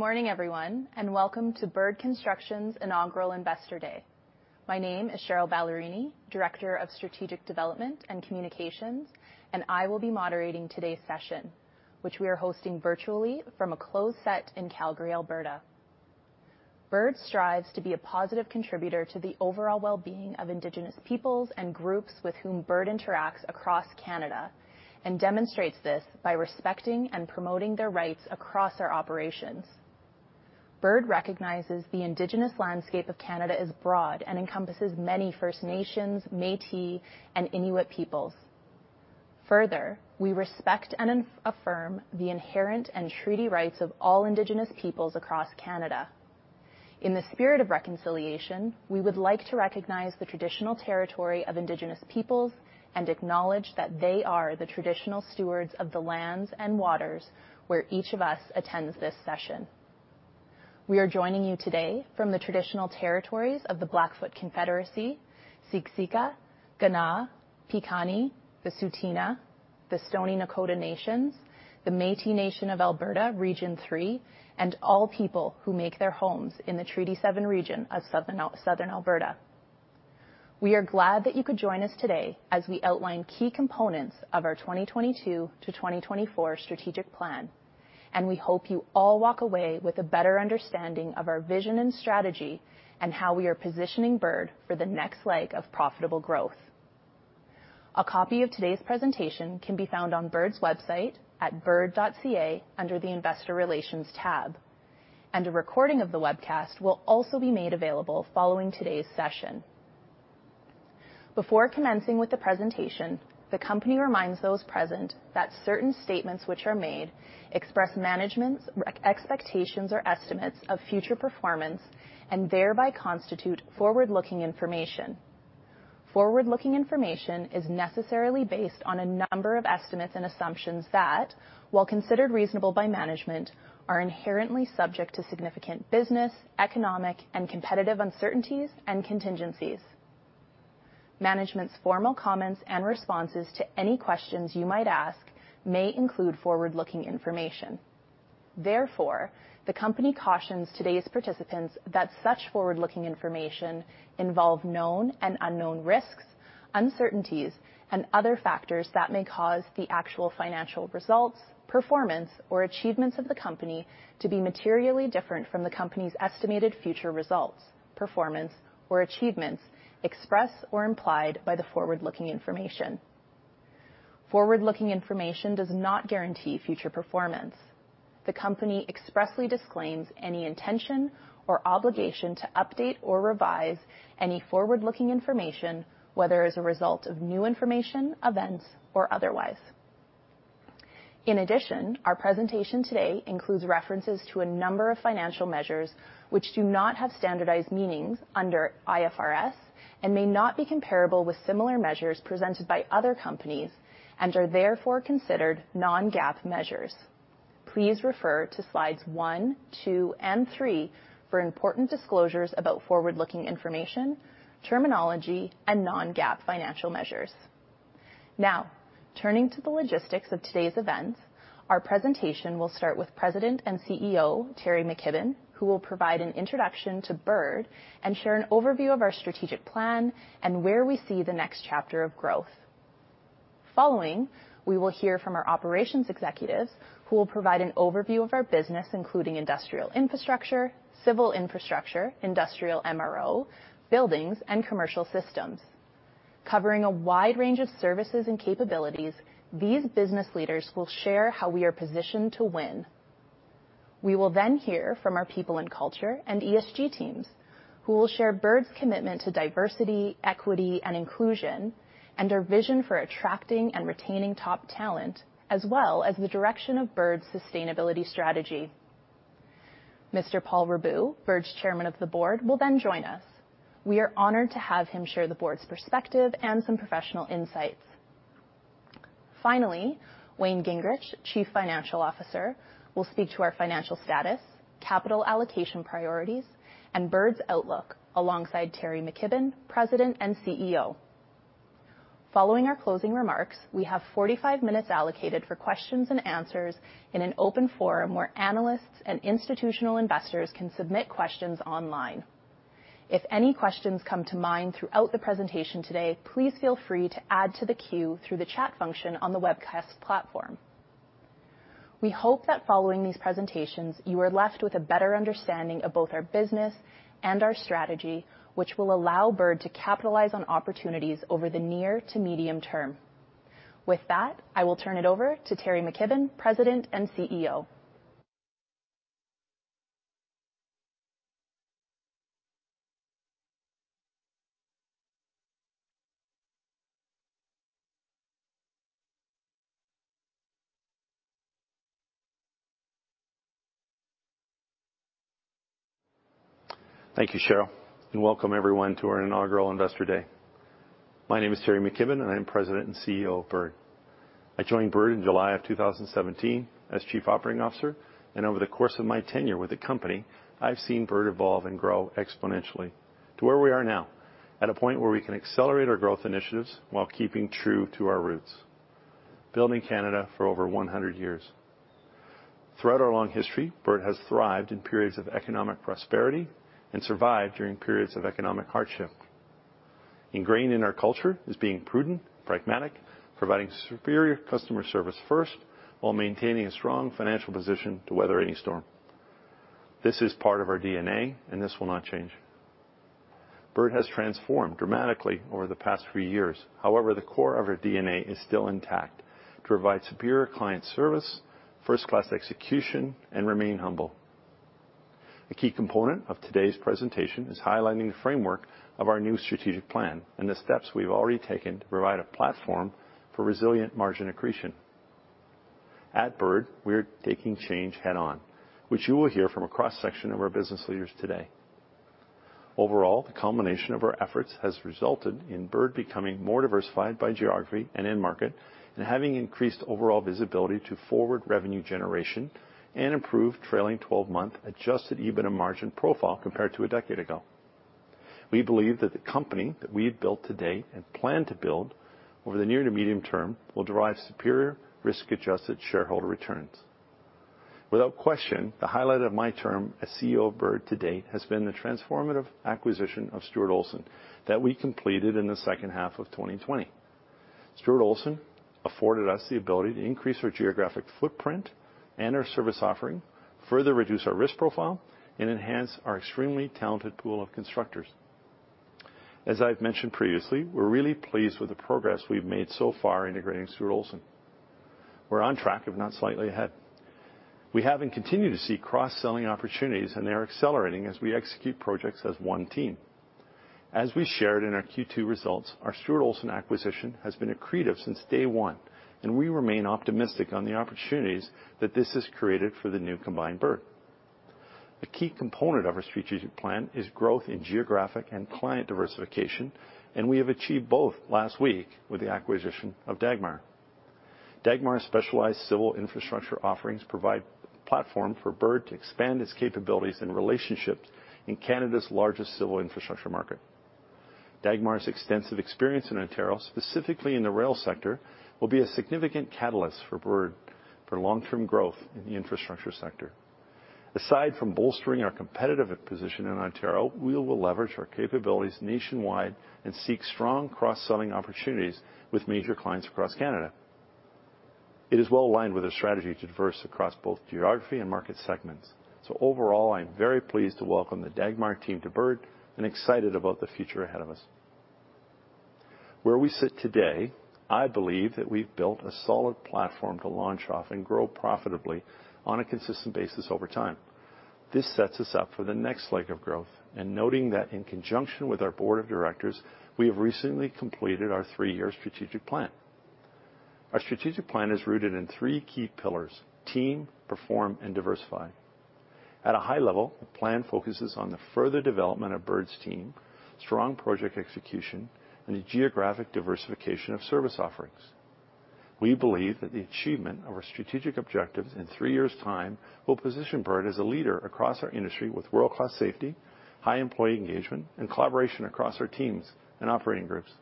Good morning, everyone, welcome to Bird Construction's Inaugural Investor Day. My name is Cheryl Ballerini, Director of Strategic Development and Communications, I will be moderating today's session, which we are hosting virtually from a closed set in Calgary, Alberta. Bird strives to be a positive contributor to the overall wellbeing of Indigenous peoples and groups with whom Bird interacts across Canada, demonstrates this by respecting and promoting their rights across our operations. Bird recognizes the Indigenous landscape of Canada is broad and encompasses many First Nations, Métis, and Inuit peoples. Further, we respect and affirm the inherent and treaty rights of all Indigenous peoples across Canada. In the spirit of reconciliation, we would like to recognize the traditional territory of Indigenous peoples and acknowledge that they are the traditional stewards of the lands and waters where each of us attends this session. We are joining you today from the traditional territories of the Blackfoot Confederacy, Siksika, Kainai, Piikani, the Tsuut'ina, the Stoney Nakoda Nations, the Métis Nation of Alberta, Region III, and all people who make their homes in the Treaty Seven region of Southern Alberta. We are glad that you could join us today as we outline key components of our 2022 to 2024 strategic plan. We hope you all walk away with a better understanding of our vision and strategy and how we are positioning Bird for the next leg of profitable growth. A copy of today's presentation can be found on Bird's website at bird.ca under the investor relations tab. A recording of the webcast will also be made available following today's session. Before commencing with the presentation, the company reminds those present that certain statements which are made express management's expectations or estimates of future performance and thereby constitute forward-looking information. Forward-looking information is necessarily based on a number of estimates and assumptions that, while considered reasonable by management, are inherently subject to significant business, economic, and competitive uncertainties and contingencies. Management's formal comments and responses to any questions you might ask may include forward-looking information. Therefore, the company cautions today's participants that such forward-looking information involve known and unknown risks, uncertainties, and other factors that may cause the actual financial results, performance, or achievements of the company to be materially different from the company's estimated future results, performance, or achievements expressed or implied by the forward-looking information. Forward-looking information does not guarantee future performance. The company expressly disclaims any intention or obligation to update or revise any forward-looking information, whether as a result of new information, events, or otherwise. In addition, our presentation today includes references to a number of financial measures which do not have standardized meanings under IFRS and may not be comparable with similar measures presented by other companies and are therefore considered non-GAAP measures. Please refer to slides one, two, and three for important disclosures about forward-looking information, terminology, and non-GAAP financial measures. Turning to the logistics of today's event, our presentation will start with President and CEO, Teri McKibbon, who will provide an introduction to Bird and share an overview of our strategic plan and where we see the next chapter of growth. Following, we will hear from our operations executives who will provide an overview of our business, including industrial infrastructure, civil infrastructure, industrial MRO, buildings, and commercial systems. Covering a wide range of services and capabilities, these business leaders will share how we are positioned to win. We will hear from our people and culture and ESG teams, who will share Bird's commitment to diversity, equity, and inclusion, and our vision for attracting and retaining top talent, as well as the direction of Bird's sustainability strategy. Mr. Paul Raboud, Bird's Chairman of the Board, will join us. We are honored to have him share the board's perspective and some professional insights. Finally, Wayne Gingrich, Chief Financial Officer, will speak to our financial status, capital allocation priorities, and Bird's outlook alongside Terrance McKibbon, President and CEO. Following our closing remarks, we have 45 minutes allocated for questions and answers in an open forum where analysts and institutional investors can submit questions online. If any questions come to mind throughout the presentation today, please feel free to add to the queue through the chat function on the webcast platform. We hope that following these presentations, you are left with a better understanding of both our business and our strategy, which will allow Bird to capitalize on opportunities over the near to medium term. With that, I will turn it over to Terrance McKibbon, President and CEO. Thank you, Cheryl, and welcome everyone to our Inaugural Investor Day. My name is Terrance McKibbon, and I am President and CEO of Bird. I joined Bird in July of 2017 as Chief Operating Officer, and over the course of my tenure with the company, I've seen Bird evolve and grow exponentially to where we are now, at a point where we can accelerate our growth initiatives while keeping true to our roots. Building Canada for over 100 years. Throughout our long history, Bird has thrived in periods of economic prosperity and survived during periods of economic hardship. Ingrained in our culture is being prudent, pragmatic, providing superior customer service first, while maintaining a strong financial position to weather any storm. This is part of our DNA, and this will not change. Bird has transformed dramatically over the past few years. However, the core of our DNA is still intact: provide superior client service, first-class execution, and remain humble. A key component of today's presentation is highlighting the framework of our new strategic plan and the steps we've already taken to provide a platform for resilient margin accretion. At Bird, we are taking change head on, which you will hear from a cross-section of our business leaders today. Overall, the combination of our efforts has resulted in Bird becoming more diversified by geography and end market and having increased overall visibility to forward revenue generation and improved trailing 12-month Adjusted EBITDA margin profile compared to a decade ago. We believe that the company that we've built to date and plan to build over the near to medium term will derive superior risk-adjusted shareholder returns. Without question, the highlight of my term as CEO of Bird to date has been the transformative acquisition of Stuart Olson that we completed in the second half of 2020. Stuart Olson afforded us the ability to increase our geographic footprint and our service offering, further reduce our risk profile, and enhance our extremely talented pool of constructors. As I've mentioned previously, we're really pleased with the progress we've made so far integrating Stuart Olson. We're on track, if not slightly ahead. We have and continue to see cross-selling opportunities, and they are accelerating as we execute projects as one team. As we shared in our Q2 results, our Stuart Olson acquisition has been accretive since day one, and we remain optimistic on the opportunities that this has created for the new combined Bird. A key component of our strategic plan is growth in geographic and client diversification, and we have achieved both last week with the acquisition of Dagmar. Dagmar's specialized civil infrastructure offerings provide a platform for Bird to expand its capabilities and relationships in Canada's largest civil infrastructure market. Dagmar's extensive experience in Ontario, specifically in the rail sector, will be a significant catalyst for Bird for long-term growth in the infrastructure sector. Aside from bolstering our competitive position in Ontario, we will leverage our capabilities nationwide and seek strong cross-selling opportunities with major clients across Canada. It is well aligned with our strategy to diverse across both geography and market segments. Overall, I am very pleased to welcome the Dagmar team to Bird and excited about the future ahead of us. Where we sit today, I believe that we've built a solid platform to launch off and grow profitably on a consistent basis over time. This sets us up for the next leg of growth and noting that in conjunction with our board of directors, we have recently completed our three-year strategic plan. Our strategic plan is rooted in three key pillars: team, perform, and diversify. At a high level, the plan focuses on the further development of Bird's team, strong project execution, and a geographic diversification of service offerings. We believe that the achievement of our strategic objectives in three years' time will position Bird as a leader across our industry with world-class safety, high employee engagement, and collaboration across our teams and operating groups.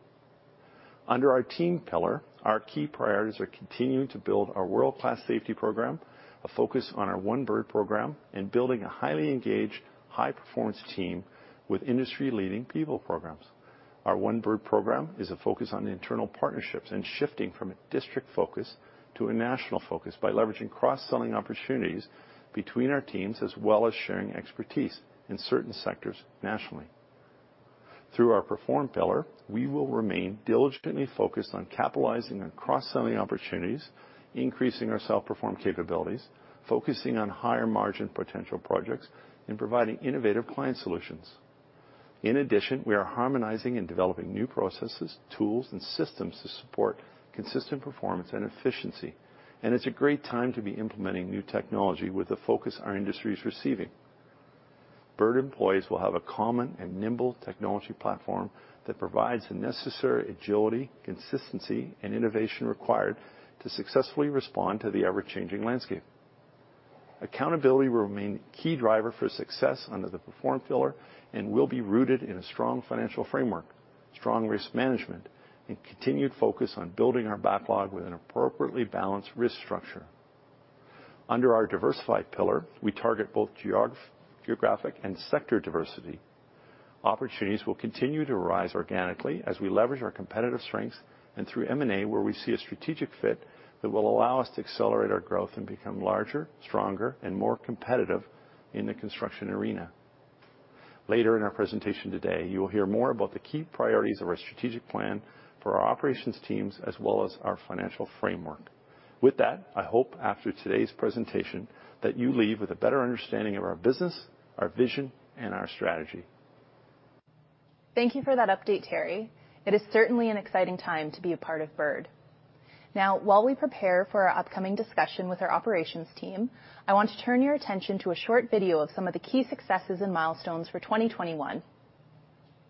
Under our team pillar, our key priorities are continuing to build our world-class safety program, a focus on our One Bird program, and building a highly engaged, high performance team with industry-leading people programs. Our One Bird program is a focus on internal partnerships and shifting from a district focus to a national focus by leveraging cross-selling opportunities between our teams, as well as sharing expertise in certain sectors nationally. Through our perform pillar, we will remain diligently focused on capitalizing on cross-selling opportunities, increasing our self-perform capabilities, focusing on higher margin potential projects, and providing innovative client solutions. It's a great time to be implementing new technology with the focus our industry is receiving. Bird employees will have a common and nimble technology platform that provides the necessary agility, consistency, and innovation required to successfully respond to the ever-changing landscape. Accountability will remain a key driver for success under the perform pillar and will be rooted in a strong financial framework, strong risk management, and continued focus on building our backlog with an appropriately balanced risk structure. Under our diversify pillar, we target both geographic and sector diversity. Opportunities will continue to arise organically as we leverage our competitive strengths and through M&A, where we see a strategic fit that will allow us to accelerate our growth and become larger, stronger, and more competitive in the construction arena. Later in our presentation today, you will hear more about the key priorities of our strategic plan for our operations teams, as well as our financial framework. With that, I hope after today's presentation, that you leave with a better understanding of our business, our vision, and our strategy. Thank you for that update, Teri. It is certainly an exciting time to be a part of Bird. Now, while we prepare for our upcoming discussion with our operations team, I want to turn your attention to a short video of some of the key successes and milestones for 2021.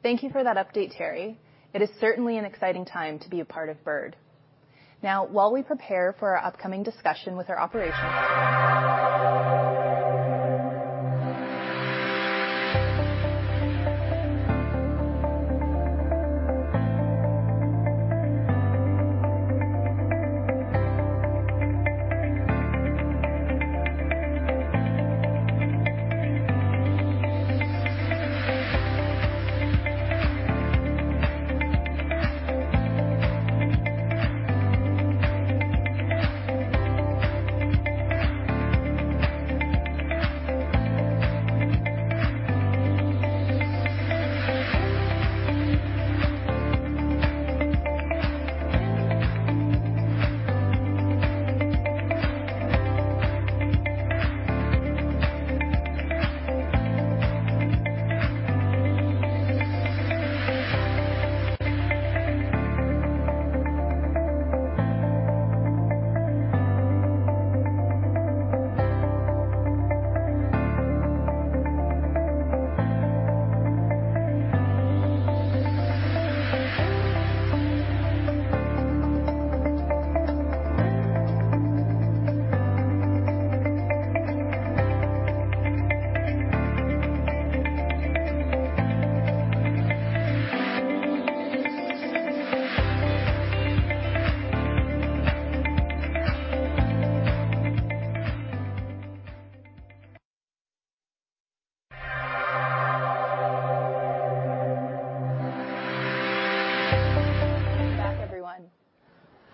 Welcome back everyone.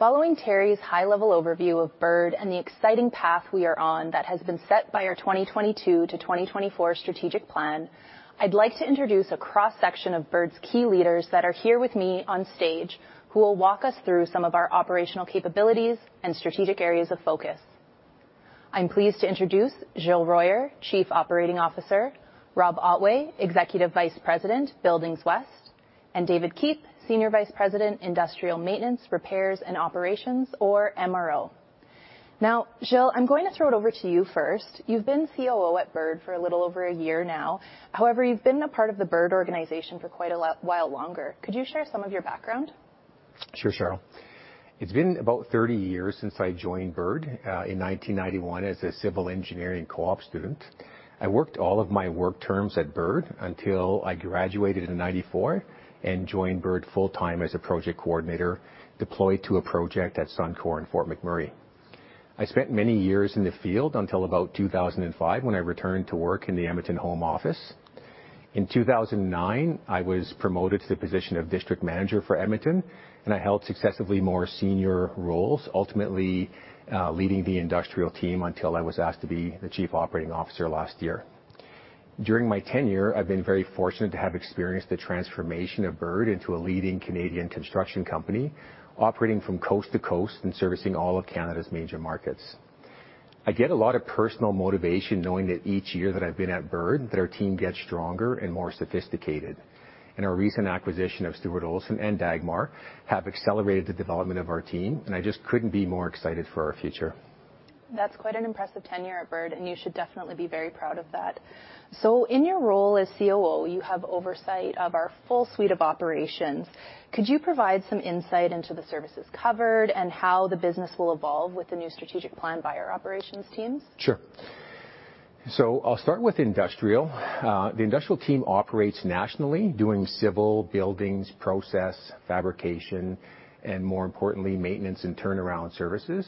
Following Teri's high-level overview of Bird and the exciting path we are on that has been set by our 2022 to 2024 strategic plan, I'd like to introduce a cross-section of Bird's key leaders that are here with me on stage, who will walk us through some of our operational capabilities and strategic areas of focus. I'm pleased to introduce Gill Royer, Chief Operating Officer, Rob Otway, Executive Vice President, Buildings West, and David Keep, Senior Vice President, Industrial Maintenance, Repairs and Operations or MRO. Now, Gill, I'm going to throw it over to you first. You've been COO at Bird for a little over 1 year now. However, you've been a part of the Bird organization for quite a lot while longer. Could you share some of your background? Sure, Cheryl. It's been about 30 years since I joined Bird, in 1991 as a civil engineering co-op student. I worked all of my work terms at Bird until I graduated in 1994 and joined Bird full-time as a project coordinator, deployed to a project at Suncor in Fort McMurray. I spent many years in the field until about 2005, when I returned to work in the Edmonton home office. In 2009, I was promoted to the position of district manager for Edmonton. I held successively more senior roles, ultimately, leading the industrial team until I was asked to be the Chief Operating Officer last year. During my tenure, I've been very fortunate to have experienced the transformation of Bird into a leading Canadian construction company, operating from coast to coast and servicing all of Canada's major markets. I get a lot of personal motivation knowing that each year that I've been at Bird, that our team gets stronger and more sophisticated. Our recent acquisition of Stuart Olson and Dagmar have accelerated the development of our team, and I just couldn't be more excited for our future. That's quite an impressive tenure at Bird, and you should definitely be very proud of that. In your role as COO, you have oversight of our full suite of operations. Could you provide some insight into the services covered and how the business will evolve with the new strategic plan by our operations teams? Sure. I'll start with industrial. The industrial team operates nationally, doing civil, buildings, process, fabrication, and more importantly, maintenance and turnaround services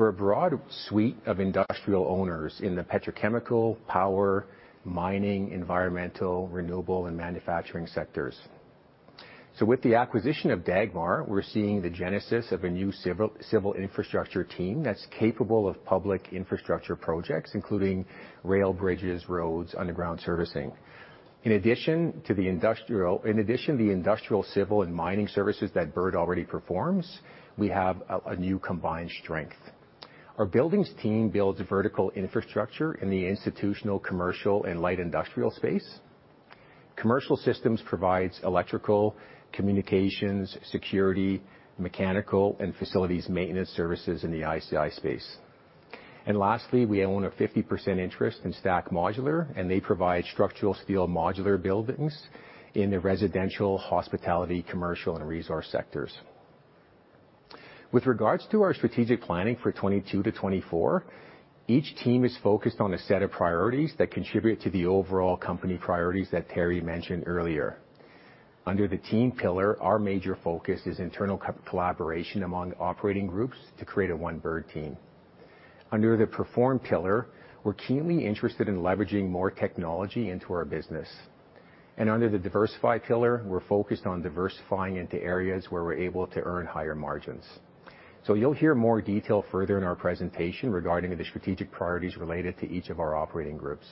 for a broad suite of industrial owners in the petrochemical, power, mining, environmental, renewable, and manufacturing sectors. With the acquisition of Dagmar, we're seeing the genesis of a new civil infrastructure team that's capable of public infrastructure projects, including rail, bridges, roads, underground servicing. In addition to the industrial civil and mining services that Bird already performs, we have a new combined strength. Our buildings team builds vertical infrastructure in the institutional, commercial, and light industrial space. Commercial Systems provides electrical, communications, security, mechanical, and facilities maintenance services in the ICI space. Lastly, we own a 50% interest in STACK Modular, and they provide structural steel modular buildings in the residential, hospitality, commercial, and resource sectors. With regards to our strategic planning for 2022 to 2024, each team is focused on a set of priorities that contribute to the overall company priorities that Teri mentioned earlier. Under the team pillar, our major focus is internal collaboration among operating groups to create a One Bird team. Under the perform pillar, we're keenly interested in leveraging more technology into our business. Under the diversify pillar, we're focused on diversifying into areas where we're able to earn higher margins. You'll hear more detail further in our presentation regarding the strategic priorities related to each of our operating groups.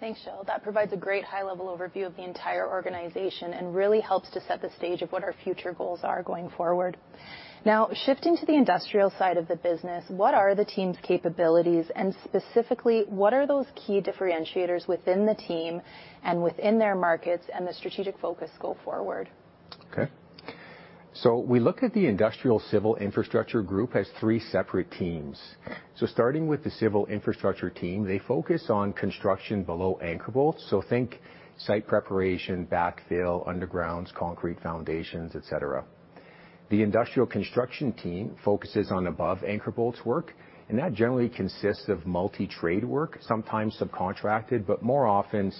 Thanks, Gill. That provides a great high-level overview of the entire organization and really helps to set the stage of what our future goals are going forward. Shifting to the industrial side of the business, what are the team's capabilities, and specifically, what are those key differentiators within the team and within their markets and the strategic focus go forward? Okay. We look at the industrial civil infrastructure group as three separate teams. Starting with the civil infrastructure team, they focus on construction below anchor bolts. Think site preparation, backfill, undergrounds, concrete foundations, et cetera. The industrial construction team focuses on above anchor bolts work, and that generally consists of multi-trade work, sometimes subcontracted, but more often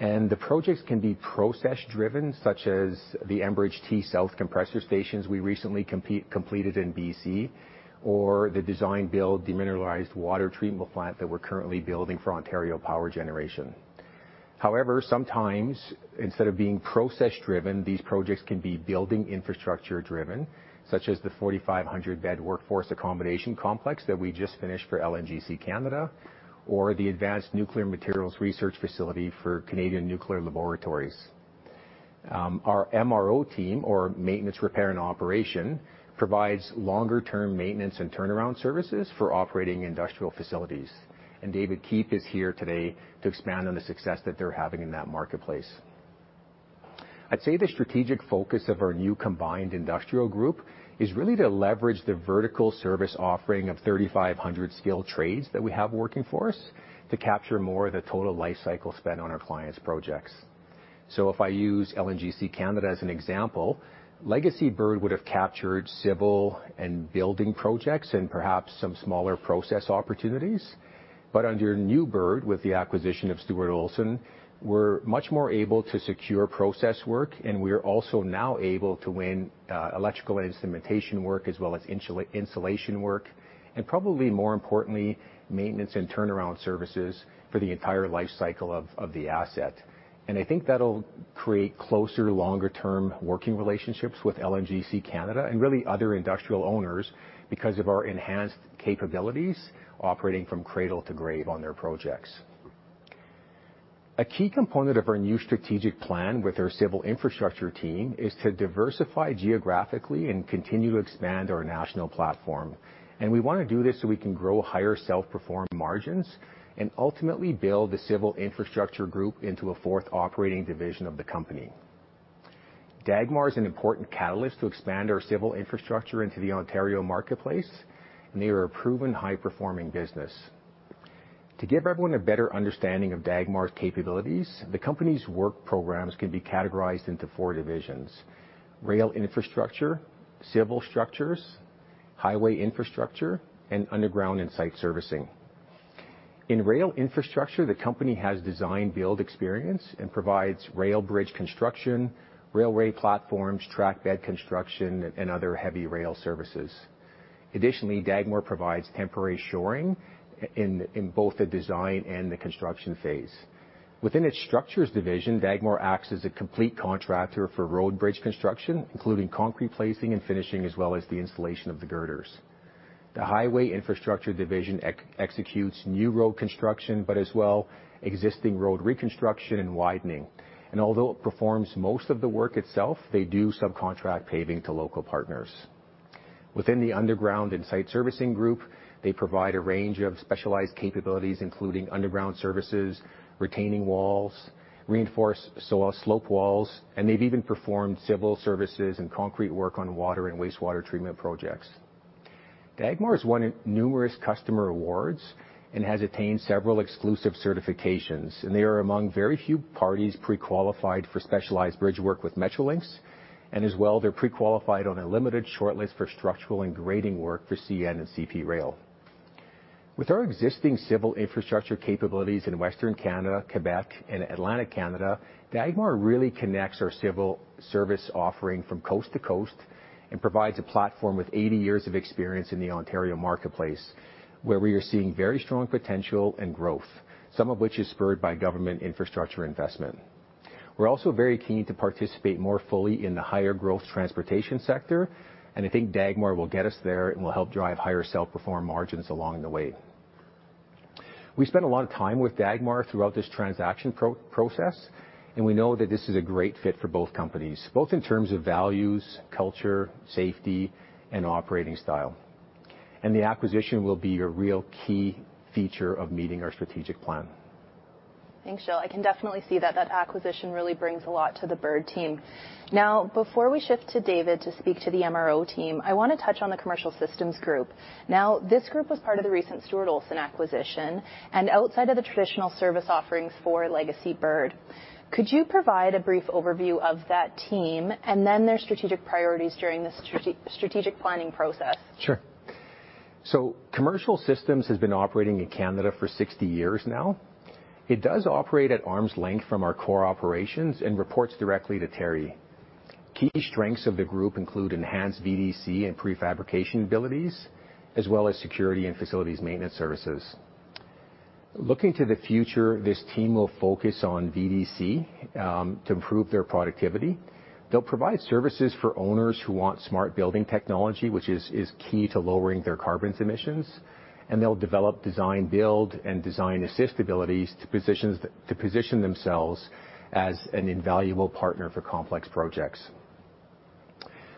self-performed. The projects can be process-driven, such as the Enbridge T-South Compressor stations we recently completed in B.C. or the design-build demineralized water treatment plant that we're currently building for Ontario Power Generation. However, sometimes, instead of being process-driven, these projects can be building infrastructure-driven, such as the 4,500-bed workforce accommodation complex that we just finished for LNG Canada or the Advanced Nuclear Materials Research Facility for Canadian Nuclear Laboratories. Our MRO team, or Maintenance Repair and Operation, provides longer-term maintenance and turnaround services for operating industrial facilities. David Keep is here today to expand on the success that they're having in that marketplace. I'd say the strategic focus of our new combined industrial group is really to leverage the vertical service offering of 3,500 skilled trades that we have working for us to capture more of the total life cycle spent on our clients' projects. If I use LNG Canada as an example, legacy Bird would have captured civil and building projects and perhaps some smaller process opportunities. Under new Bird, with the acquisition of Stuart Olson, we're much more able to secure process work, and we're also now able to win electrical and instrumentation work as well as insulation work, and probably more importantly, maintenance and turnaround services for the entire life cycle of the asset. I think that'll create closer, longer-term working relationships with LNG Canada and really other industrial owners because of our enhanced capabilities operating from cradle to grave on their projects. A key component of our new strategic plan with our civil infrastructure team is to diversify geographically and continue to expand our national platform. We want to do this so we can grow higher self-performed margins and ultimately build the civil infrastructure group into a fourth operating division of the company. Dagmar is an important catalyst to expand our civil infrastructure into the Ontario marketplace, and they are a proven high-performing business. To give everyone a better understanding of Dagmar's capabilities, the company's work programs can be categorized into four divisions: rail infrastructure, civil structures, highway infrastructure, and underground and site servicing. In rail infrastructure, the company has design build experience and provides rail bridge construction, railway platforms, track bed construction, and other heavy rail services. Additionally, Dagmar provides temporary shoring in both the design and the construction phase. Within its structures division, Dagmar acts as a complete contractor for road bridge construction, including concrete placing and finishing, as well as the installation of the girders. The highway infrastructure division executes new road construction, but as well existing road reconstruction and widening. Although it performs most of the work itself, they do subcontract paving to local partners. Within the underground and site servicing group, they provide a range of specialized capabilities, including underground services, retaining walls, reinforced slope walls, and they've even performed civil services and concrete work on water and wastewater treatment projects. Dagmar has won numerous customer awards and has attained several exclusive certifications, and they are among very few parties pre-qualified for specialized bridge work with Metrolinx, and as well, they're pre-qualified on a limited shortlist for structural and grading work for CN and CP Rail. With our existing civil infrastructure capabilities in Western Canada, Quebec, and Atlantic Canada, Dagmar really connects our civil service offering from coast to coast and provides a platform with 80 years of experience in the Ontario marketplace, where we are seeing very strong potential and growth, some of which is spurred by government infrastructure investment. We're also very keen to participate more fully in the higher growth transportation sector, and I think Dagmar will get us there and will help drive higher self-perform margins along the way. We spent a lot of time with Dagmar throughout this transaction process, and we know that this is a great fit for both companies, both in terms of values, culture, safety, and operating style. The acquisition will be a real key feature of meeting our strategic plan. Thanks, Gill. I can definitely see that acquisition really brings a lot to the Bird team. Before we shift to David Keep to speak to the MRO team, I want to touch on the Commercial Systems group. This group was part of the recent Stuart Olson acquisition and outside of the traditional service offerings for legacy Bird. Could you provide a brief overview of that team and then their strategic priorities during the strategic planning process? Sure. Commercial Systems has been operating in Canada for 60 years now. It does operate at arm's length from our core operations and reports directly to Teri. Key strengths of the group include enhanced VDC and prefabrication abilities, as well as security and facilities maintenance services. Looking to the future, this team will focus on VDC to improve their productivity. They'll provide services for owners who want smart building technology, which is key to lowering their carbon emissions. They'll develop design build and design assist abilities to position themselves as an invaluable partner for complex projects.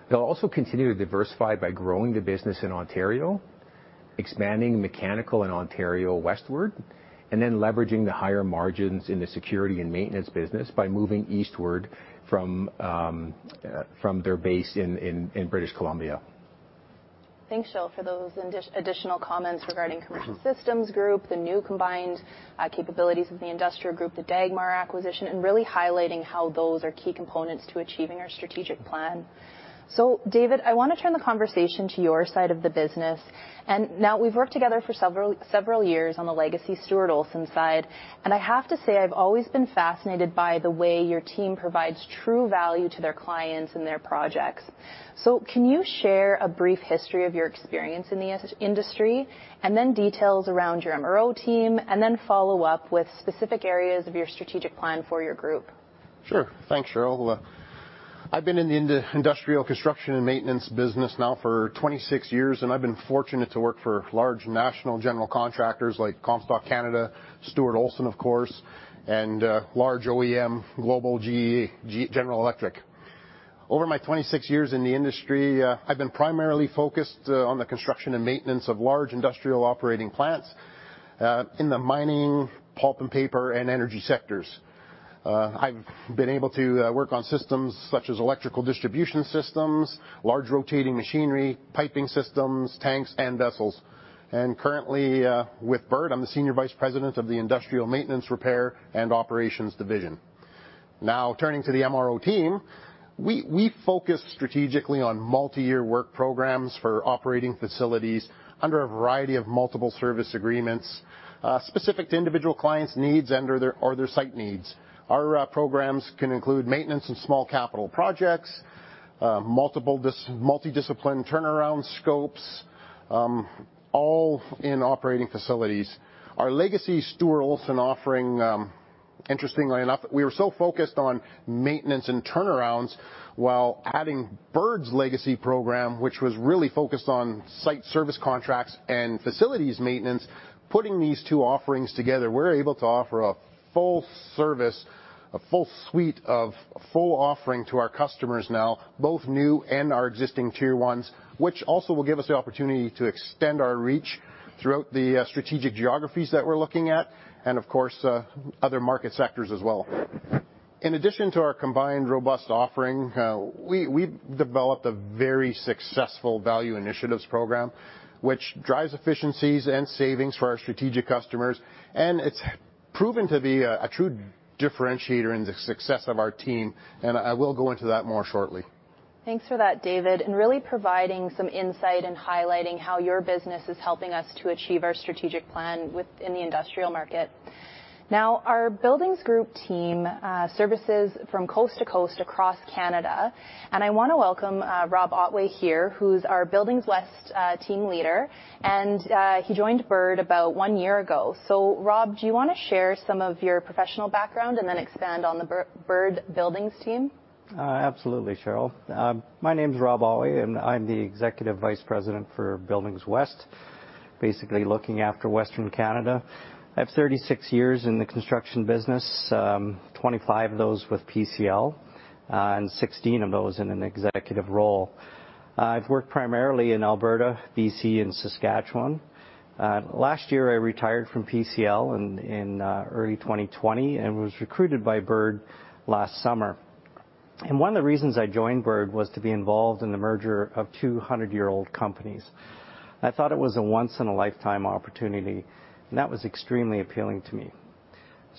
They'll also continue to diversify by growing the business in Ontario, expanding mechanical in Ontario westward, and then leveraging the higher margins in the security and maintenance business by moving eastward from their base in British Columbia. Thanks, Gill, for those additional comments regarding Commercial Systems Group, the new combined capabilities of the Industrial Group, the Dagmar acquisition, and really highlighting how those are key components to achieving our strategic plan. David, I want to turn the conversation to your side of the business. Now we've worked together for several years on the legacy Stuart Olson side. I have to say, I've always been fascinated by the way your team provides true value to their clients and their projects. Can you share a brief history of your experience in the industry, and then details around your MRO team, and then follow up with specific areas of your strategic plan for your group? Sure. Thanks, Cheryl. I've been in the industrial construction and maintenance business now for 26 years, and I've been fortunate to work for large national general contractors like Comstock Canada, Stuart Olson of course, and large OEM global GE, General Electric. Over my 26 years in the industry, I've been primarily focused on the construction and maintenance of large industrial operating plants, in the mining, pulp and paper, and energy sectors. I've been able to work on systems such as electrical distribution systems, large rotating machinery, piping systems, tanks and vessels. Currently, with Bird, I'm the Senior Vice President of the Industrial Maintenance, Repair, and Operations division. Turning to the MRO team, we focus strategically on multi-year work programs for operating facilities under a variety of multiple service agreements, specific to individual clients' needs or their site needs. Our programs can include maintenance and small capital projects, multi-discipline turnaround scopes, all in operating facilities. Our legacy Stuart Olson offering, interestingly enough, we were so focused on maintenance and turnarounds while adding Bird's legacy program, which was really focused on site service contracts and facilities maintenance. Putting these two offerings together, we're able to offer a full service, a full suite of full offering to our customers now, both new and our existing tier 1s, which also will give us the opportunity to extend our reach throughout the strategic geographies that we're looking at, and of course, other market sectors as well. In addition to our combined robust offering, we've developed a very successful value initiatives program, which drives efficiencies and savings for our strategic customers. It's proven to be a true differentiator in the success of our team, and I will go into that more shortly. Thanks for that, David, really providing some insight and highlighting how your business is helping us to achieve our strategic plan within the industrial market. Our Buildings Group team services from coast to coast across Canada, and I want to welcome Rob Otway here, who's our Buildings West team leader, and he joined Bird about one year ago. Rob, do you want to share some of your professional background and then expand on the Bird Buildings team? Absolutely, Cheryl. My name's Rob Otway, and I'm the Executive Vice President for Buildings West, basically looking after Western Canada. I have 36 years in the construction business, 25 of those with PCL, and 16 of those in an executive role. I've worked primarily in Alberta, B.C., and Saskatchewan. Last year, I retired from PCL in early 2020 and was recruited by Bird last summer. One of the reasons I joined Bird was to be involved in the merger of 2 100-year-old companies. I thought it was a once in a lifetime opportunity, and that was extremely appealing to me.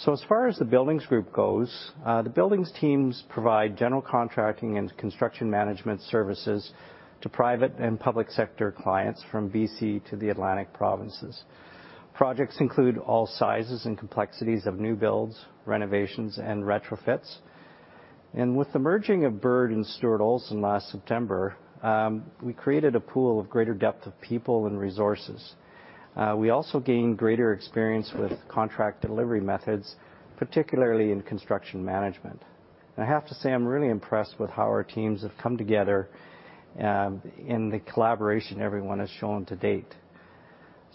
As far as the Buildings Group goes, the Buildings teams provide general contracting and construction management services to private and public sector clients from B.C. to the Atlantic provinces. Projects include all sizes and complexities of new builds, renovations, and retrofits. With the merging of Bird and Stuart Olson last September, we created a pool of greater depth of people and resources. We also gained greater experience with contract delivery methods, particularly in construction management. I have to say, I'm really impressed with how our teams have come together, in the collaboration everyone has shown to date.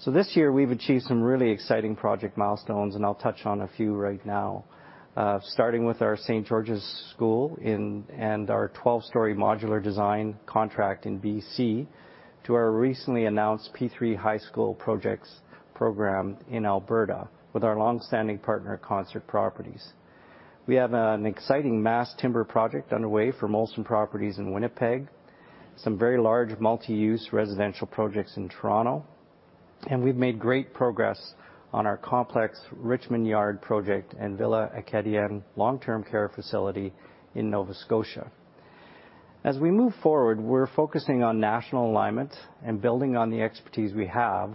This year, we've achieved some really exciting project milestones, and I'll touch on a few right now. Starting with our St. George's School and our 12-story modular design contract in B.C., to our recently announced P3 high school program in Alberta with our longstanding partner, Concert Properties. We have an exciting mass timber project underway for Molson Properties in Winnipeg, some very large multi-use residential projects in Toronto, and we've made great progress on our complex Richmond Yard project and Villa Acadienne long-term care facility in Nova Scotia. As we move forward, we're focusing on national alignment and building on the expertise we have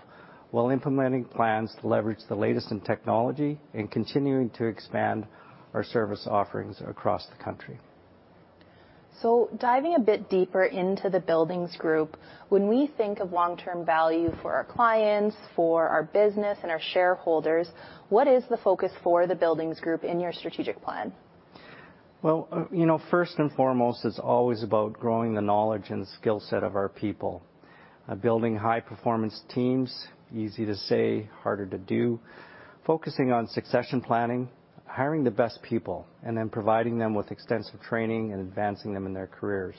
while implementing plans to leverage the latest in technology and continuing to expand our service offerings across the country. Diving a bit deeper into the Buildings Group, when we think of long-term value for our clients, for our business, and our shareholders, what is the focus for the Buildings Group in your strategic plan? Well, first and foremost, it's always about growing the knowledge and skillset of our people. Building high performance teams, easy to say, harder to do. Focusing on succession planning, hiring the best people, providing them with extensive training and advancing them in their careers.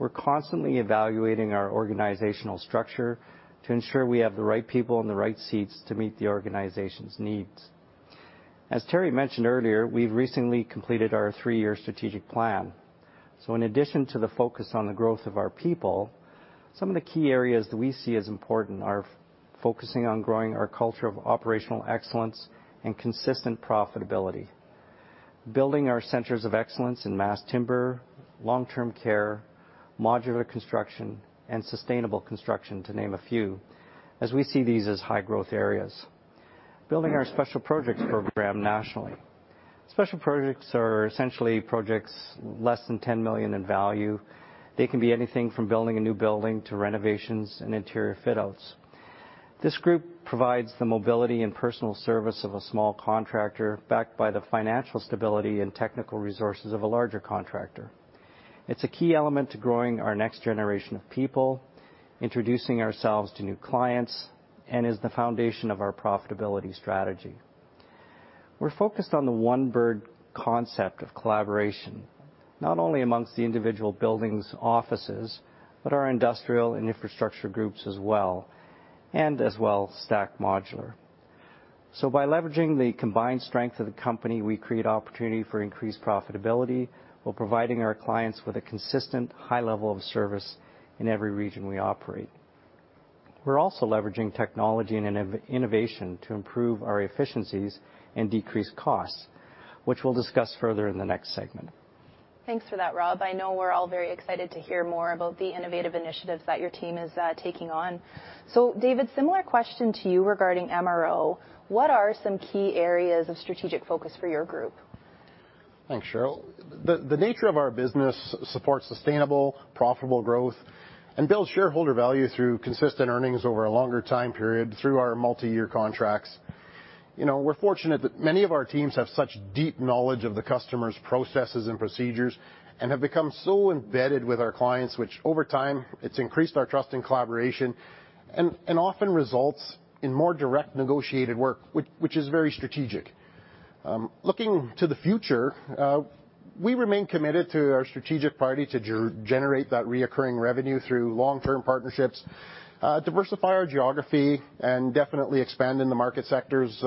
We're constantly evaluating our organizational structure to ensure we have the right people in the right seats to meet the organization's needs. As Teri mentioned earlier, we've recently completed our three-year strategic plan. In addition to the focus on the growth of our people, some of the key areas that we see as important are focusing on growing our culture of operational excellence and consistent profitability, building our centers of excellence in mass timber, long-term care, modular construction, and sustainable construction, to name a few, as we see these as high-growth areas. Building our special projects program nationally. Special projects are essentially projects less than 10 million in value. They can be anything from building a new building to renovations and interior fit outs. This group provides the mobility and personal service of a small contractor backed by the financial stability and technical resources of a larger contractor. It's a key element to growing our next generation of people, introducing ourselves to new clients, and is the foundation of our profitability strategy. We're focused on the One Bird concept of collaboration, not only amongst the individual buildings, offices, but our industrial and infrastructure groups as well, and as well, Stack Modular. By leveraging the combined strength of the company, we create opportunity for increased profitability while providing our clients with a consistent high level of service in every region we operate. We're also leveraging technology and innovation to improve our efficiencies and decrease costs, which we'll discuss further in the next segment. Thanks for that, Rob. I know we're all very excited to hear more about the innovative initiatives that your team is taking on. David, similar question to you regarding MRO. What are some key areas of strategic focus for your group? Thanks, Cheryl. The nature of our business supports sustainable, profitable growth and builds shareholder value through consistent earnings over a longer time period through our multi-year contracts. We're fortunate that many of our teams have such deep knowledge of the customers' processes and procedures and have become so embedded with our clients, which over time, it's increased our trust and collaboration, and often results in more direct negotiated work, which is very strategic. Looking to the future, we remain committed to our strategic priority to generate that reoccurring revenue through long-term partnerships, diversify our geography, definitely expand in the market sectors,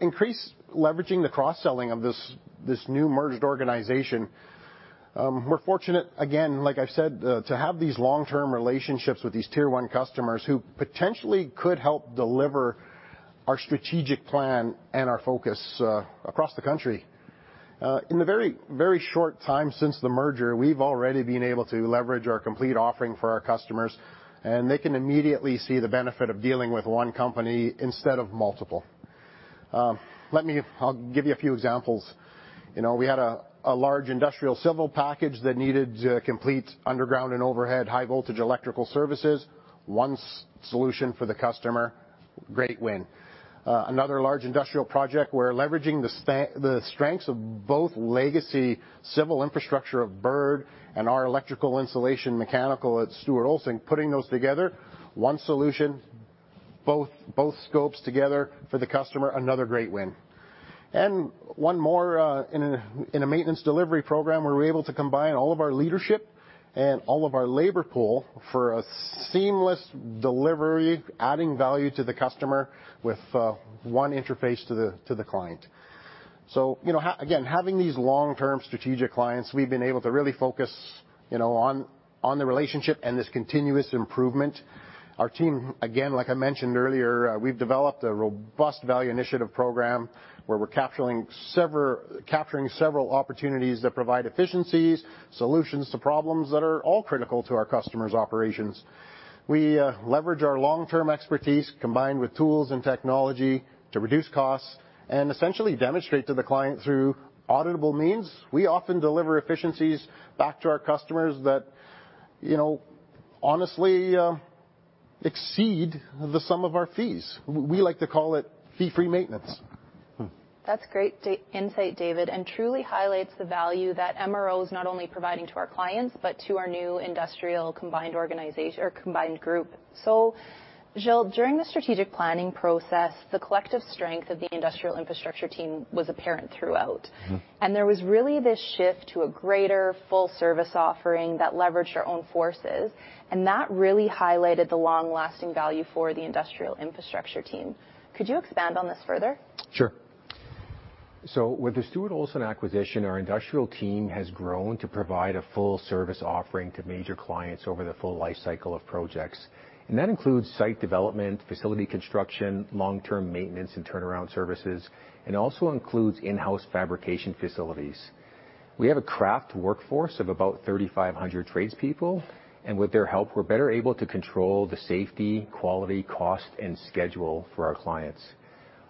increase leveraging the cross-selling of this new merged organization. We're fortunate, again, like I've said, to have these long-term relationships with these tier 1 customers who potentially could help deliver our strategic plan and our focus across the country. In the very short time since the merger, we've already been able to leverage our complete offering for our customers, and they can immediately see the benefit of dealing with one company instead of multiple. I'll give you a few examples. We had a large industrial civil package that needed complete underground and overhead high voltage electrical services. One solution for the customer, great win. Another large industrial project, we're leveraging the strengths of both legacy civil infrastructure of Bird and our electrical installation mechanical at Stuart Olson, putting those together, one solution, both scopes together for the customer. Another great win. One more, in a maintenance delivery program, we were able to combine all of our leadership and all of our labor pool for a seamless delivery, adding value to the customer with one interface to the client. Again, having these long-term strategic clients, we've been able to really focus on the relationship and this continuous improvement. Our team, again, like I mentioned earlier, we've developed a robust value initiative program where we're capturing several opportunities that provide efficiencies, solutions to problems that are all critical to our customers' operations. We leverage our long-term expertise combined with tools and technology to reduce costs and essentially demonstrate to the client through auditable means. We often deliver efficiencies back to our customers that honestly exceed the sum of our fees. We like to call it fee-free maintenance. That's great insight, David, and truly highlights the value that MRO is not only providing to our clients, but to our new industrial combined group. Gill, during the strategic planning process, the collective strength of the industrial infrastructure team was apparent throughout. There was really this shift to a greater full service offering that leveraged our own forces, and that really highlighted the long-lasting value for the industrial infrastructure team. Could you expand on this further? Sure. With the Stuart Olson acquisition, our industrial team has grown to provide a full service offering to major clients over the full life cycle of projects. That includes site development, facility construction, long-term maintenance and turnaround services, and also includes in-house fabrication facilities. We have a craft workforce of about 3,500 tradespeople, and with their help, we're better able to control the safety, quality, cost, and schedule for our clients.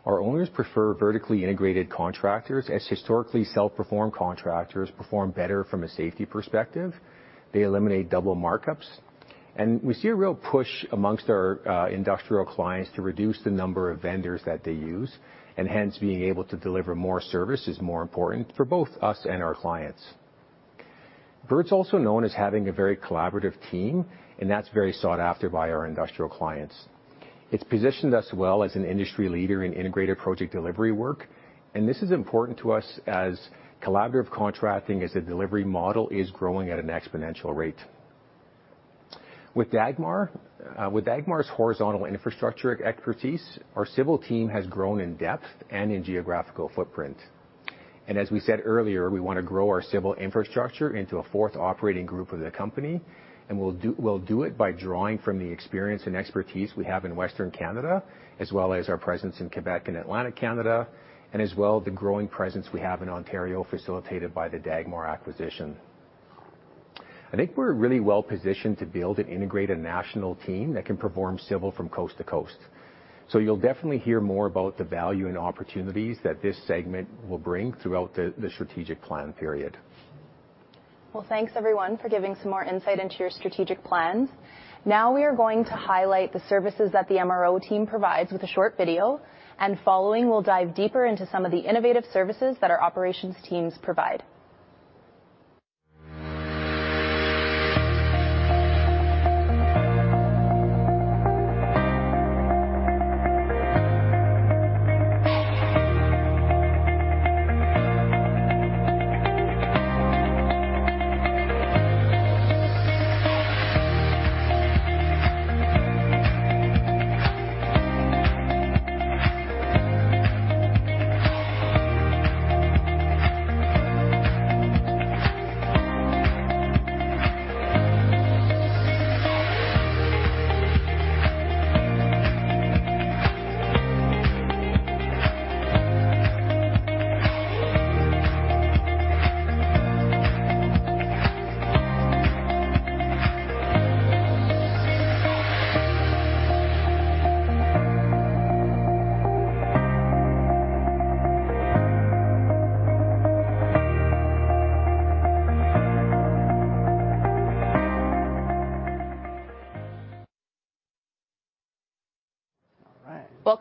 Our owners prefer vertically integrated contractors, as historically self-performed contractors perform better from a safety perspective. They eliminate double markups. We see a real push amongst our industrial clients to reduce the number of vendors that they use, and hence being able to deliver more service is more important for both us and our clients. Bird's also known as having a very collaborative team, and that's very sought after by our industrial clients. It's positioned us well as an industry leader in Integrated Project Delivery work, and this is important to us as collaborative contracting as a delivery model is growing at an exponential rate. With Dagmar's horizontal infrastructure expertise, our civil team has grown in depth and in geographical footprint. As we said earlier, we want to grow our civil infrastructure into a fourth operating group of the company, and we'll do it by drawing from the experience and expertise we have in Western Canada, as well as our presence in Quebec and Atlantic Canada, and as well the growing presence we have in Ontario, facilitated by the Dagmar acquisition. I think we're really well-positioned to build and integrate a national team that can perform civil from coast to coast. You'll definitely hear more about the value and opportunities that this segment will bring throughout the strategic plan period. Thanks everyone for giving some more insight into your strategic plans. We are going to highlight the services that the MRO team provides with a short video, and following, we'll dive deeper into some of the innovative services that our operations teams provide.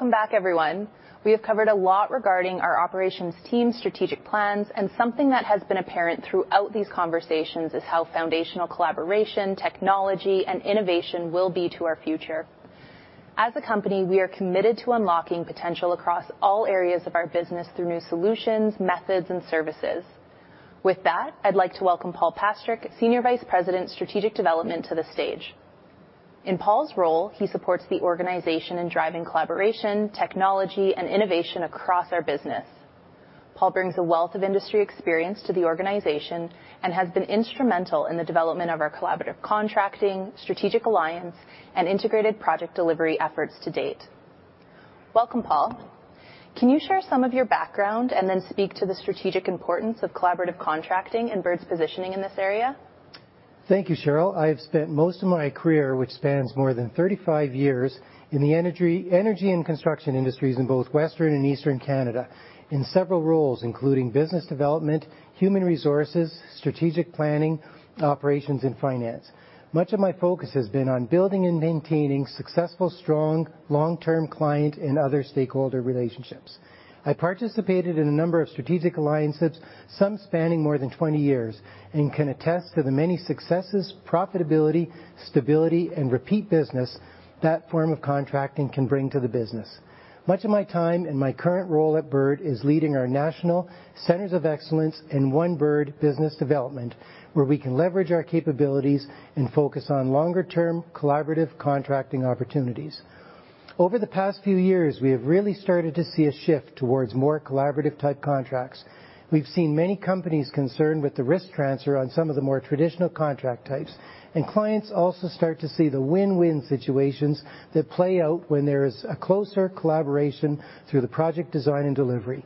Welcome back, everyone. Something that has been apparent throughout these conversations is how foundational collaboration, technology, and innovation will be to our future. As a company, we are committed to unlocking potential across all areas of our business through new solutions, methods, and services. With that, I'd like to welcome Paul Pastirik, Senior Vice President, Strategic Development, to the stage. In Paul's role, he supports the organization in driving collaboration, technology, and innovation across our business. Paul brings a wealth of industry experience to the organization and has been instrumental in the development of our collaborative contracting, strategic alliance, and integrated project delivery efforts to date. Welcome, Paul. Can you share some of your background and then speak to the strategic importance of collaborative contracting and Bird's positioning in this area? Thank you, Cheryl. I have spent most of my career, which spans more than 35 years, in the energy and construction industries in both Western and Eastern Canada in several roles, including business development, human resources, strategic planning, operations, and finance. Much of my focus has been on building and maintaining successful, strong, long-term client and other stakeholder relationships. I participated in a number of strategic alliances, some spanning more than 20 years, and can attest to the many successes, profitability, stability, and repeat business that form of contracting can bring to the business. Much of my time in my current role at Bird is leading our national centers of excellence in One Bird business development, where we can leverage our capabilities and focus on longer-term collaborative contracting opportunities. Over the past few years, we have really started to see a shift towards more collaborative-type contracts. We've seen many companies concerned with the risk transfer on some of the more traditional contract types, and clients also start to see the win-win situations that play out when there is a closer collaboration through the project design and delivery.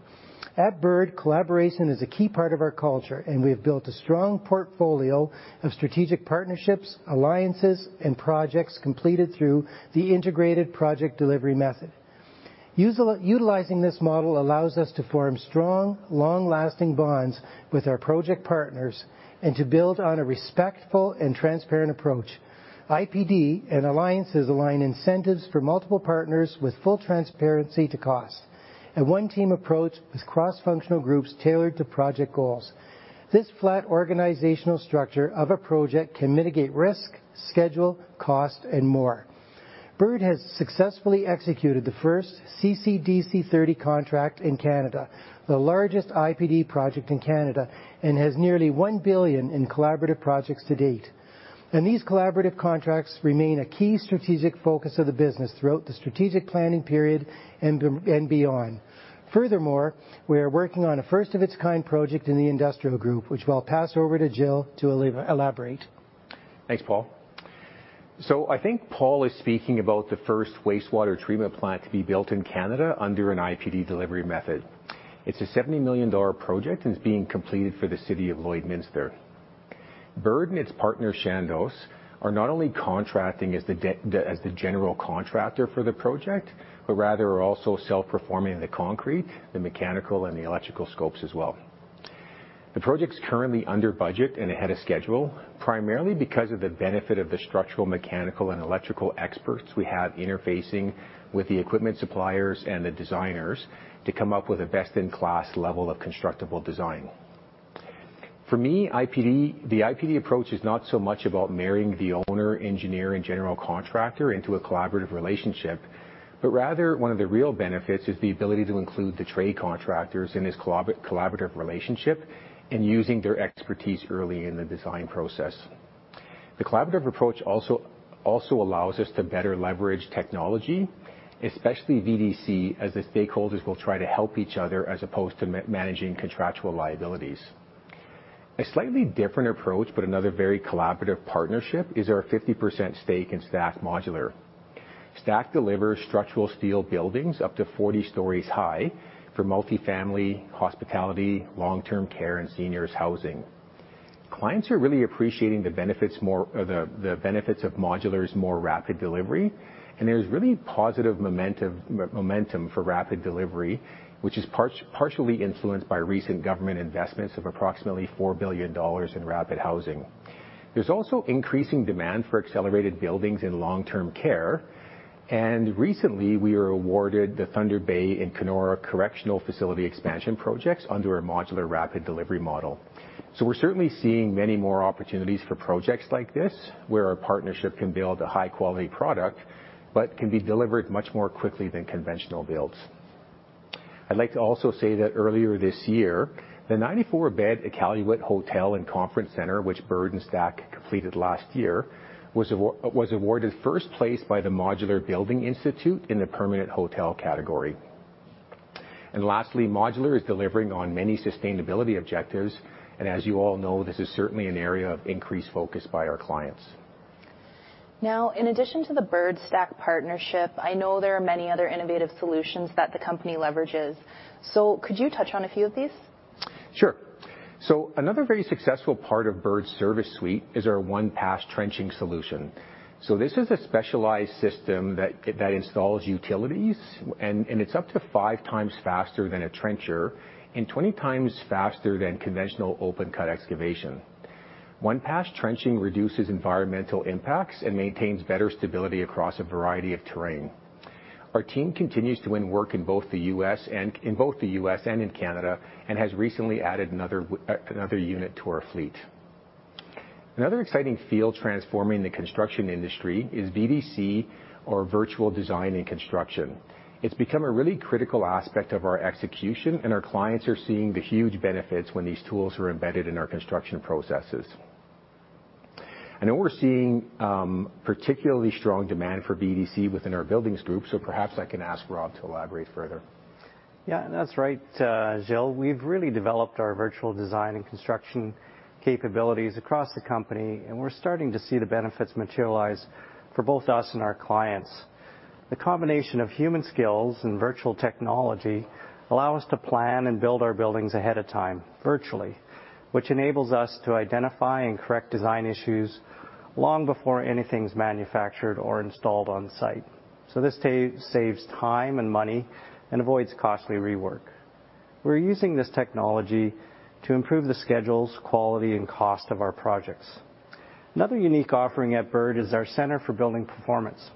At Bird, collaboration is a key part of our culture, and we have built a strong portfolio of strategic partnerships, alliances, and projects completed through the Integrated Project Delivery method. Utilizing this model allows us to form strong, long-lasting bonds with our project partners and to build on a respectful and transparent approach. IPD and alliances align incentives for multiple partners with full transparency to cost. A one-team approach with cross-functional groups tailored to project goals. This flat organizational structure of a project can mitigate risk, schedule, cost, and more. Bird has successfully executed the first CCDC 30 contract in Canada, the largest IPD project in Canada, and has nearly 1 billion in collaborative projects to date. These collaborative contracts remain a key strategic focus of the business throughout the strategic planning period and beyond. Furthermore, we are working on a first-of-its-kind project in the industrial group, which I'll pass over to Gill to elaborate. Thanks, Paul. I think Paul is speaking about the first wastewater treatment plant to be built in Canada under an IPD delivery method. It's a 70 million dollar project and is being completed for the city of Lloydminster. Bird and its partner, Chandos, are not only contracting as the general contractor for the project, but rather are also self-performing the concrete, the mechanical, and the electrical scopes as well. The project's currently under budget and ahead of schedule, primarily because of the benefit of the structural, mechanical, and electrical experts we have interfacing with the equipment suppliers and the designers to come up with a best-in-class level of constructible design. For me, the IPD approach is not so much about marrying the owner, engineer, and general contractor into a collaborative relationship, but rather, one of the real benefits is the ability to include the trade contractors in this collaborative relationship and using their expertise early in the design process. The collaborative approach also allows us to better leverage technology, especially VDC, as the stakeholders will try to help each other as opposed to managing contractual liabilities. A slightly different approach, but another very collaborative partnership, is our 50% stake in Stack Modular. Stack delivers structural steel buildings up to 40 stories high for multifamily, hospitality, long-term care, and seniors housing. Clients are really appreciating the benefits of Modular's more rapid delivery, and there's really positive momentum for rapid delivery, which is partially influenced by recent government investments of approximately 4 billion dollars in rapid housing. There's also increasing demand for accelerated buildings in long-term care. Recently we were awarded the Thunder Bay and Kenora Correctional Facility expansion projects under our modular rapid delivery model. We're certainly seeing many more opportunities for projects like this, where our partnership can build a high-quality product, but can be delivered much more quickly than conventional builds. I'd like to also say that earlier this year, the 94-bed Iqaluit Hotel and Conference Centre, which Bird and Stack completed last year, was awarded first place by the Modular Building Institute in the permanent hotel category. Lastly, Modular is delivering on many sustainability objectives. As you all know, this is certainly an area of increased focus by our clients. In addition to the Bird-Stack partnership, I know there are many other innovative solutions that the company leverages. Could you touch on a few of these? Sure. Another very successful part of Bird's service suite is our one-pass trenching solution. This is a specialized system that installs utilities, and it's up to 5 times faster than a trencher and 20 times faster than conventional open-cut excavation. One-pass trenching reduces environmental impacts and maintains better stability across a variety of terrain. Our team continues to win work in both the U.S. and in Canada, and has recently added another unit to our fleet. Another exciting field transforming the construction industry is VDC or virtual design and construction. It's become a really critical aspect of our execution, and our clients are seeing the huge benefits when these tools are embedded in our construction processes. I know we're seeing particularly strong demand for VDC within our buildings group, perhaps I can ask Rob to elaborate further. Yeah. That's right, Gill. We've really developed our virtual design and construction capabilities across the company, and we're starting to see the benefits materialize for both us and our clients. The combination of human skills and virtual technology allow us to plan and build our buildings ahead of time, virtually, which enables us to identify and correct design issues long before anything's manufactured or installed on site. This saves time and money and avoids costly rework. We're using this technology to improve the schedules, quality, and cost of our projects. Another unique offering at Bird is our Centre for Building Performance.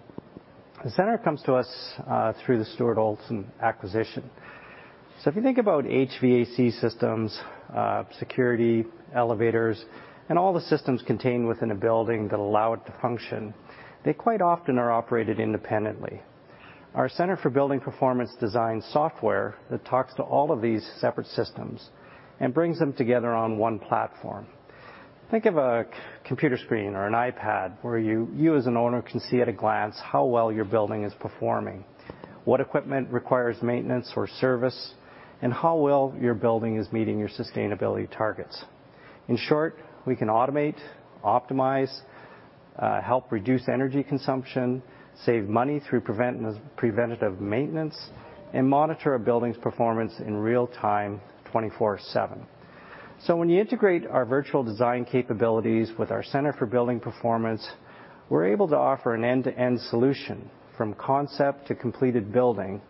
The centre comes to us through the Stuart Olson acquisition. If you think about HVAC systems, security, elevators, and all the systems contained within a building that allow it to function, they quite often are operated independently. Our Centre for Building Performance designs software that talks to all of these separate systems and brings them together on one platform. Think of a computer screen or an iPad where you as an owner can see at a glance how well your building is performing, what equipment requires maintenance or service, and how well your building is meeting your sustainability targets. In short, we can automate, optimize, help reduce energy consumption, save money through preventative maintenance, and monitor a building's performance in real time 24/7. When you integrate our virtual design capabilities with our Centre for Building Performance, we're able to offer an end-to-end solution from concept to completed building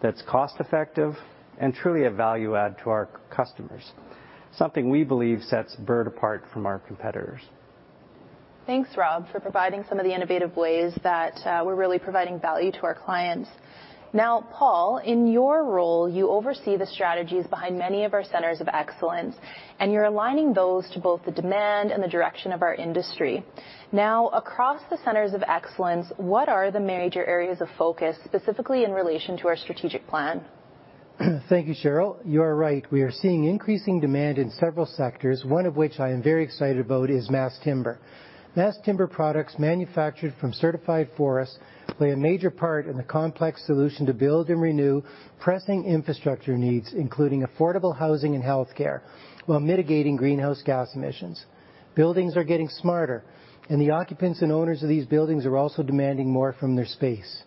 that's cost effective and truly a value add to our customers. Something we believe sets Bird apart from our competitors. Thanks, Rob, for providing some of the innovative ways that we're really providing value to our clients. Paul, in your role, you oversee the strategies behind many of our centers of excellence, and you're aligning those to both the demand and the direction of our industry. Across the centers of excellence, what are the major areas of focus, specifically in relation to our strategic plan? Thank you, Cheryl. You are right. We are seeing increasing demand in several sectors, one of which I am very excited about is mass timber. Mass timber products manufactured from certified forests play a major part in the complex solution to build and renew pressing infrastructure needs, including affordable housing and healthcare, while mitigating greenhouse gas emissions. Buildings are getting smarter, and the occupants and owners of these buildings are also demanding more from their space.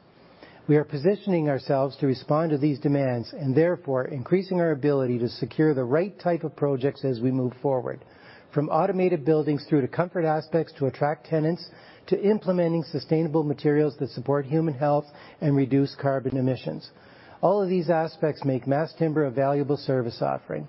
We are positioning ourselves to respond to these demands and therefore increasing our ability to secure the right type of projects as we move forward. From automated buildings through to comfort aspects to attract tenants, to implementing sustainable materials that support human health and reduce carbon emissions. All of these aspects make mass timber a valuable service offering.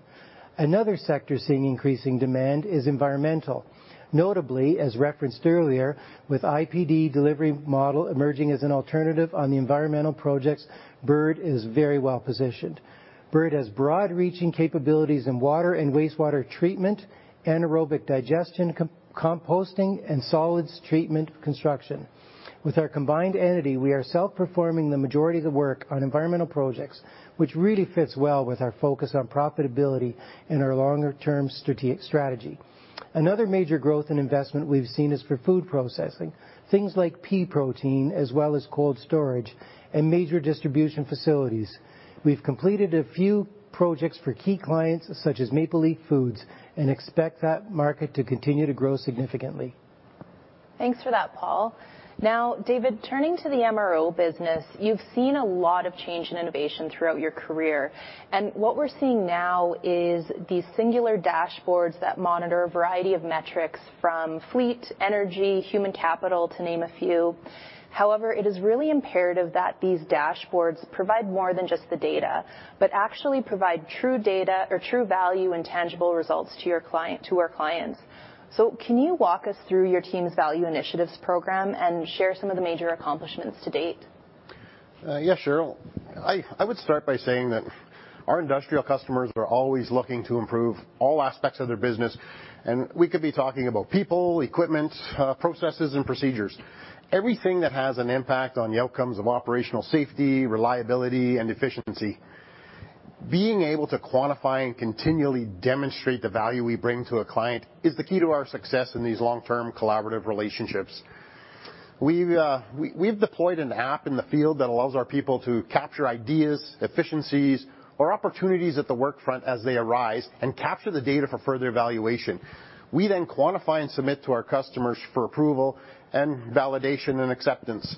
Another sector seeing increasing demand is environmental. Notably, as referenced earlier with IPD delivery model emerging as an alternative on the environmental projects, Bird is very well positioned. Bird has broad-reaching capabilities in water and wastewater treatment, anaerobic digestion, composting, and solids treatment construction. With our combined entity, we are self-performing the majority of the work on environmental projects, which really fits well with our focus on profitability and our longer-term strategy. Another major growth in investment we've seen is for food processing, things like pea protein, as well as cold storage and major distribution facilities. We've completed a few projects for key clients such as Maple Leaf Foods, and expect that market to continue to grow significantly. Thanks for that, Paul. Now, David, turning to the MRO business, you've seen a lot of change and innovation throughout your career. What we're seeing now is these singular dashboards that monitor a variety of metrics from fleet, energy, human capital, to name a few. However, it is really imperative that these dashboards provide more than just the data, but actually provide true data or true value and tangible results to our clients. Can you walk us through your team's Value Initiatives program and share some of the major accomplishments to date? Yeah, sure. I would start by saying that our industrial customers are always looking to improve all aspects of their business, and we could be talking about people, equipment, processes, and procedures. Everything that has an impact on the outcomes of operational safety, reliability, and efficiency. Being able to quantify and continually demonstrate the value we bring to a client is the key to our success in these long-term collaborative relationships. We've deployed an app in the field that allows our people to capture ideas, efficiencies, or opportunities at the work front as they arise and capture the data for further evaluation. We then quantify and submit to our customers for approval and validation and acceptance.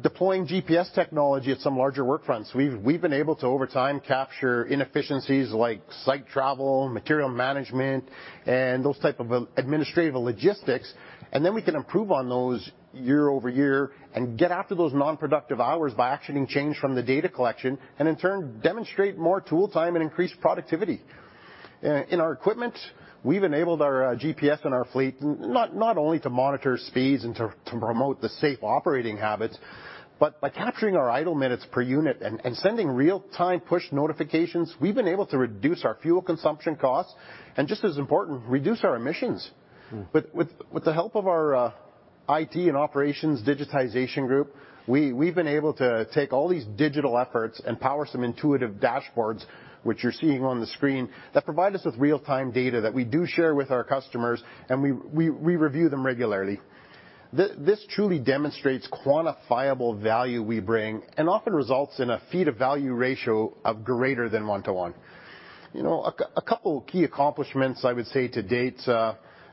Deploying GPS technology at some larger work fronts, we've been able to, over time, capture inefficiencies like site travel, material management, and those type of administrative logistics, then we can improve on those year-over-year and get after those non-productive hours by actioning change from the data collection, and in turn, demonstrate more tool time and increased productivity. In our equipment, we've enabled our GPS in our fleet, not only to monitor speeds and to promote the safe operating habits, but by capturing our idle minutes per unit and sending real-time push notifications, we've been able to reduce our fuel consumption costs and, just as important, reduce our emissions. With the help of our IT and operations digitization group, we've been able to take all these digital efforts and power some intuitive dashboards, which you're seeing on the screen, that provide us with real-time data that we do share with our customers, and we review them regularly. This truly demonstrates quantifiable value we bring and often results in a feet of value ratio of greater than 1 to 1. A couple key accomplishments, I would say, to date,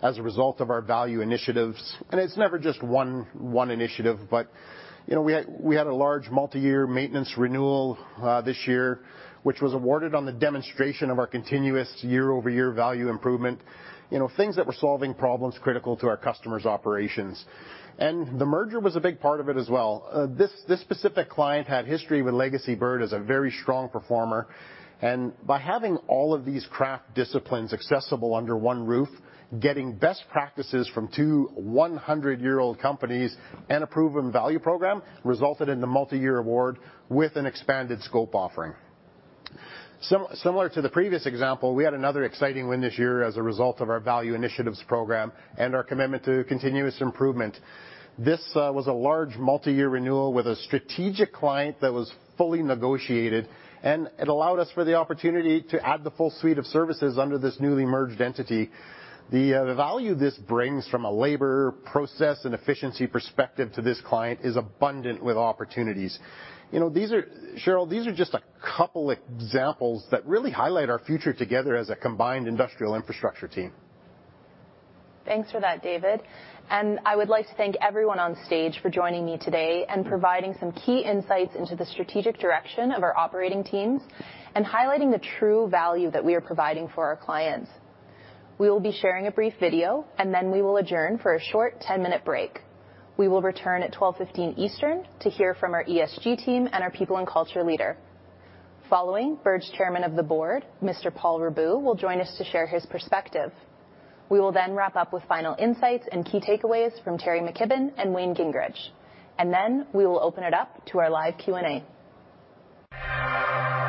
as a result of our value initiatives, and it's never just one initiative, but we had a large multi-year maintenance renewal this year, which was awarded on the demonstration of our continuous year-over-year value improvement. Things that were solving problems critical to our customers' operations. The merger was a big part of it as well. This specific client had history with legacy Bird as a very strong performer, and by having all of these craft disciplines accessible under one roof, getting best practices from 2 100-year-old companies and a proven value program resulted in the multi-year award with an expanded scope offering. Similar to the previous example, we had another exciting win this year as a result of our value initiatives program and our commitment to continuous improvement. This was a large multi-year renewal with a strategic client that was fully negotiated, and it allowed us for the opportunity to add the full suite of services under this newly merged entity. The value this brings from a labor, process, and efficiency perspective to this client is abundant with opportunities. Cheryl, these are just a couple examples that really highlight our future together as a combined industrial infrastructure team. Thanks for that, David. I would like to thank everyone on stage for joining me today and providing some key insights into the strategic direction of our operating teams and highlighting the true value that we are providing for our clients. We will be sharing a brief video. Then we will adjourn for a short 10-minute break. We will return at 12:15 Eastern to hear from our ESG team and our people and culture leader. Following, Bird's Chairman of the Board, Mr. Paul Raboud, will join us to share his perspective. We will then wrap up with final insights and key takeaways from Teri McKibbon and Wayne Gingrich. Then we will open it up to our live Q&A. On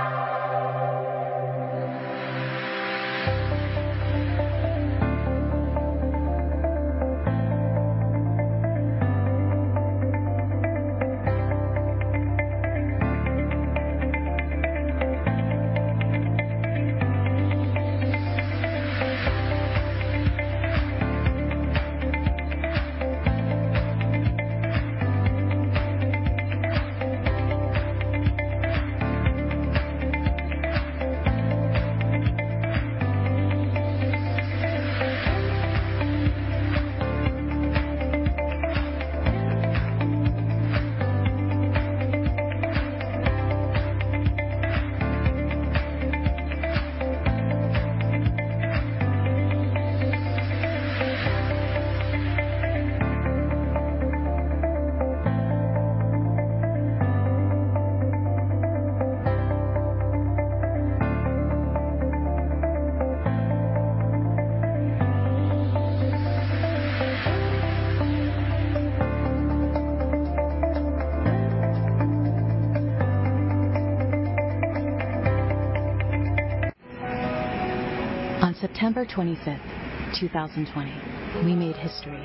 September 25th, 2020, we made history.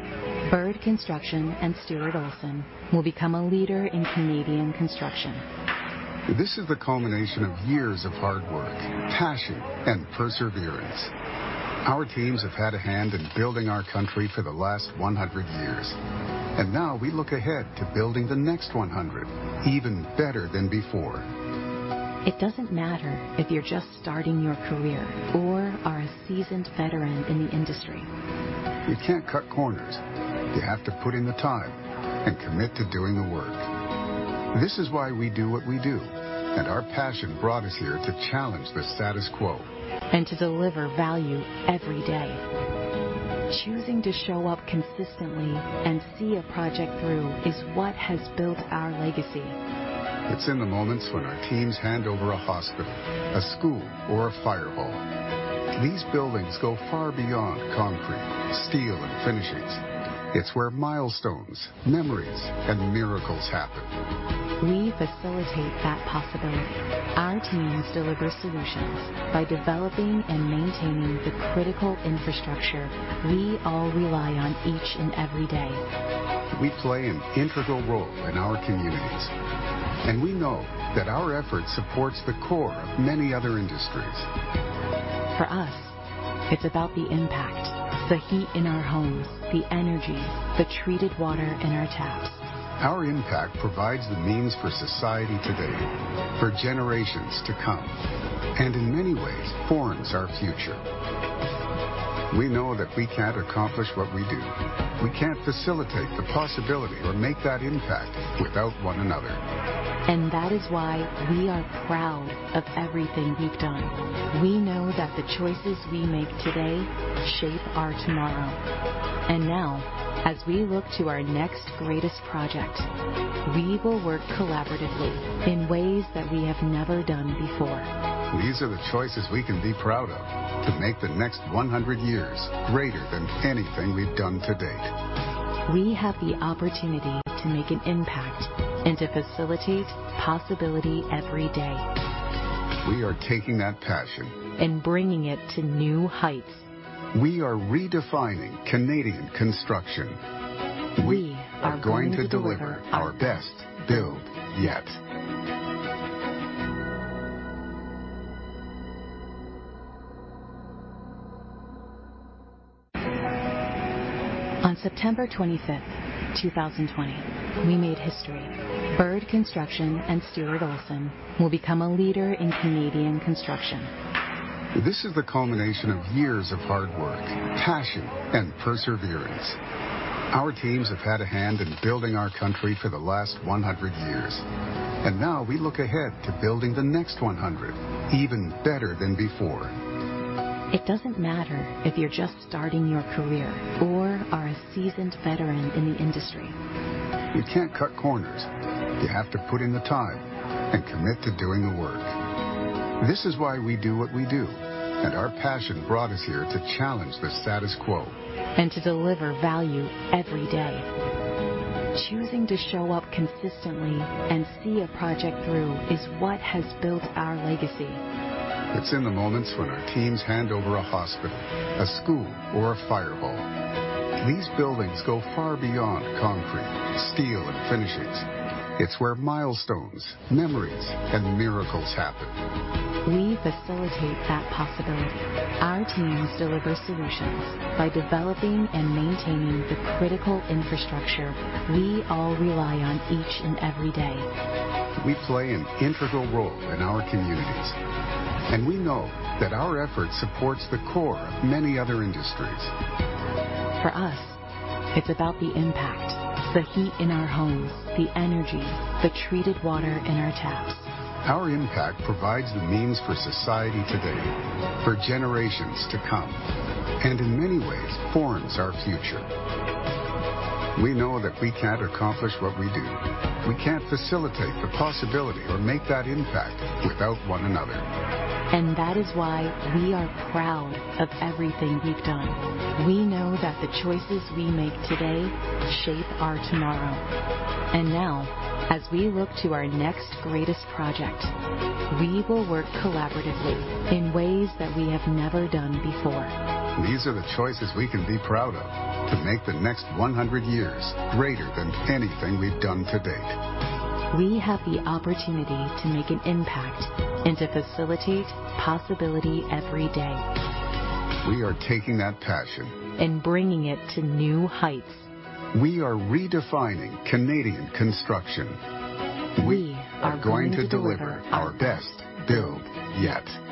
Bird Construction and Stuart Olson will become a leader in Canadian construction. This is the culmination of years of hard work, passion, and perseverance. Our teams have had a hand in building our country for the last 100 years, and now we look ahead to building the next 100 even better than before. It doesn't matter if you're just starting your career or are a seasoned veteran in the industry. You can't cut corners. You have to put in the time and commit to doing the work. This is why we do what we do, and our passion brought us here to challenge the status quo. To deliver value every day. Choosing to show up consistently and see a project through is what has built our legacy. It's in the moments when our teams hand over a hospital, a school, or a fire hall. These buildings go far beyond concrete, steel, and finishings. It's where milestones, memories, and miracles happen. We facilitate that possibility. Our teams deliver solutions by developing and maintaining the critical infrastructure we all rely on each and every day. We play an integral role in our communities, and we know that our effort supports the core of many other industries. For us, it's about the impact, the heat in our homes, the energy, the treated water in our taps. Our impact provides the means for society today, for generations to come, and in many ways, forms our future. We know that we can't accomplish what we do. We can't facilitate the possibility or make that impact without one another. That is why we are proud of everything we've done. We know that the choices we make today shape our tomorrow. Now, as we look to our next greatest project, we will work collaboratively in ways that we have never done before. These are the choices we can be proud of to make the next 100 years greater than anything we've done to date. We have the opportunity to make an impact and to facilitate possibility every day. We are taking that passion. Bringing it to new heights. We are redefining Canadian construction. We are going to deliver our best build yet. We are going to deliver our best build yet. On September 25th, 2020, we made history. Bird Construction and Stuart Olson will become a leader in Canadian construction. This is the culmination of years of hard work, passion, and perseverance. Our teams have had a hand in building our country for the last 100 years, and now we look ahead to building the next 100 even better than before. It doesn't matter if you're just starting your career or are a seasoned veteran in the industry. You can't cut corners. You have to put in the time and commit to doing the work. This is why we do what we do, and our passion brought us here to challenge the status quo. To deliver value every day. Choosing to show up consistently and see a project through is what has built our legacy. It's in the moments when our teams hand over a hospital, a school, or a fire hall. These buildings go far beyond concrete, steel, and finishings. It's where milestones, memories, and miracles happen. We facilitate that possibility. Our teams deliver solutions by developing and maintaining the critical infrastructure we all rely on each and every day. We play an integral role in our communities, and we know that our effort supports the core of many other industries. For us, it's about the impact, the heat in our homes, the energy, the treated water in our taps. Our impact provides the means for society today, for generations to come, and in many ways, forms our future. We know that we can't accomplish what we do. We can't facilitate the possibility or make that impact without one another. That is why we are proud of everything we've done. We know that the choices we make today shape our tomorrow. Now, as we look to our next greatest project, we will work collaboratively in ways that we have never done before. These are the choices we can be proud of to make the next 100 years greater than anything we've done to date. We have the opportunity to make an impact and to facilitate possibility every day. We are taking that passion. Bringing it to new heights. We are redefining Canadian construction. We are going to deliver our best build yet. We are going to deliver our best build yet.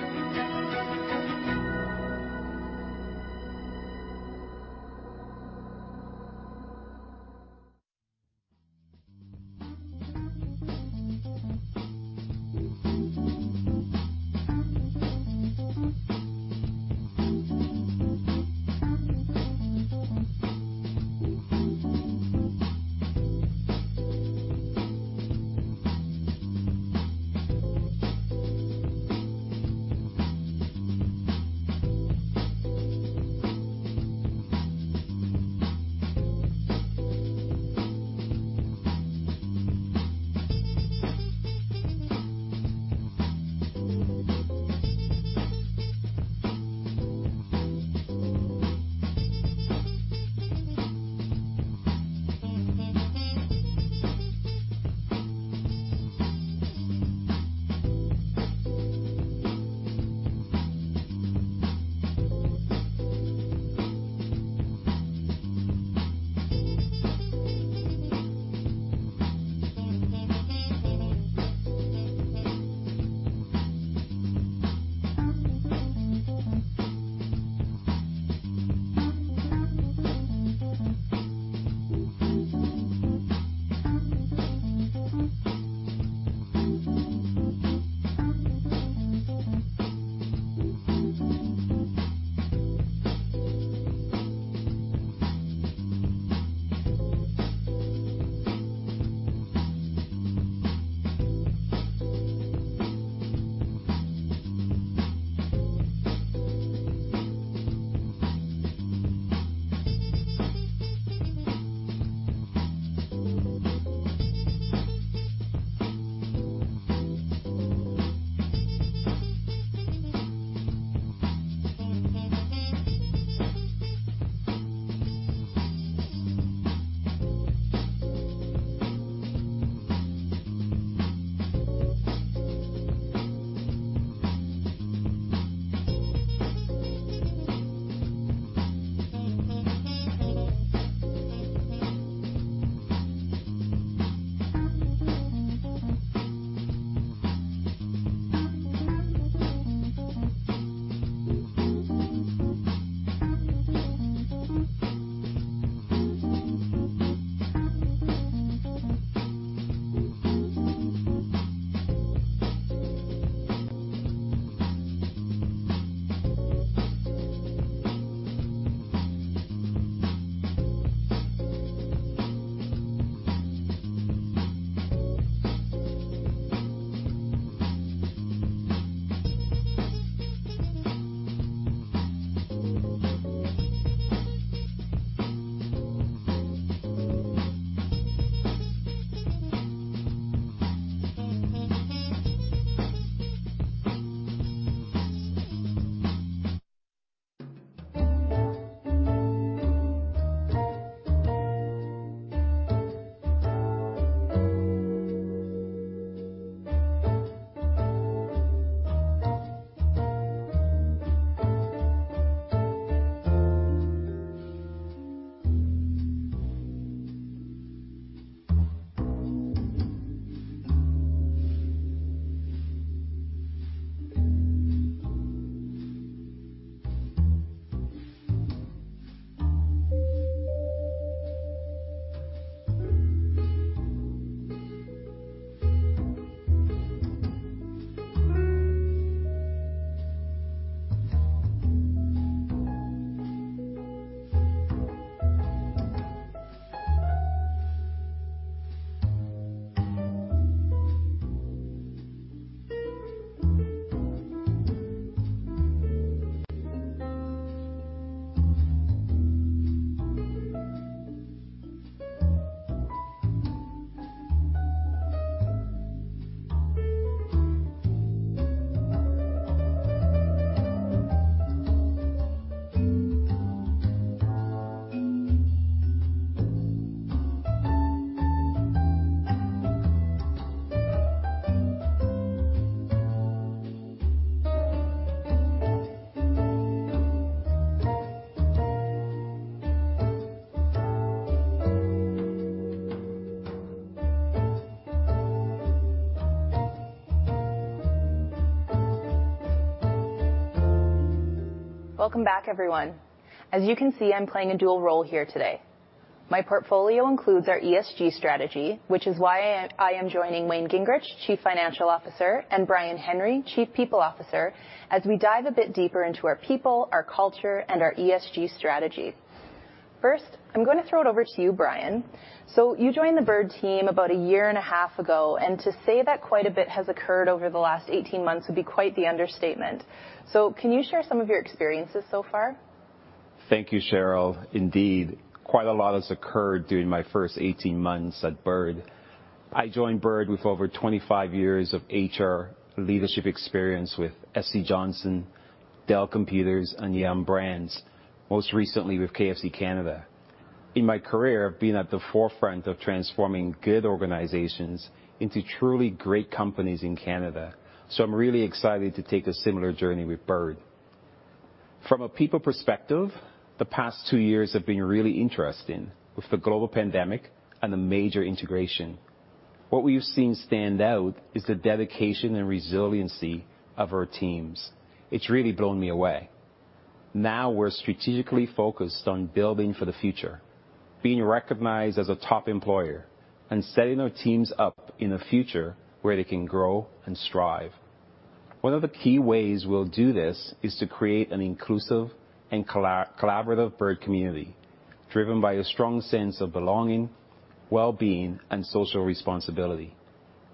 Welcome back, everyone. As you can see, I'm playing a dual role here today. My portfolio includes our ESG strategy, which is why I am joining Wayne Gingrich, Chief Financial Officer, and Brian Henry, Chief People Officer, as we dive a bit deeper into our people, our culture, and our ESG strategy. First, I'm going to throw it over to you, Brian. You joined the Bird team about a year and a half ago, and to say that quite a bit has occurred over the last 18 months would be quite the understatement. Can you share some of your experiences so far? Thank you, Cheryl. Indeed, quite a lot has occurred during my first 18 months at Bird. I joined Bird with over 25 years of HR leadership experience with SC Johnson, Dell Computers, and Yum! Brands, most recently with KFC Canada. In my career, I've been at the forefront of transforming good organizations into truly great companies in Canada. I'm really excited to take a similar journey with Bird. From a people perspective, the past 2 years have been really interesting with the global pandemic and the major integration. What we've seen stand out is the dedication and resiliency of our teams. It's really blown me away. Now we're strategically focused on building for the future, being recognized as a top employer, and setting our teams up in a future where they can grow and strive. One of the key ways we'll do this is to create an inclusive and collaborative Bird community driven by a strong sense of belonging, well-being, and social responsibility.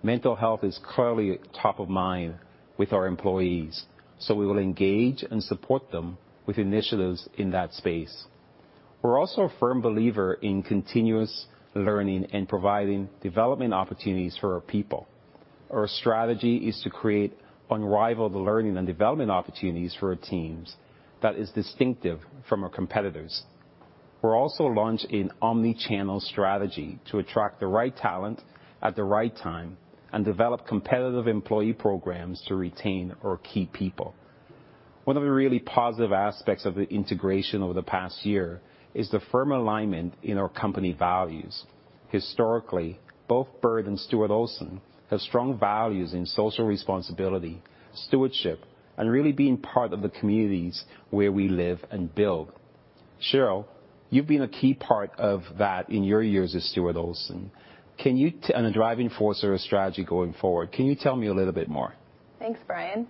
Mental health is clearly top of mind with our employees, so we will engage and support them with initiatives in that space. We're also a firm believer in continuous learning and providing development opportunities for our people. Our strategy is to create unrivaled learning and development opportunities for our teams that is distinctive from our competitors. We've also launched an omni-channel strategy to attract the right talent at the right time and develop competitive employee programs to retain our key people. One of the really positive aspects of the integration over the past year is the firm alignment in our company values. Historically, both Bird and Stuart Olson have strong values in social responsibility, stewardship, and really being part of the communities where we live and build. Cheryl, you've been a key part of that in your years at Stuart Olson and a driving force or a strategy going forward. Can you tell me a little bit more? Thanks, Brian.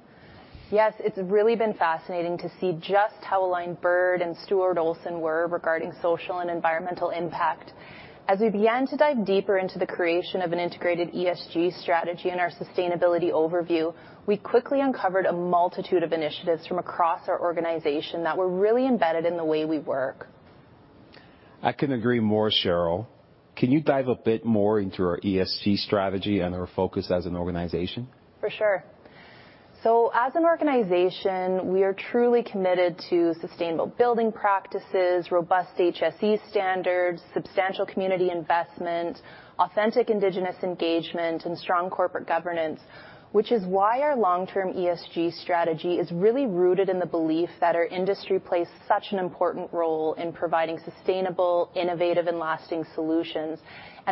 Yes, it's really been fascinating to see just how aligned Bird and Stuart Olson were regarding social and environmental impact. As we began to dive deeper into the creation of an integrated ESG strategy and our sustainability overview, we quickly uncovered a multitude of initiatives from across our organization that were really embedded in the way we work. I couldn't agree more, Cheryl. Can you dive a bit more into our ESG strategy and our focus as an organization? For sure. As an organization, we are truly committed to sustainable building practices, robust HSE standards, substantial community investment, authentic Indigenous engagement, and strong corporate governance, which is why our long-term ESG strategy is really rooted in the belief that our industry plays such an important role in providing sustainable, innovative, and lasting solutions.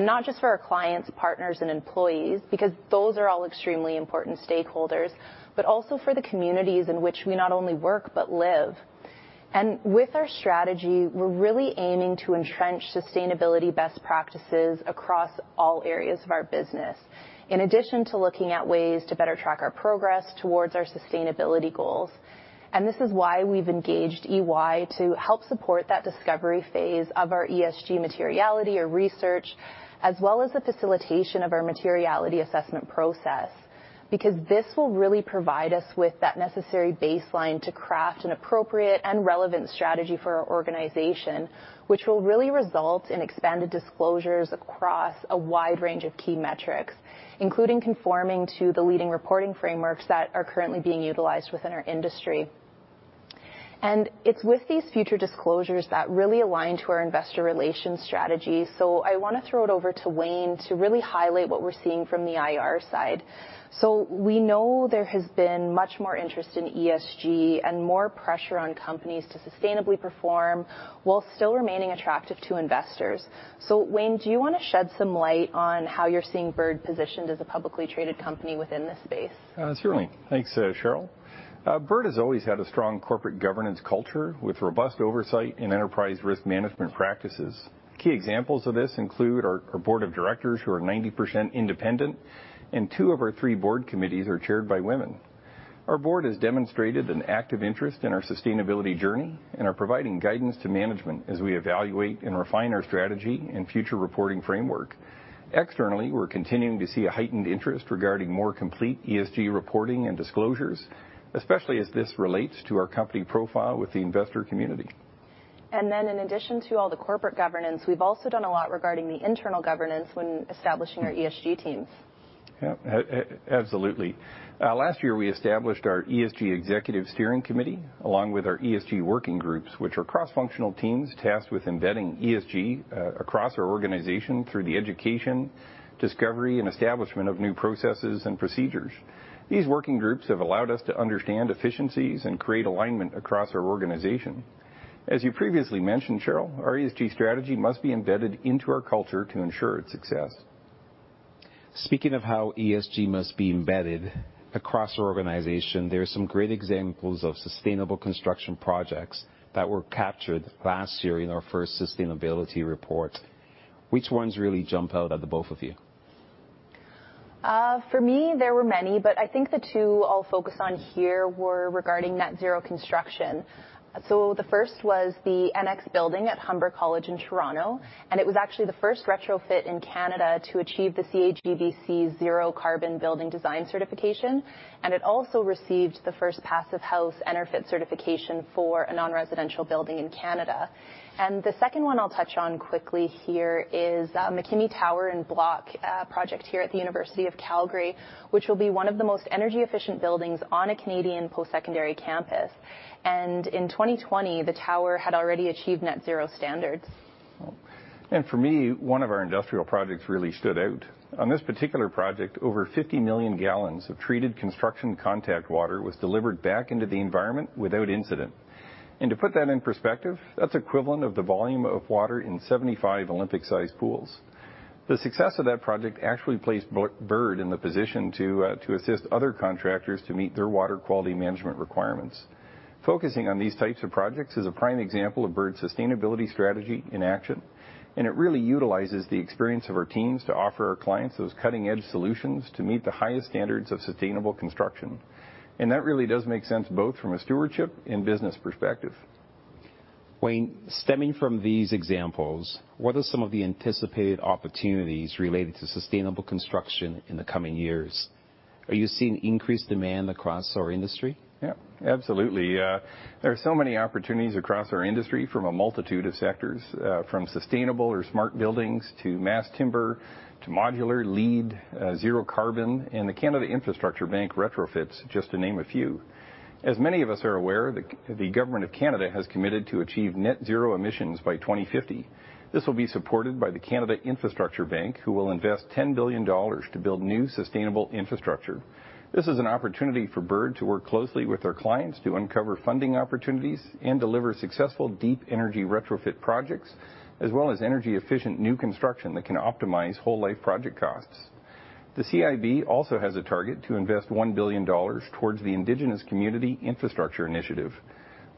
Not just for our clients, partners, and employees, because those are all extremely important stakeholders, but also the communities in which we not only work but live. With our strategy, we're really aiming to entrench sustainability best practices across all areas of our business, in addition to looking at ways to better track our progress towards our sustainability goals. This is why we've engaged EY to help support that discovery phase of our ESG materiality, our research, as well as the facilitation of our materiality assessment process. This will really provide us with that necessary baseline to craft an appropriate and relevant strategy for our organization, which will really result in expanded disclosures across a wide range of key metrics, including conforming to the leading reporting frameworks that are currently being utilized within our industry. It's with these future disclosures that really align to our investor relations strategy. I want to throw it over to Wayne to really highlight what we're seeing from the IR side. We know there has been much more interest in ESG and more pressure on companies to sustainably perform while still remaining attractive to investors. Wayne, do you want to shed some light on how you're seeing Bird positioned as a publicly traded company within this space? Certainly. Thanks, Cheryl. Bird has always had a strong corporate governance culture with robust oversight and enterprise risk management practices. Key examples of this include our board of directors, who are 90% independent, and 2 of our 3 board committees are chaired by women. Our board has demonstrated an active interest in our sustainability journey and are providing guidance to management as we evaluate and refine our strategy and future reporting framework. Externally, we're continuing to see a heightened interest regarding more complete ESG reporting and disclosures, especially as this relates to our company profile with the investor community. In addition to all the corporate governance, we've also done a lot regarding the internal governance when establishing our ESG teams. Yep. Absolutely. Last year, we established our ESG executive steering committee, along with our ESG working groups, which are cross-functional teams tasked with embedding ESG across our organization through the education, discovery, and establishment of new processes and procedures. These working groups have allowed us to understand efficiencies and create alignment across our organization. As you previously mentioned, Cheryl, our ESG strategy must be embedded into our culture to ensure its success. Speaking of how ESG must be embedded across our organization, there are some great examples of sustainable construction projects that were captured last year in our first sustainability report. Which ones really jump out at the both of you? For me, there were many, but I think the two I'll focus on here were regarding net zero construction. The first was the NX building at Humber College in Toronto, and it was actually the first retrofit in Canada to achieve the CAGBC's zero carbon building design certification. It also received the first passive house EnerPHit certification for a non-residential building in Canada. The second one I'll touch on quickly here is MacKimmie Tower and Block project here at the University of Calgary, which will be one of the most energy efficient buildings on a Canadian post-secondary campus. In 2020, the tower had already achieved net zero standards. For me, one of our industrial projects really stood out. On this particular project, over 50 million gallons of treated construction contact water was delivered back into the environment without incident. To put that in perspective, that's equivalent of the volume of water in 75 Olympic-sized pools. The success of that project actually placed Bird in the position to assist other contractors to meet their water quality management requirements. Focusing on these types of projects is a prime example of Bird's sustainability strategy in action, and it really utilizes the experience of our teams to offer our clients those cutting-edge solutions to meet the highest standards of sustainable construction. That really does make sense both from a stewardship and business perspective. Wayne, stemming from these examples, what are some of the anticipated opportunities related to sustainable construction in the coming years? Are you seeing increased demand across our industry? Absolutely. There are so many opportunities across our industry from a multitude of sectors, from sustainable or smart buildings, to mass timber, to modular, LEED, zero carbon, and the Canada Infrastructure Bank retrofits, just to name a few. As many of us are aware, the Government of Canada has committed to achieve net zero emissions by 2050. This will be supported by the Canada Infrastructure Bank, who will invest 10 billion dollars to build new sustainable infrastructure. This is an opportunity for Bird to work closely with our clients to uncover funding opportunities and deliver successful deep energy retrofit projects, as well as energy-efficient new construction that can optimize whole-life project costs. The CIB also has a target to invest 1 billion dollars towards the Indigenous Community Infrastructure Initiative.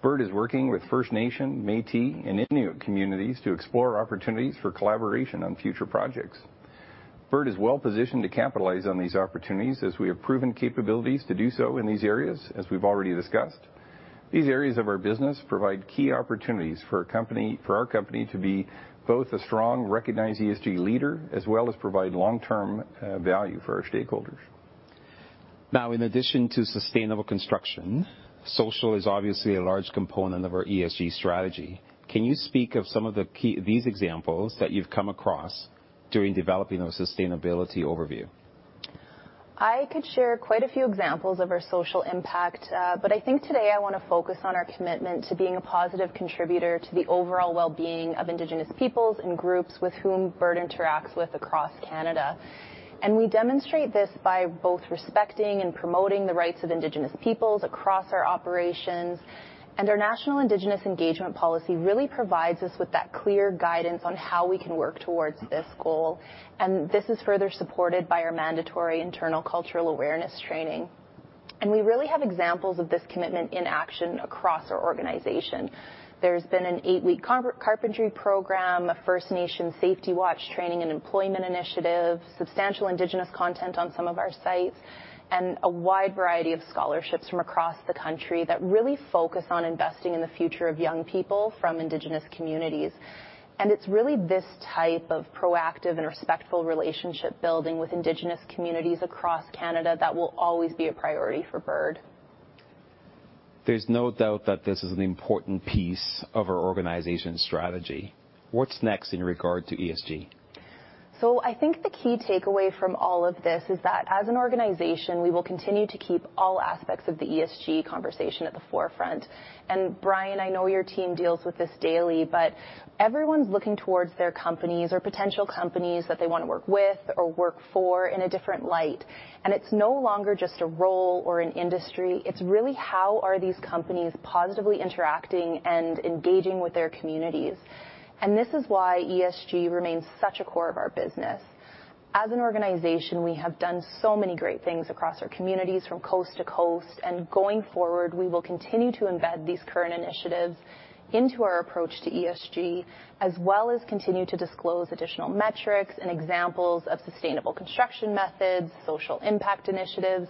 Bird is working with First Nation, Métis, and Inuit communities to explore opportunities for collaboration on future projects. Bird is well-positioned to capitalize on these opportunities as we have proven capabilities to do so in these areas, as we've already discussed. These areas of our business provide key opportunities for our company to be both a strong recognized ESG leader, as well as provide long-term value for our stakeholders. In addition to sustainable construction, social is obviously a large component of our ESG strategy. Can you speak of some of these examples that you've come across during developing a sustainability overview? I could share quite a few examples of our social impact, but I think today I want to focus on our commitment to being a positive contributor to the overall wellbeing of Indigenous peoples and groups with whom Bird interacts with across Canada. We demonstrate this by both respecting and promoting the rights of Indigenous peoples across our operations, and our National Indigenous Engagement Policy really provides us with that clear guidance on how we can work towards this goal. This is further supported by our mandatory internal cultural awareness training. We really have examples of this commitment in action across our organization. There's been an 8-week carpentry program, a First Nation Safety Watch Training and Employment Initiative, substantial Indigenous content on some of our sites, a wide variety of scholarships from across the country that really focus on investing in the future of young people from Indigenous communities. It's really this type of proactive and respectful relationship building with Indigenous communities across Canada that will always be a priority for Bird. There's no doubt that this is an important piece of our organization's strategy. What's next in regard to ESG? I think the key takeaway from all of this is that as an organization, we will continue to keep all aspects of the ESG conversation at the forefront. Brian, I know your team deals with this daily, but everyone's looking towards their companies or potential companies that they want to work with or work for in a different light, and it's no longer just a role or an industry, it's really how are these companies positively interacting and engaging with their communities. This is why ESG remains such a core of our business. As an organization, we have done so many great things across our communities from coast to coast, and going forward, we will continue to embed these current initiatives into our approach to ESG, as well as continue to disclose additional metrics and examples of sustainable construction methods, social impact initiatives,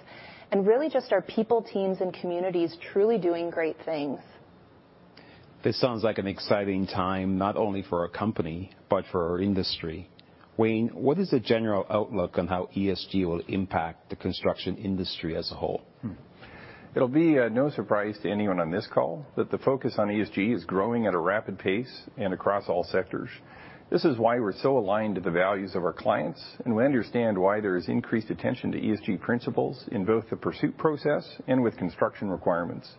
and really just our people, teams, and communities truly doing great things. This sounds like an exciting time, not only for our company, but for our industry. Wayne, what is the general outlook on how ESG will impact the construction industry as a whole? It'll be no surprise to anyone on this call that the focus on ESG is growing at a rapid pace and across all sectors. This is why we're so aligned to the values of our clients, and we understand why there is increased attention to ESG principles in both the pursuit process and with construction requirements.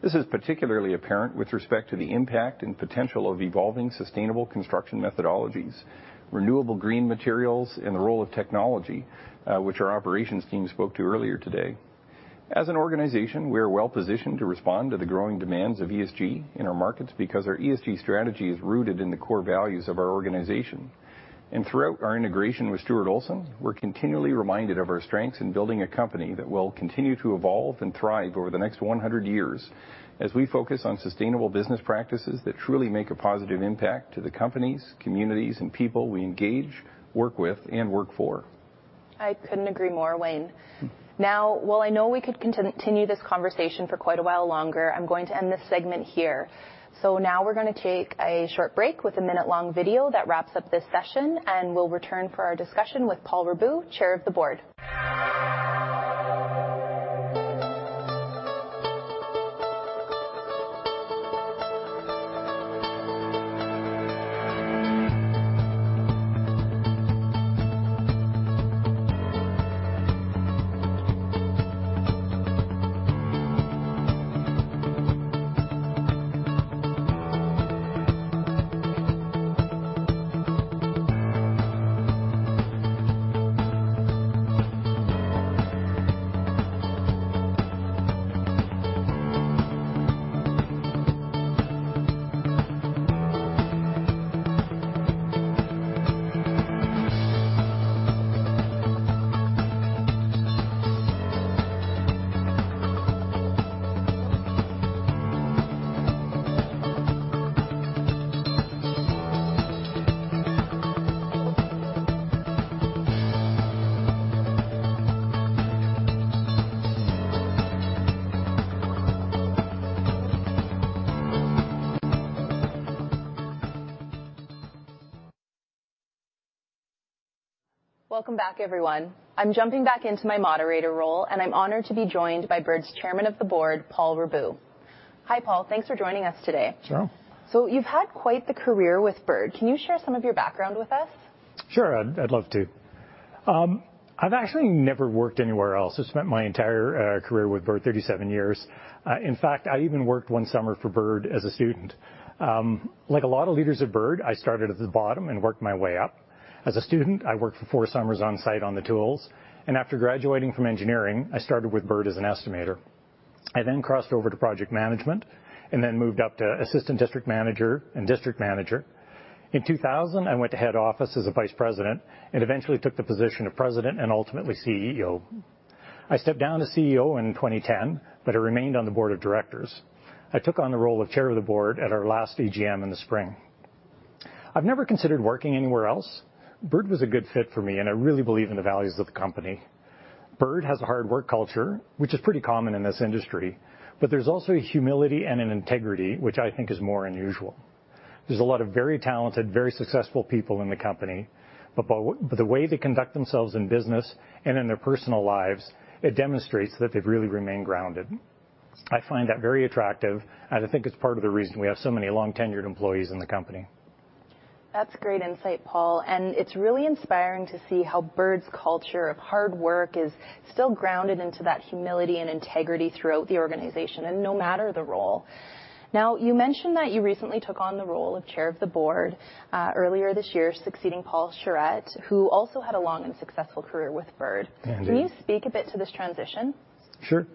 This is particularly apparent with respect to the impact and potential of evolving sustainable construction methodologies, renewable green materials, and the role of technology, which our operations team spoke to earlier today. As an organization, we are well-positioned to respond to the growing demands of ESG in our markets because our ESG strategy is rooted in the core values of our organization. Throughout our integration with Stuart Olson, we're continually reminded of our strengths in building a company that will continue to evolve and thrive over the next 100 years as we focus on sustainable business practices that truly make a positive impact to the companies, communities, and people we engage, work with, and work for. I couldn't agree more, Wayne. While I know we could continue this conversation for quite a while longer, I'm going to end this segment here. Now we're going to take a short break with a 1-minute-long video that wraps up this session, and we'll return for our discussion with Paul Raboud, Chair of the Board. Welcome back, everyone. I'm jumping back into my moderator role, and I'm honored to be joined by Bird's Chair of the Board, Paul Raboud. Hi, Paul. Thanks for joining us today. Sure. You've had quite the career with Bird. Can you share some of your background with us? Sure, I'd love to. I've actually never worked anywhere else. I've spent my entire career with Bird Construction, 37 years. I even worked one summer for Bird Construction as a student. Like a lot of leaders at Bird Construction, I started at the bottom and worked my way up. As a student, I worked for four summers on site on the tools. After graduating from engineering, I started with Bird Construction as an estimator. I crossed over to project management and then moved up to assistant district manager and district manager. In 2000, I went to head office as a Vice President and eventually took the position of President and ultimately CEO. I stepped down as CEO in 2010. I remained on the board of directors. I took on the role of Chair of the Board at our last AGM in the spring. I've never considered working anywhere else. Bird was a good fit for me, and I really believe in the values of the company. Bird has a hard work culture, which is pretty common in this industry, but there's also a humility and an integrity, which I think is more unusual. There's a lot of very talented, very successful people in the company, but the way they conduct themselves in business and in their personal lives, it demonstrates that they've really remained grounded. I find that very attractive, and I think it's part of the reason we have so many long-tenured employees in the company. That's great insight, Paul. It's really inspiring to see how Bird's culture of hard work is still grounded into that humility and integrity throughout the organization, and no matter the role. You mentioned that you recently took on the role of Chair of the Board, earlier this year, succeeding Paul Charette, who also had a long and successful career with Bird. Indeed. Can you speak a bit to this transition? Sure.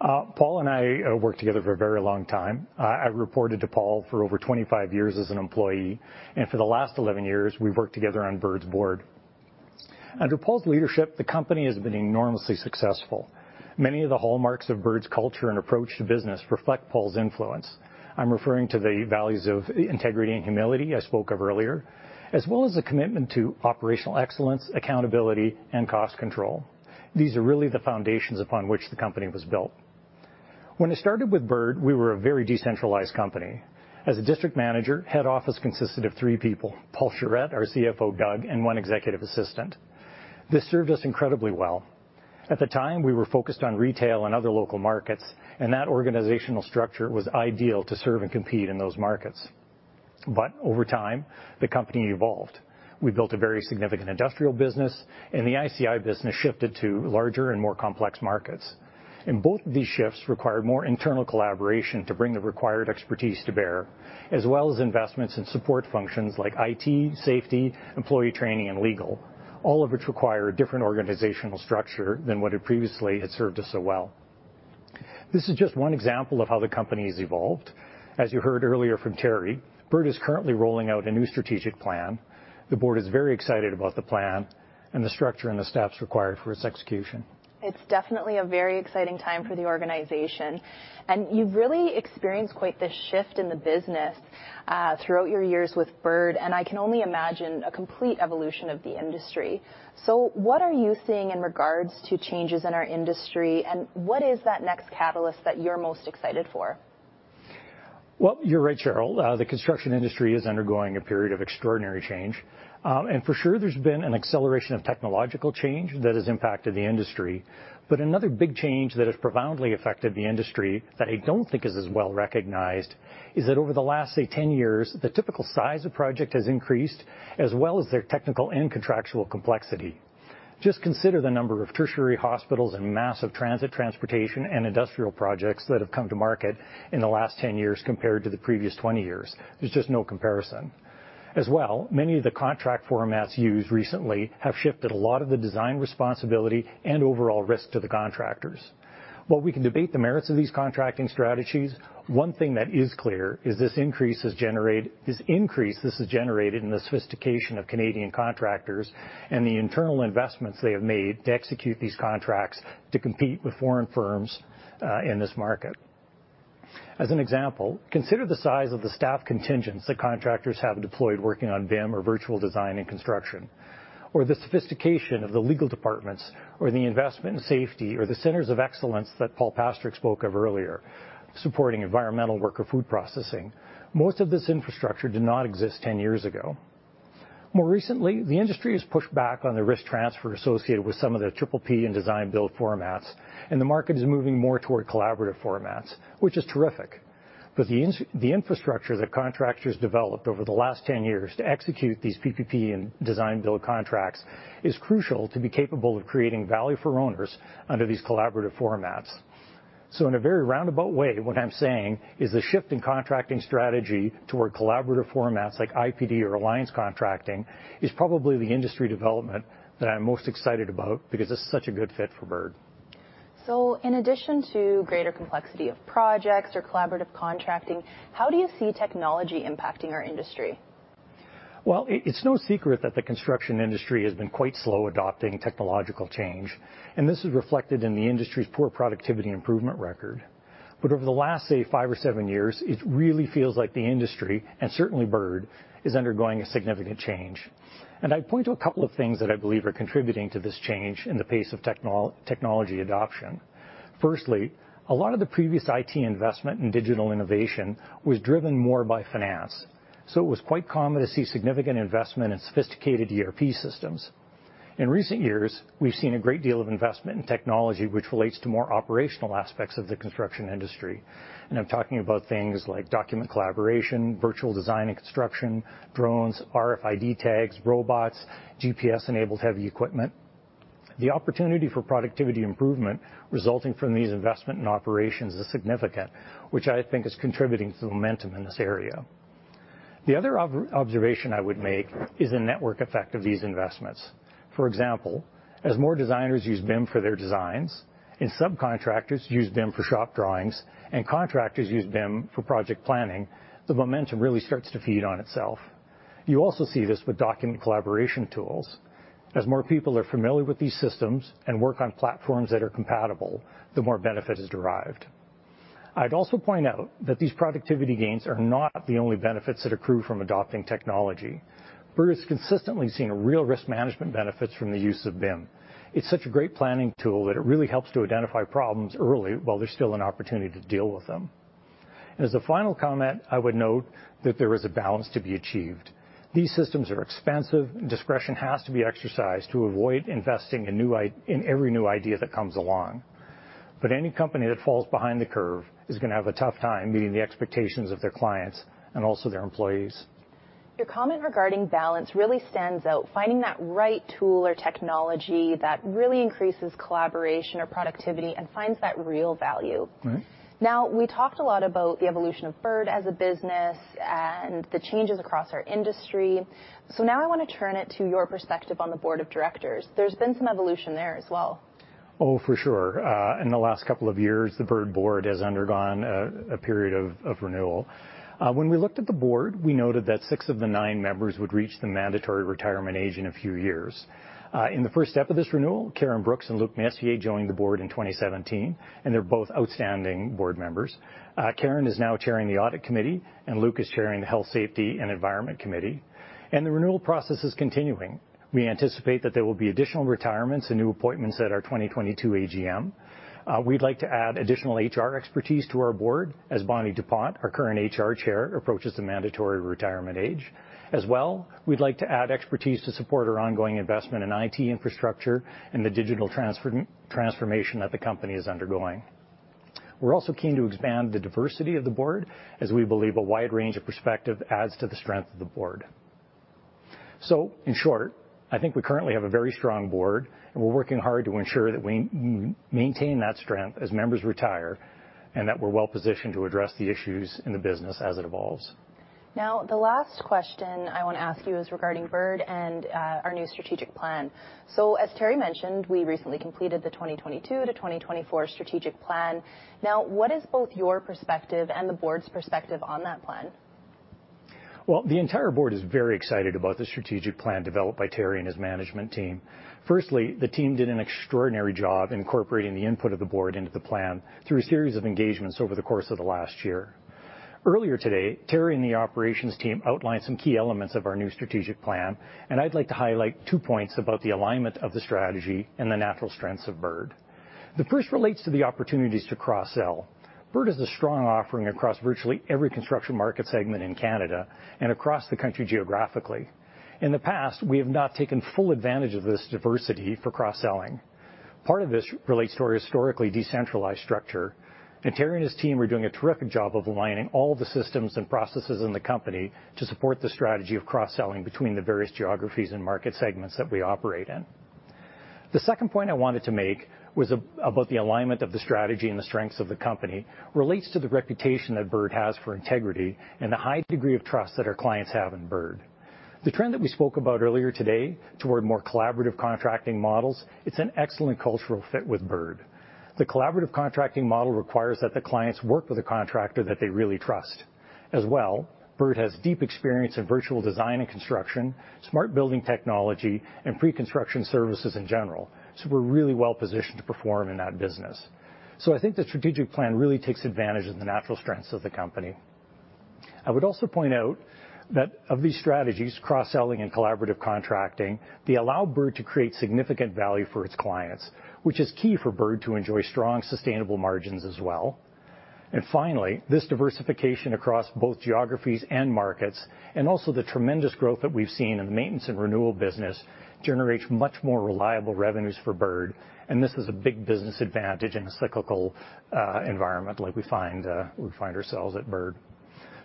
Paul and I worked together for a very long time. I reported to Paul for over 25 years as an employee, and for the last 11 years, we've worked together on Bird's board. Under Paul's leadership, the company has been enormously successful. Many of the hallmarks of Bird's culture and approach to business reflect Paul's influence. I'm referring to the values of integrity and humility I spoke of earlier, as well as a commitment to operational excellence, accountability, and cost control. These are really the foundations upon which the company was built. When I started with Bird, we were a very decentralized company. As a district manager, head office consisted of three people, Paul Charette, our CFO, Doug, and one executive assistant. This served us incredibly well. At the time, we were focused on retail and other local markets, and that organizational structure was ideal to serve and compete in those markets. Over time, the company evolved. We built a very significant industrial business, and the ICI business shifted to larger and more complex markets. Both of these shifts required more internal collaboration to bring the required expertise to bear, as well as investments in support functions like IT, safety, employee training, and legal, all of which require a different organizational structure than what had previously served us so well. This is just one example of how the company has evolved. As you heard earlier from Teri, Bird is currently rolling out a new strategic plan. The board is very excited about the plan and the structure and the steps required for its execution. It's definitely a very exciting time for the organization, and you've really experienced quite the shift in the business, throughout your years with Bird, and I can only imagine a complete evolution of the industry. What are you seeing in regards to changes in our industry, and what is that next catalyst that you're most excited for? You're right, Cheryl. The construction industry is undergoing a period of extraordinary change. For sure there's been an acceleration of technological change that has impacted the industry. Another big change that has profoundly affected the industry that I don't think is as well-recognized is that over the last, say, 10 years, the typical size of project has increased, as well as their technical and contractual complexity. Just consider the number of tertiary hospitals and massive transit, transportation, and industrial projects that have come to market in the last 10 years compared to the previous 20 years. There's just no comparison. Many of the contract formats used recently have shifted a lot of the design responsibility and overall risk to the contractors. While we can debate the merits of these contracting strategies, one thing that is clear is this increase this has generated in the sophistication of Canadian contractors and the internal investments they have made to execute these contracts to compete with foreign firms in this market. As an example, consider the size of the staff contingents that contractors have deployed working on BIM or virtual design and construction, or the sophistication of the legal departments, or the investment in safety, or the centers of excellence that Paul Pastirik spoke of earlier, supporting environmental work or food processing. Most of this infrastructure did not exist 10 years ago. More recently, the industry has pushed back on the risk transfer associated with some of the triple P and design build formats, and the market is moving more toward collaborative formats, which is terrific. The infrastructure that contractors developed over the last 10 years to execute these PPP and design build contracts is crucial to be capable of creating value for owners under these collaborative formats. In a very roundabout way, what I am saying is the shift in contracting strategy toward collaborative formats like IPD or alliance contracting is probably the industry development that I am most excited about because it is such a good fit for Bird. In addition to greater complexity of projects or collaborative contracting, how do you see technology impacting our industry? Well, it's no secret that the construction industry has been quite slow adopting technological change, and this is reflected in the industry's poor productivity improvement record. Over the last, say, 5 or 7 years, it really feels like the industry, and certainly Bird, is undergoing a significant change. I'd point to a couple of things that I believe are contributing to this change in the pace of technology adoption. Firstly, a lot of the previous IT investment in digital innovation was driven more by finance, so it was quite common to see significant investment in sophisticated ERP systems. In recent years, we've seen a great deal of investment in technology which relates to more operational aspects of the construction industry. I'm talking about things like document collaboration, virtual design and construction, drones, RFID tags, robots, GPS-enabled heavy equipment. The opportunity for productivity improvement resulting from these investment in operations is significant, which I think is contributing to the momentum in this area. The other observation I would make is the network effect of these investments. For example, as more designers use BIM for their designs, and subcontractors use BIM for shop drawings, and contractors use BIM for project planning, the momentum really starts to feed on itself. You also see this with document collaboration tools. As more people are familiar with these systems and work on platforms that are compatible, the more benefit is derived. I'd also point out that these productivity gains are not the only benefits that accrue from adopting technology. Bird has consistently seen real risk management benefits from the use of BIM. It's such a great planning tool that it really helps to identify problems early while there's still an opportunity to deal with them. As a final comment, I would note that there is a balance to be achieved. These systems are expensive, and discretion has to be exercised to avoid investing in every new idea that comes along. Any company that falls behind the curve is going to have a tough time meeting the expectations of their clients and also their employees. Your comment regarding balance really stands out. Finding that right tool or technology that really increases collaboration or productivity and finds that real value. Right. We talked a lot about the evolution of Bird as a business and the changes across our industry. Now I want to turn it to your perspective on the board of directors. There's been some evolution there as well. For sure. In the last couple of years, the Bird Board has undergone a period of renewal. When we looked at the Board, we noted that six of the nine members would reach the mandatory retirement age in a few years. In the first step of this renewal, Karyn A. Brooks and Luc Messier joined the Board in 2017, and they're both outstanding Board members. Karyn is now chairing the Audit Committee, and Luc is chairing the Health, Safety, and Environment Committee. The renewal process is continuing. We anticipate that there will be additional retirements and new appointments at our 2022 AGM. We'd like to add additional HR expertise to our Board as Bonnie DuPont, our current HR Chair, approaches the mandatory retirement age. As well, we'd like to add expertise to support our ongoing investment in IT infrastructure and the digital transformation that the company is undergoing. We're also keen to expand the diversity of the board, as we believe a wide range of perspective adds to the strength of the board. In short, I think we currently have a very strong board, and we're working hard to ensure that we maintain that strength as members retire, and that we're well-positioned to address the issues in the business as it evolves. The last question I want to ask you is regarding Bird and our new strategic plan. As Teri mentioned, we recently completed the 2022-2024 strategic plan. What is both your perspective and the board's perspective on that plan? Well, the entire board is very excited about the strategic plan developed by Teri and his management team. Firstly, the team did an extraordinary job incorporating the input of the board into the plan through a series of engagements over the course of the last year. Earlier today, Teri and the operations team outlined some key elements of our new strategic plan, and I'd like to highlight two points about the alignment of the strategy and the natural strengths of Bird. The first relates to the opportunities to cross-sell. Bird has a strong offering across virtually every construction market segment in Canada and across the country geographically. In the past, we have not taken full advantage of this diversity for cross-selling. Part of this relates to our historically decentralized structure, and Teri and his team are doing a terrific job of aligning all the systems and processes in the company to support the strategy of cross-selling between the various geographies and market segments that we operate in. The second point I wanted to make was about the alignment of the strategy and the strengths of the company relates to the reputation that Bird has for integrity and the high degree of trust that our clients have in Bird. The trend that we spoke about earlier today toward more collaborative contracting models, it's an excellent cultural fit with Bird. The collaborative contracting model requires that the clients work with a contractor that they really trust. As well, Bird has deep experience in virtual design and construction, smart building technology, and pre-construction services in general. We're really well-positioned to perform in that business. I think the strategic plan really takes advantage of the natural strengths of the company. I would also point out that of these strategies, cross-selling and collaborative contracting, they allow Bird to create significant value for its clients, which is key for Bird to enjoy strong, sustainable margins as well. Finally, this diversification across both geographies and markets, and also the tremendous growth that we've seen in the maintenance and renewal business, generates much more reliable revenues for Bird, and this is a big business advantage in a cyclical environment like we find ourselves at Bird.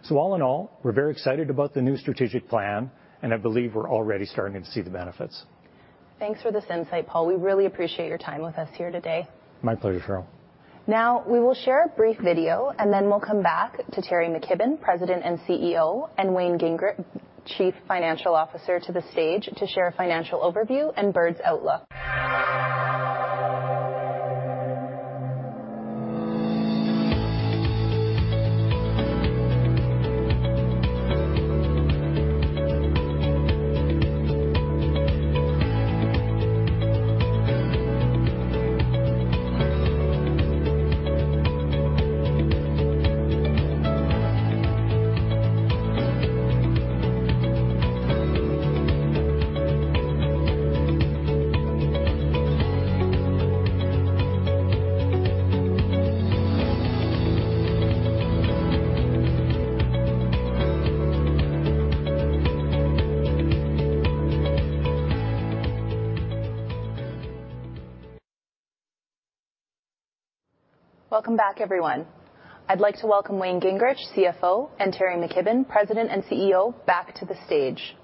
All in all, we're very excited about the new strategic plan, and I believe we're already starting to see the benefits. Thanks for this insight, Paul. We really appreciate your time with us here today. My pleasure, Cheryl. Now, we will share a brief video, and then we'll come back to Teri McKibbon, President and Chief Executive Officer, and Wayne Gingrich, Chief Financial Officer, to the stage to share a financial overview and Bird's outlook. Welcome back, everyone. I'd like to welcome Wayne Gingrich, Chief Financial Officer, and Terrance McKibbon, President and Chief Executive Officer, back to the stage.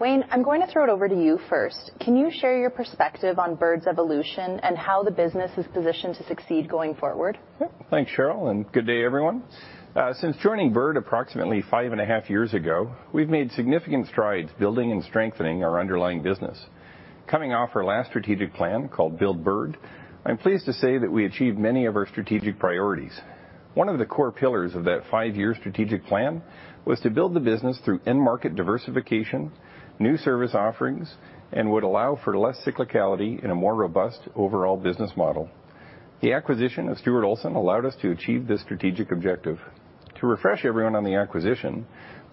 Wayne, I'm going to throw it over to you first. Can you share your perspective on Bird's evolution and how the business is positioned to succeed going forward? Yeah. Thanks, Cheryl. Good day, everyone. Since joining Bird approximately 5.5 years ago, we've made significant strides building and strengthening our underlying business. Coming off our last strategic plan called Build Bird, I'm pleased to say that we achieved many of our strategic priorities. One of the core pillars of that 5-year strategic plan was to build the business through end-market diversification, new service offerings, and would allow for less cyclicality in a more robust overall business model. The acquisition of Stuart Olson allowed us to achieve this strategic objective. To refresh everyone on the acquisition,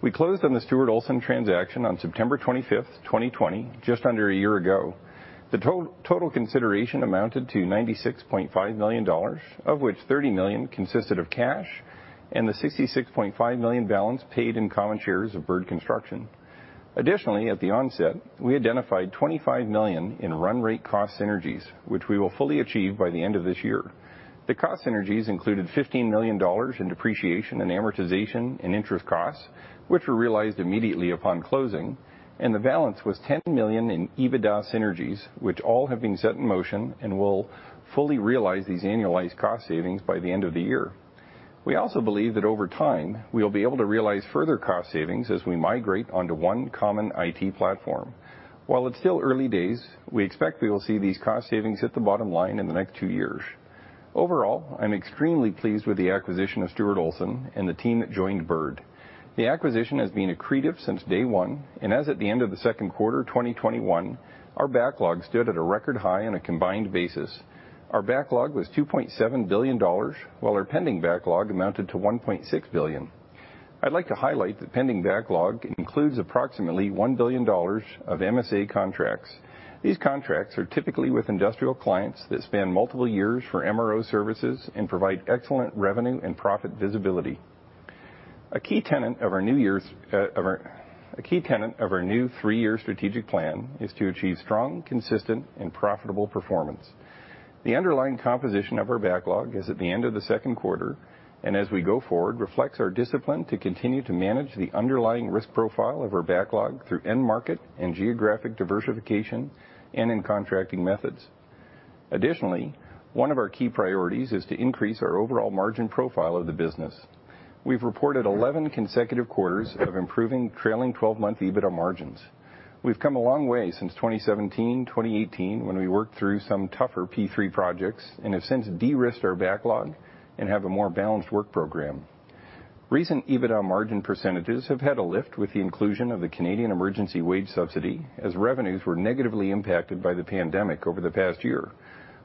we closed on the Stuart Olson transaction on September 25, 2020, just under a year ago. The total consideration amounted to 96.5 million dollars, of which 30 million consisted of cash, and the 66.5 million balance paid in common shares of Bird Construction. Additionally, at the onset, we identified 25 million in run rate cost synergies, which we will fully achieve by the end of this year. The cost synergies included 15 million dollars in depreciation and amortization and interest costs, which were realized immediately upon closing, and the balance was 10 million in EBITDA synergies, which all have been set in motion and will fully realize these annualized cost savings by the end of the year. We also believe that over time, we will be able to realize further cost savings as we migrate onto one common IT platform. While it's still early days, we expect we will see these cost savings hit the bottom line in the next two years. Overall, I'm extremely pleased with the acquisition of Stuart Olson and the team that joined Bird. The acquisition has been accretive since day one, and as at the end of the second quarter 2021, our backlog stood at a record high on a combined basis. Our backlog was 2.7 billion dollars, while our pending backlog amounted to 1.6 billion. I'd like to highlight that pending backlog includes approximately 1 billion dollars of MSA contracts. These contracts are typically with industrial clients that span multiple years for MRO services and provide excellent revenue and profit visibility. A key tenet of our new three-year strategic plan is to achieve strong, consistent, and profitable performance. The underlying composition of our backlog is at the end of the second quarter, and as we go forward, reflects our discipline to continue to manage the underlying risk profile of our backlog through end market and geographic diversification and in contracting methods. Additionally, one of our key priorities is to increase our overall margin profile of the business. We've reported 11 consecutive quarters of improving trailing 12-month EBITDA margins. We've come a long way since 2017, 2018, when we worked through some tougher P3 projects and have since de-risked our backlog and have a more balanced work program. Recent EBITDA margin % have had a lift with the inclusion of the Canada Emergency Wage Subsidy as revenues were negatively impacted by the pandemic over the past year.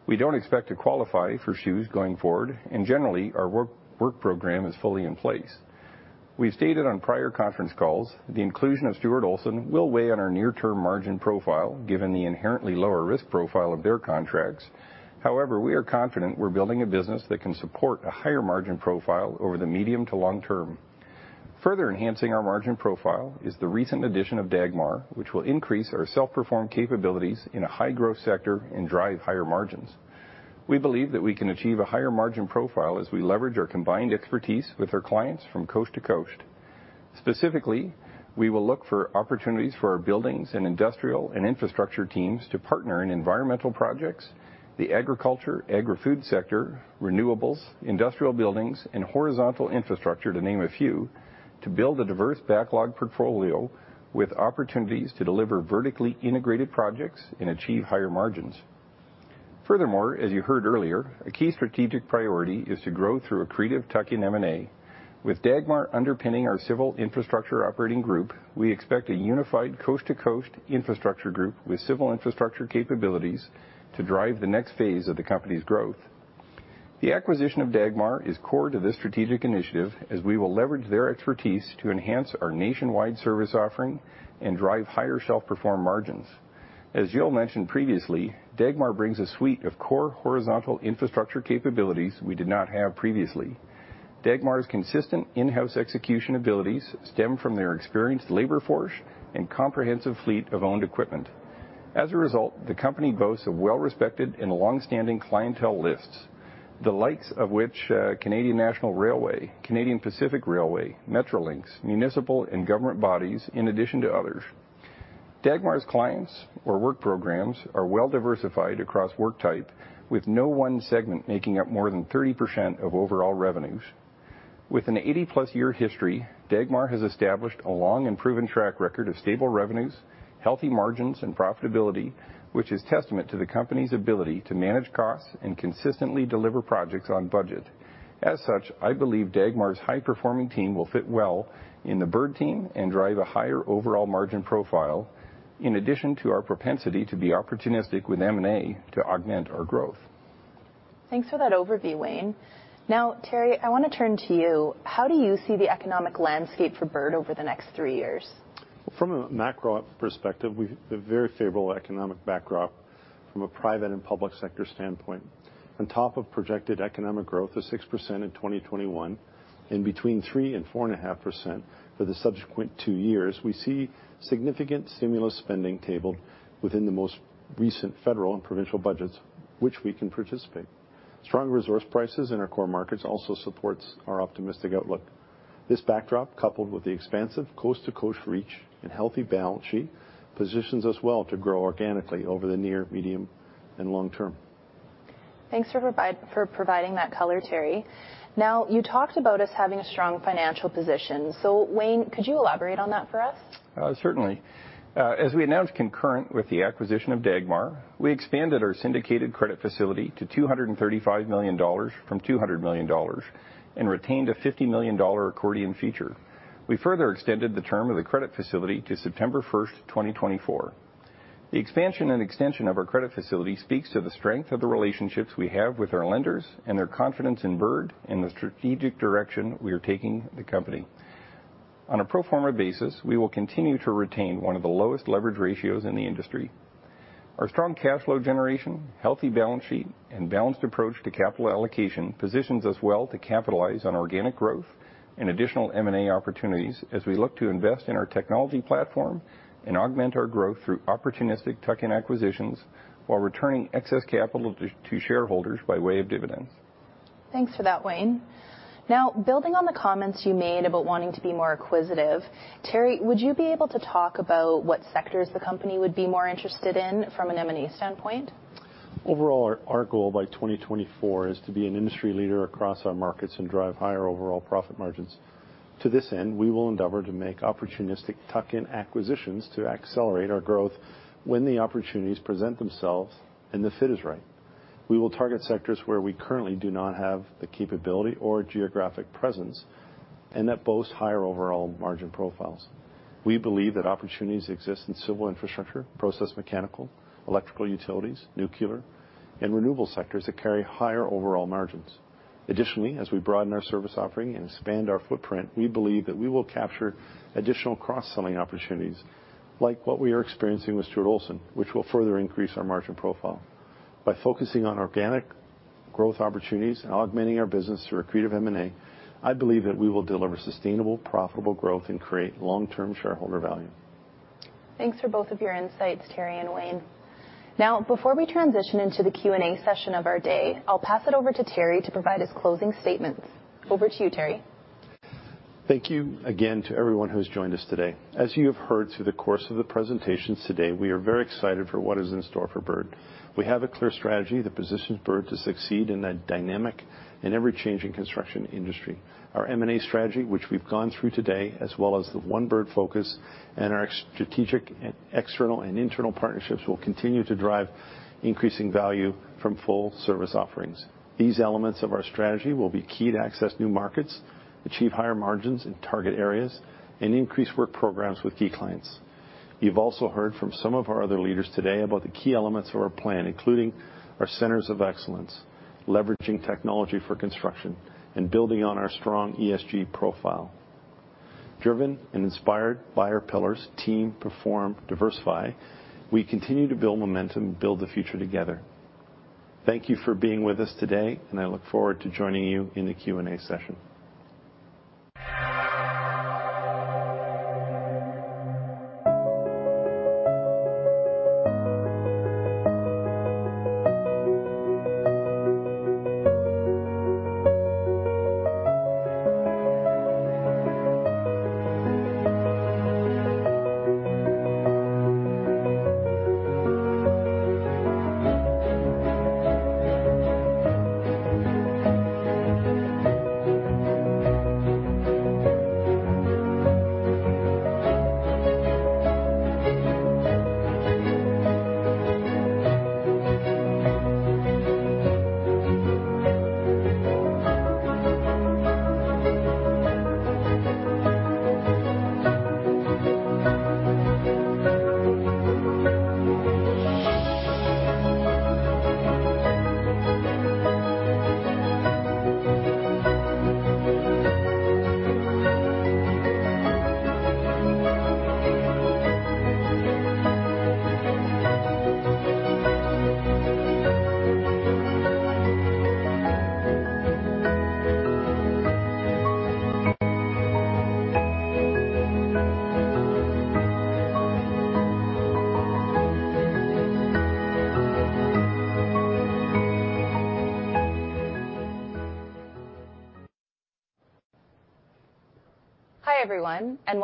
We don't expect to qualify for CEWS going forward, and generally, our work program is fully in place. We've stated on prior conference calls that the inclusion of Stuart Olson will weigh on our near-term margin profile, given the inherently lower risk profile of their contracts. We are confident we're building a business that can support a higher margin profile over the medium to long term. Further enhancing our margin profile is the recent addition of Dagmar, which will increase our self-perform capabilities in a high-growth sector and drive higher margins. We believe that we can achieve a higher margin profile as we leverage our combined expertise with our clients from coast to coast. Specifically, we will look for opportunities for our buildings and industrial and infrastructure teams to partner in environmental projects, the agriculture, agri-food sector, renewables, industrial buildings, and horizontal infrastructure, to name a few, to build a diverse backlog portfolio with opportunities to deliver vertically integrated projects and achieve higher margins. As you heard earlier, a key strategic priority is to grow through accretive tuck-in M&A. With Dagmar underpinning our civil infrastructure operating group, we expect a unified coast-to-coast infrastructure group with civil infrastructure capabilities to drive the next phase of the company's growth. The acquisition of Dagmar is core to this strategic initiative, as we will leverage their expertise to enhance our nationwide service offering and drive higher self-perform margins. As Gill mentioned previously, Dagmar brings a suite of core horizontal infrastructure capabilities we did not have previously. Dagmar's consistent in-house execution abilities stem from their experienced labor force and comprehensive fleet of owned equipment. As a result, the company boasts a well-respected and longstanding clientele lists, the likes of which are Canadian National Railway, Canadian Pacific Railway, Metrolinx, municipal and government bodies, in addition to others. Dagmar's clients or work programs are well diversified across work type, with no one segment making up more than 30% of overall revenues. With an 80+ year history, Dagmar has established a long and proven track record of stable revenues, healthy margins, and profitability, which is testament to the company's ability to manage costs and consistently deliver projects on budget. As such, I believe Dagmar's high-performing team will fit well in the Bird team and drive a higher overall margin profile, in addition to our propensity to be opportunistic with M&A to augment our growth. Thanks for that overview, Wayne. Now, Teri, I want to turn to you. How do you see the economic landscape for Bird over the next 3 years? Well, from a macro perspective, we've a very favorable economic backdrop from a private and public sector standpoint. On top of projected economic growth of 6% in 2021 and between 3% and 4.5% for the subsequent 2 years, we see significant stimulus spending tabled within the most recent federal and provincial budgets, which we can participate. Strong resource prices in our core markets also support our optimistic outlook. This backdrop, coupled with the expansive coast-to-coast reach and healthy balance sheet, positions us well to grow organically over the near, medium, and long term. Thanks for providing that color, Teri. Now, you talked about us having a strong financial position. Wayne, could you elaborate on that for us? Certainly. As we announced concurrent with the acquisition of Dagmar, we expanded our syndicated credit facility to 235 million dollars from 200 million dollars and retained a 50 million dollar accordion feature. We further extended the term of the credit facility to September 1st, 2024. The expansion and extension of our credit facility speaks to the strength of the relationships we have with our lenders and their confidence in Bird and the strategic direction we are taking the company. On a pro forma basis, we will continue to retain one of the lowest leverage ratios in the industry. Our strong cash flow generation, healthy balance sheet, and balanced approach to capital allocation positions us well to capitalize on organic growth and additional M&A opportunities as we look to invest in our technology platform and augment our growth through opportunistic tuck-in acquisitions while returning excess capital to shareholders by way of dividends. Thanks for that, Wayne. Building on the comments you made about wanting to be more acquisitive, Teri, would you be able to talk about what sectors the company would be more interested in from an M&A standpoint? Overall, our goal by 2024 is to be an industry leader across our markets and drive higher overall profit margins. To this end, we will endeavor to make opportunistic tuck-in acquisitions to accelerate our growth when the opportunities present themselves and the fit is right. We will target sectors where we currently do not have the capability or geographic presence, and that boast higher overall margin profiles. We believe that opportunities exist in civil infrastructure, process mechanical, electrical utilities, nuclear, and renewable sectors that carry higher overall margins. Additionally, as we broaden our service offering and expand our footprint, we believe that we will capture additional cross-selling opportunities like what we are experiencing with Stuart Olson, which will further increase our margin profile. By focusing on organic growth opportunities and augmenting our business through accretive M&A, I believe that we will deliver sustainable, profitable growth and create long-term shareholder value. Thanks for both of your insights, Teri and Wayne. Now, before we transition into the Q&A session of our day, I'll pass it over to Teri to provide his closing statements. Over to you, Teri. Thank you again to everyone who's joined us today. As you have heard through the course of the presentations today, we are very excited for what is in store for Bird. We have a clear strategy that positions Bird to succeed in a dynamic and ever-changing construction industry. Our M&A strategy, which we've gone through today, as well as the One Bird focus and our strategic external and internal partnerships, will continue to drive increasing value from full service offerings. These elements of our strategy will be key to access new markets, achieve higher margins in target areas, and increase work programs with key clients. You've also heard from some of our other leaders today about the key elements of our plan, including our centers of excellence, leveraging technology for construction, and building on our strong ESG profile. Driven and inspired by our pillars, team, perform, diversify, we continue to build momentum and build the future together. Thank you for being with us today, and I look forward to joining you in the Q&A session.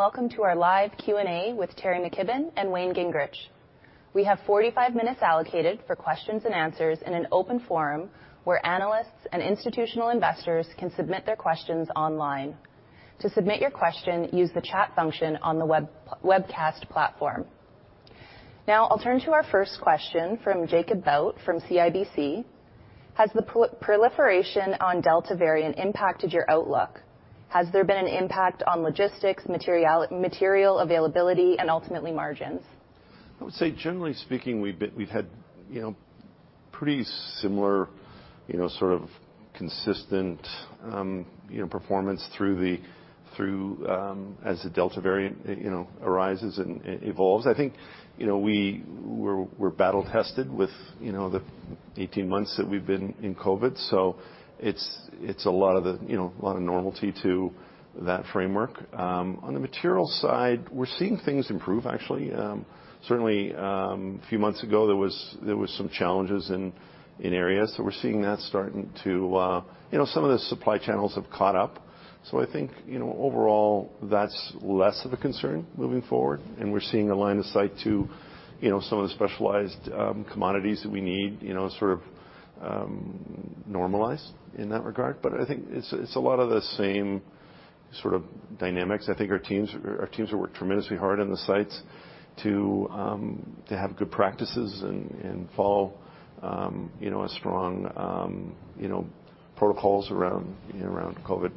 Hi, everyone. Welcome to our live Q&A with Teri McKibbon and Wayne Gingrich. We have 45 minutes allocated for questions and answers in an open forum where analysts and institutional investors can submit their questions online. To submit your question, use the chat function on the webcast platform. I'll turn to our first question from Jacob Bout from CIBC. Has the proliferation on Delta variant impacted your outlook? Has there been an impact on logistics, material availability, and ultimately margins? I would say generally speaking, we've had pretty similar, consistent performance as the Delta variant arises and evolves. I think we're battle tested with the 18 months that we've been in COVID. It's a lot of normality to that framework. On the materials side, we're seeing things improve, actually. Certainly, a few months ago, there was some challenges in areas. We're seeing that starting to. Some of the supply channels have caught up. I think, overall, that's less of a concern moving forward, and we're seeing a line of sight to some of the specialized commodities that we need sort of normalize in that regard. I think it's a lot of the same sort of dynamics. I think our teams have worked tremendously hard on the sites to have good practices and follow strong protocols around COVID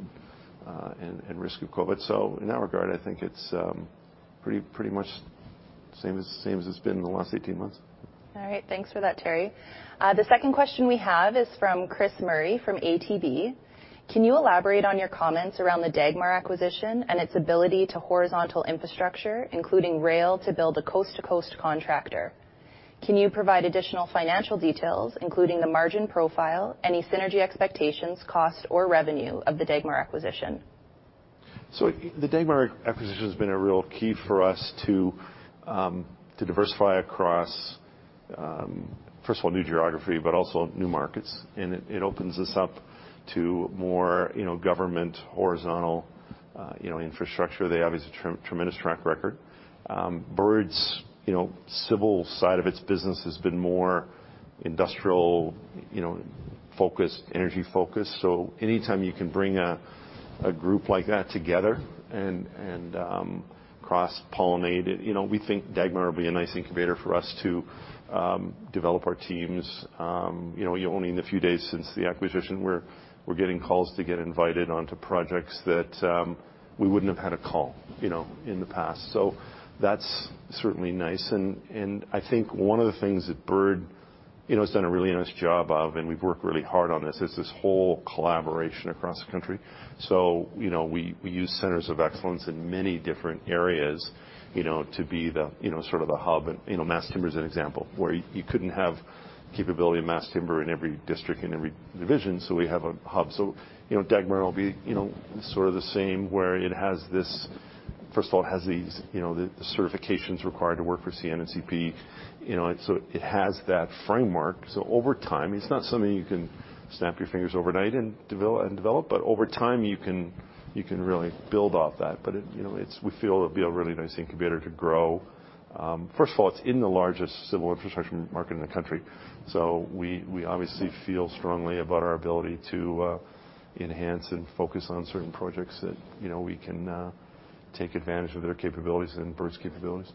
and risk of COVID. In that regard, I think it's pretty much the same as it's been in the last 18 months. All right. Thanks for that, Teri. The second question we have is from Chris Murray from ATB. Can you elaborate on your comments around the Dagmar acquisition and its ability to horizontal infrastructure, including rail, to build a coast-to-coast contractor? Can you provide additional financial details, including the margin profile, any synergy expectations, cost, or revenue of the Dagmar acquisition? The Dagmar acquisition has been a real key for us to diversify across, first of all, new geography, but also new markets. It opens us up to more government horizontal infrastructure. They have a tremendous track record. Bird Construction's civil side of its business has been more industrial-focused, energy-focused. Anytime you can bring a group like that together and cross-pollinate it, we think Dagmar will be a nice incubator for us to develop our teams. Only in the few days since the acquisition, we're getting calls to get invited onto projects that we wouldn't have had a call in the past. That's certainly nice, and I think one of the things that Bird Construction has done a really nice job of, and we've worked really hard on this, is this whole collaboration across the country. We use centers of excellence in many different areas to be the sort of the hub. Mass timber is an example, where you couldn't have capability of mass timber in every district and every division, so we have a hub. Dagmar will be sort of the same, where it, first of all, has these certifications required to work for CN and CP. It has that framework. Over time, it's not something you can snap your fingers overnight and develop, but over time, you can really build off that. We feel it'll be a really nice incubator to grow. First of all, it's in the largest civil infrastructure market in the country. We obviously feel strongly about our ability to enhance and focus on certain projects that we can take advantage of their capabilities and Bird's capabilities.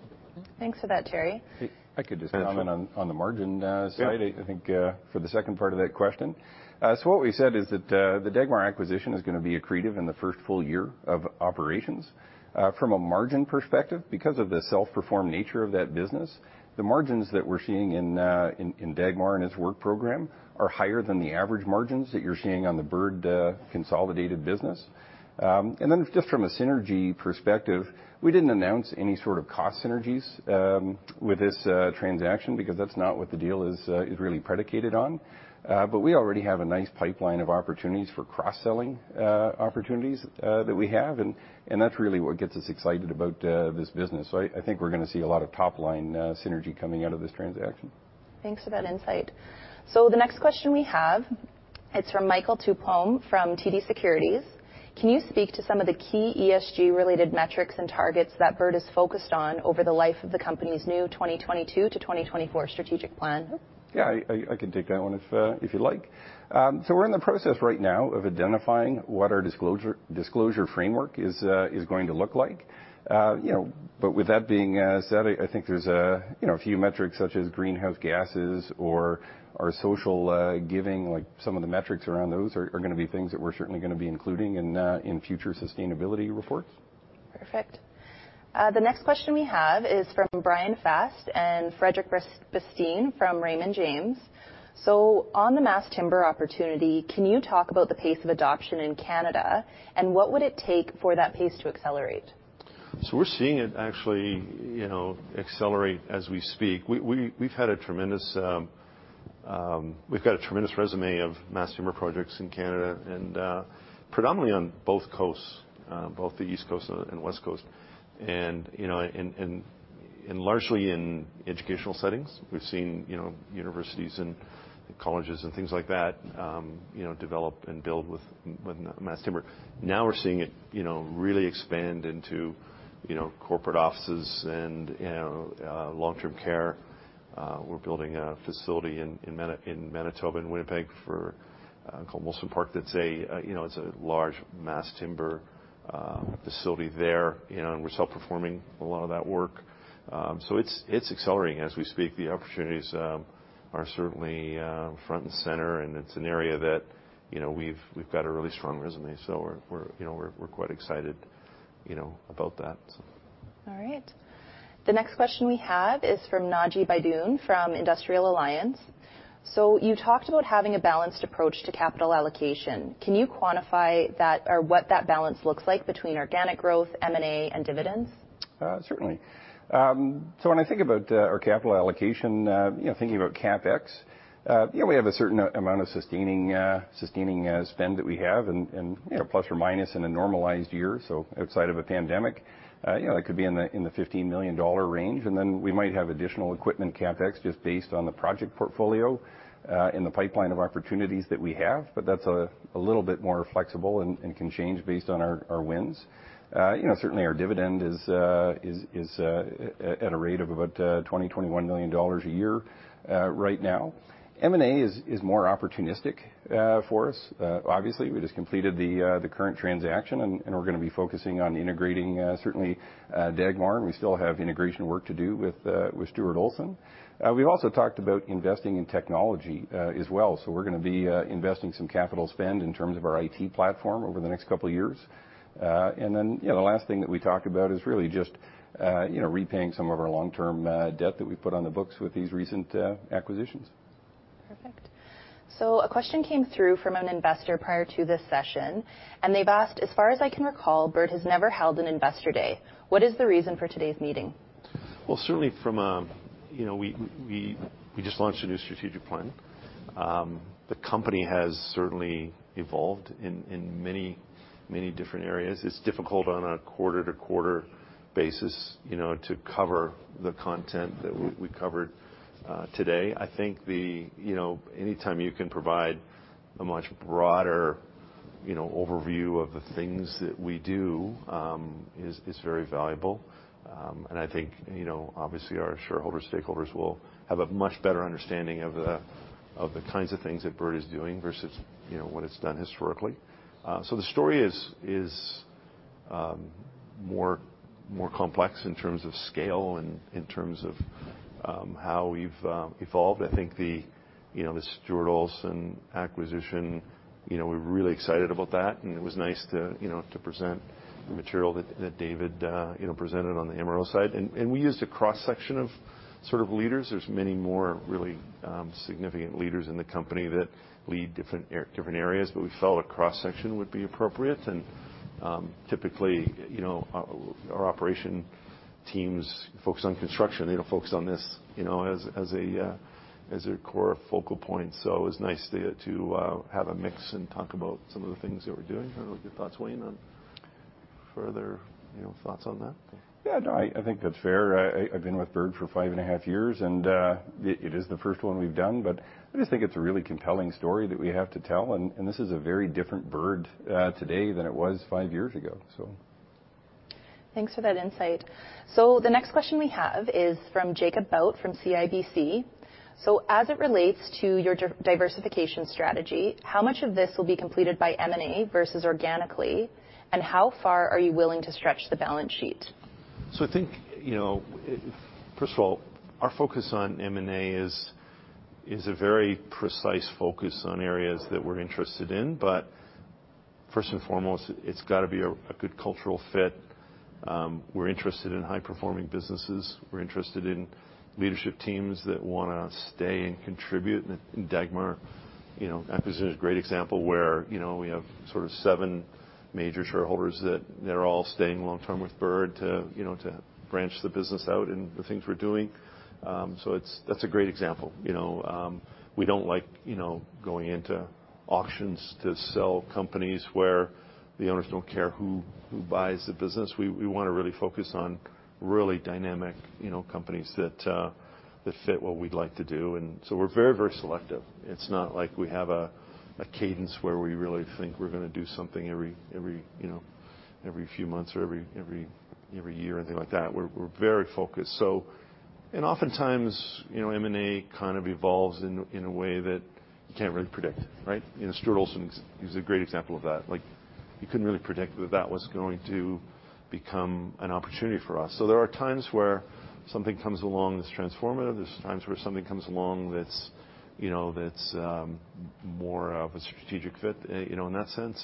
Thanks for that, Teri. I could just comment on the margin side. Yeah I think, for the second part of that question. What we said is that the Dagmar acquisition is going to be accretive in the first full year of operations. From a margin perspective, because of the self-performed nature of that business, the margins that we're seeing in Dagmar and its work program are higher than the average margins that you're seeing on the Bird consolidated business. Then just from a synergy perspective, we didn't announce any sort of cost synergies with this transaction because that's not what the deal is really predicated on. We already have a nice pipeline of opportunities for cross-selling opportunities that we have, and that's really what gets us excited about this business. I think we're going to see a lot of top-line synergy coming out of this transaction. Thanks for that insight. The next question we have, it's from Michael Tupholme from TD Securities. Can you speak to some of the key ESG-related metrics and targets that Bird is focused on over the life of the company's new 2022 to 2024 strategic plan? Yeah, I can take that one if you'd like. We're in the process right now of identifying what our disclosure framework is going to look like. With that being said, I think there's a few metrics such as greenhouse gases or our social giving, like some of the metrics around those are going to be things that we're certainly going to be including in future sustainability reports. Perfect. The next question we have is from Bryan Fast and Frederic Bastien from Raymond James. On the mass timber opportunity, can you talk about the pace of adoption in Canada, and what would it take for that pace to accelerate? We're seeing it actually accelerate as we speak. We've got a tremendous resume of mass timber projects in Canada, and predominantly on both coasts, both the East Coast and West Coast, and largely in educational settings. We've seen universities and colleges and things like that develop and build with mass timber. We're seeing it really expand into corporate offices and long-term care. We're building a facility in Manitoba, in Winnipeg, called Wilson Park, that's a large mass timber facility there, and we're self-performing a lot of that work. It's accelerating as we speak. The opportunities are certainly front and center, and it's an area that we've got a really strong resume. We're quite excited about that. All right. The next question we have is from Naji Baidoun from Industrial Alliance. You talked about having a balanced approach to capital allocation. Can you quantify what that balance looks like between organic growth, M&A, and dividends? Certainly. When I think about our capital allocation, thinking about CapEx, we have a certain amount of sustaining spend that we have and plus or minus in a normalized year, so outside of a pandemic. It could be in the 15 million dollar range, and then we might have additional equipment CapEx just based on the project portfolio in the pipeline of opportunities that we have. That's a little bit more flexible and can change based on our wins. Certainly, our dividend is at a rate of about 20 million dollars, CAD 21 million a year right now. M&A is more opportunistic for us. Obviously, we just completed the current transaction, and we're going to be focusing on integrating certainly Dagmar, and we still have integration work to do with Stuart Olson. We've also talked about investing in technology as well. We're going to be investing some capital spend in terms of our IT platform over the next couple of years. The last thing that we talked about is really just repaying some of our long-term debt that we put on the books with these recent acquisitions. Perfect. A question came through from an investor prior to this session, and they've asked, "As far as I can recall, Bird has never held an investor day. What is the reason for today's meeting? Well, certainly, we just launched a new strategic plan. The company has certainly evolved in many different areas. It's difficult on a quarter-to-quarter basis to cover the content that we covered today. I think any time you can provide a much broader overview of the things that we do is very valuable. I think, obviously, our shareholder stakeholders will have a much better understanding of the kinds of things that Bird is doing versus what it's done historically. The story is more complex in terms of scale and in terms of how we've evolved. I think the Stuart Olson acquisition, we're really excited about that, and it was nice to present the material that David presented on the MRO side. We used a cross-section of sort of leaders. There's many more really significant leaders in the company that lead different areas, but we felt a cross-section would be appropriate. Typically, our operation teams focus on construction. They don't focus on this as a core focal point. It was nice to have a mix and talk about some of the things that we're doing. I don't know your thoughts, Wayne, on further thoughts on that. Yeah, no, I think that's fair. I've been with Bird for five and a half years, and it is the first one we've done, but I just think it's a really compelling story that we have to tell, and this is a very different Bird today than it was five years ago. Thanks for that insight. The next question we have is from Jacob Bout from CIBC. As it relates to your diversification strategy, how much of this will be completed by M&A versus organically, and how far are you willing to stretch the balance sheet? I think, first of all, our focus on M&A is a very precise focus on areas that we're interested in. First and foremost, it's got to be a good cultural fit. We're interested in high-performing businesses. We're interested in leadership teams that want to stay and contribute, and Dagmar, that position is a great example where we have sort of seven major shareholders that they're all staying long-term with Bird to branch the business out and the things we're doing. That's a great example. We don't like going into auctions to sell companies where the owners don't care who buys the business. We want to really focus on really dynamic companies that fit what we'd like to do, and so we're very selective. It's not like we have a cadence where we really think we're going to do something every few months or every year or anything like that. We're very focused. Oftentimes, M&A kind of evolves in a way that you can't really predict, right? Stuart Olson is a great example of that. You couldn't really predict that that was going to become an opportunity for us. There are times where something comes along that's transformative. There's times where something comes along that's more of a strategic fit in that sense.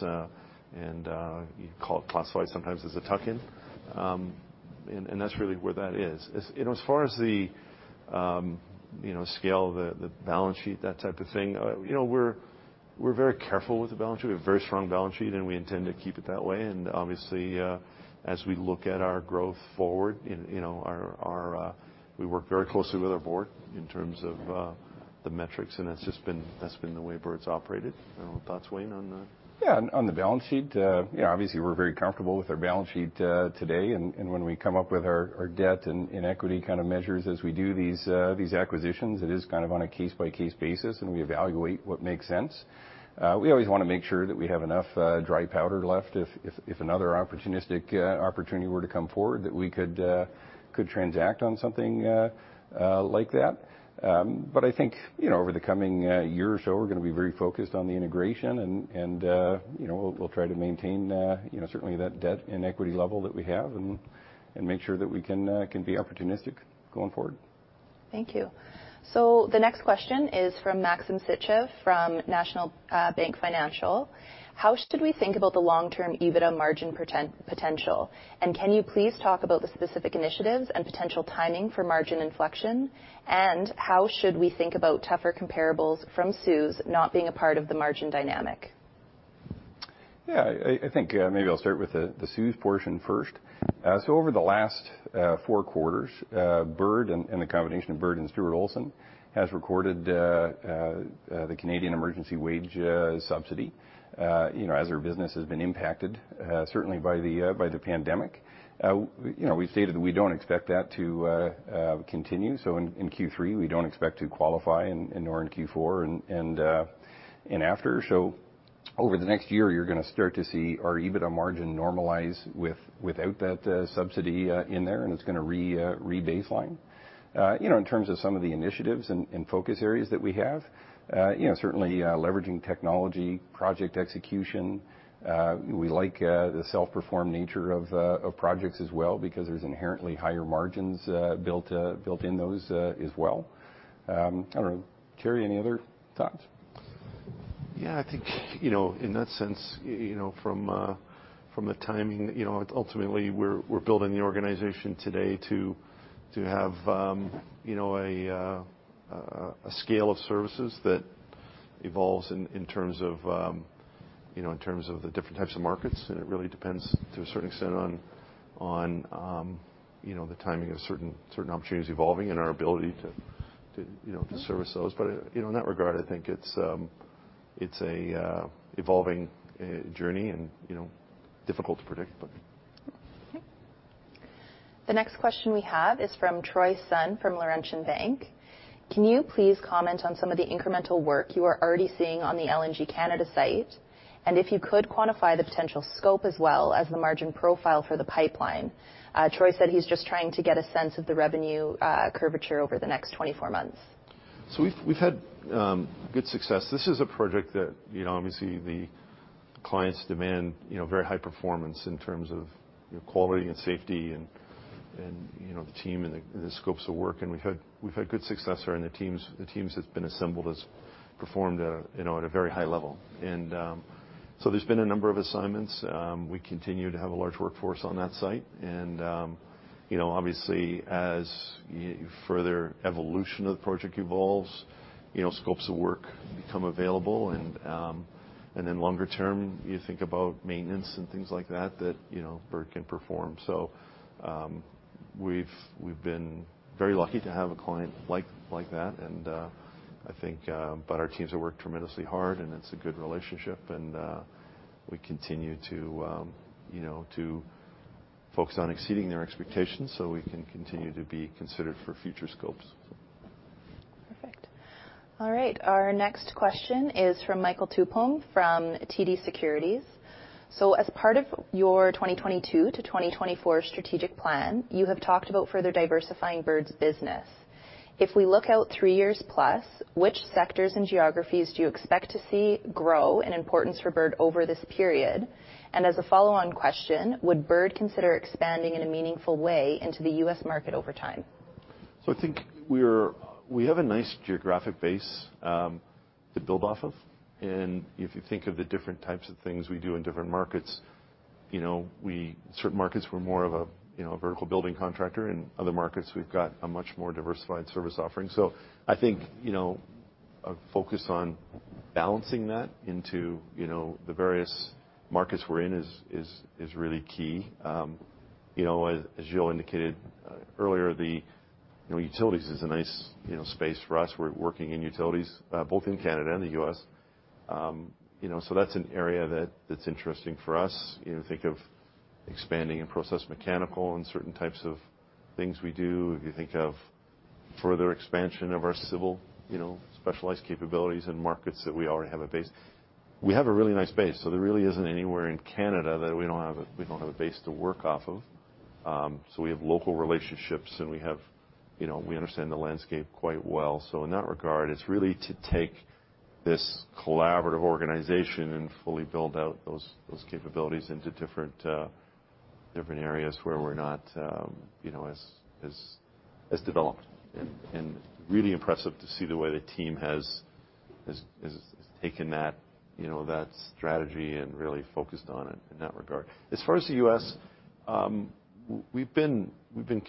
You call it classified sometimes as a tuck-in, and that's really where that is. As far as the scale of the balance sheet, that type of thing, we're very careful with the balance sheet. We have a very strong balance sheet, and we intend to keep it that way. Obviously, as we look at our growth forward, we work very closely with our board in terms of the metrics, and that's been the way Bird's operated. Thoughts, Wayne, on that? Yeah. On the balance sheet, obviously, we're very comfortable with our balance sheet today. When we come up with our debt and equity kind of measures as we do these acquisitions, it is kind of on a case-by-case basis, and we evaluate what makes sense. We always want to make sure that we have enough dry powder left if another opportunistic opportunity were to come forward that we could transact on something like that. I think, over the coming one year or so, we're going to be very focused on the integration and we'll try to maintain certainly that debt and equity level that we have and make sure that we can be opportunistic going forward. Thank you. The next question is from Maxim Sytchev from National Bank Financial. How should we think about the long-term EBITDA margin potential? Can you please talk about the specific initiatives and potential timing for margin inflection? How should we think about tougher comparables from CEWS not being a part of the margin dynamic? I think maybe I'll start with the CEWS portion first. Over the last four quarters, Bird, and the combination of Bird and Stuart Olson, has recorded the Canada Emergency Wage Subsidy as our business has been impacted, certainly by the pandemic. We've stated that we don't expect that to continue. In Q3, we don't expect to qualify, and nor in Q4 and after. Over the next year, you're going to start to see our EBITDA margin normalize without that subsidy in there, and it's going to re-baseline. In terms of some of the initiatives and focus areas that we have, certainly leveraging technology, project execution. We like the self-perform nature of projects as well because there's inherently higher margins built in those as well. I don't know. Teri, any other thoughts? Yeah. I think, in that sense, from the timing, ultimately, we're building the organization today to have a scale of services that evolves in terms of the different types of markets. It really depends, to a certain extent, on the timing of certain opportunities evolving and our ability to service those. In that regard, I think it's an evolving journey and difficult to predict. Okay. The next question we have is from Troy Sun from Laurentian Bank. Can you please comment on some of the incremental work you are already seeing on the LNG Canada site? If you could quantify the potential scope as well as the margin profile for the pipeline. Troy said he's just trying to get a sense of the revenue curvature over the next 24 months. We've had good success. This is a project that, obviously, the clients demand very high performance in terms of quality and safety and the team and the scopes of work. We've had good success there, and the teams that's been assembled has performed at a very high level. There's been a number of assignments. We continue to have a large workforce on that site. Obviously, as further evolution of the project evolves, scopes of work become available. Longer term, you think about maintenance and things like that that Bird can perform. We've been very lucky to have a client like that. Our teams have worked tremendously hard, and it's a good relationship. We continue to focus on exceeding their expectations so we can continue to be considered for future scopes. Perfect. All right. Our next question is from Michael Tupholme from TD Securities. As part of your 2022 to 2024 strategic plan, you have talked about further diversifying Bird's business. If we look out three years plus, which sectors and geographies do you expect to see grow in importance for Bird over this period? As a follow-on question, would Bird consider expanding in a meaningful way into the U.S. market over time? I think we have a nice geographic base to build off of. If you think of the different types of things we do in different markets, certain markets we're more of a vertical building contractor. In other markets, we've got a much more diversified service offering. I think, a focus on balancing that into the various markets we're in is really key. As Gill indicated earlier, the utilities is a nice space for us. We're working in utilities both in Canada and the U.S. That's an area that's interesting for us. Think of expanding in process mechanical and certain types of things we do. If you think of further expansion of our civil specialized capabilities in markets that we already have a base. We have a really nice base. There really isn't anywhere in Canada that we don't have a base to work off of. We have local relationships, and we understand the landscape quite well. In that regard, it's really to take this collaborative organization and fully build out those capabilities into different areas where we're not as developed. Really impressive to see the way the team has taken that strategy and really focused on it in that regard. As far as the U.S., we've been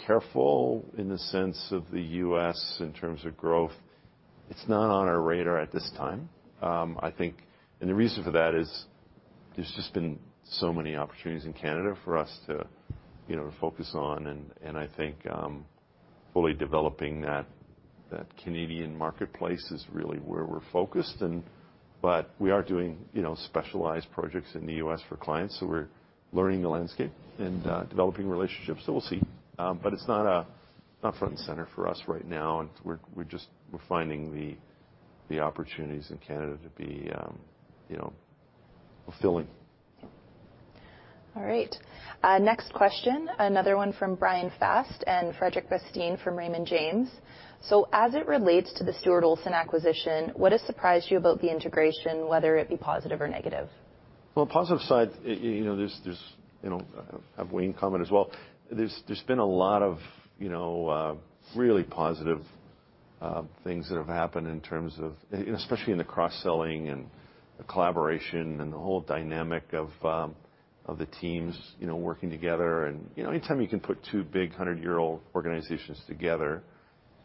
careful in the sense of the U.S. in terms of growth. It's not on our radar at this time. The reason for that is there's just been so many opportunities in Canada for us to focus on. I think fully developing that Canadian marketplace is really where we're focused. We are doing specialized projects in the U.S. for clients. We're learning the landscape and developing relationships. We'll see. It's not front and center for us right now. We're finding the opportunities in Canada to be fulfilling. All right. Next question, another one from Brian Fast and Frederic Bastien from Raymond James. As it relates to the Stuart Olson acquisition, what has surprised you about the integration, whether it be positive or negative? Well, on the positive side, I'll have Wayne comment as well. There's been a lot of really positive things that have happened, especially in the cross-selling and the collaboration and the whole dynamic of the teams working together. Anytime you can put two big 100-year-old organizations together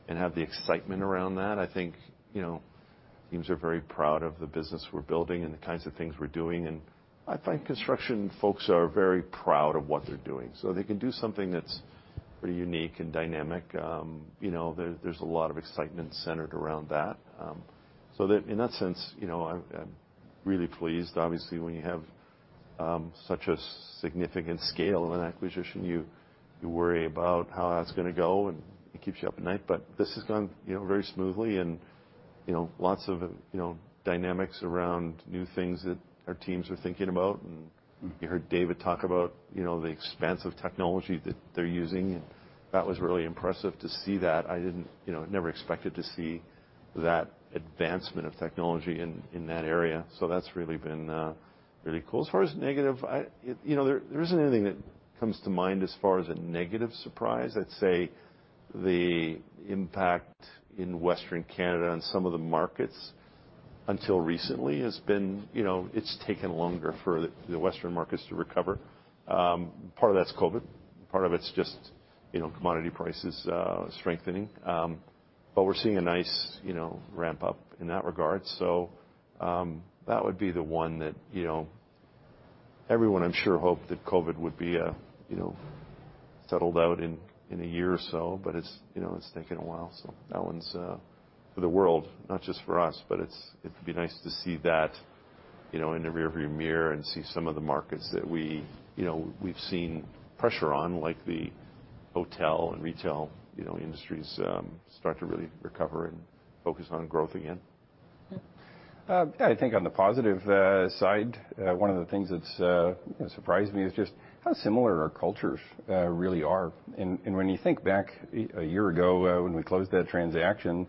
and have the excitement around that, I think teams are very proud of the business we're building and the kinds of things we're doing. I find construction folks are very proud of what they're doing. They can do something that's pretty unique and dynamic. There's a lot of excitement centered around that. In that sense, I'm really pleased. Obviously, when you have such a significant scale of an acquisition, you worry about how that's going to go, and it keeps you up at night. This has gone very smoothly and lots of dynamics around new things that our teams are thinking about. You heard David talk about the expanse of technology that they're using, and that was really impressive to see that. I never expected to see that advancement of technology in that area. That's really been really cool. As far as negative, there isn't anything that comes to mind as far as a negative surprise. I'd say the impact in Western Canada on some of the markets, until recently, it's taken longer for the Western markets to recover. Part of that's COVID. Part of it's just commodity prices strengthening. We're seeing a nice ramp-up in that regard. That would be the one that everyone, I'm sure, hoped that COVID would be settled out in a year or so, but it's taken a while. That one's for the world, not just for us, but it'd be nice to see that in the rear view mirror and see some of the markets that we've seen pressure on, like the hotel and retail industries, start to really recover and focus on growth again. Yeah. I think on the positive side, one of the things that's surprised me is just how similar our cultures really are. When you think back a year ago, when we closed that transaction,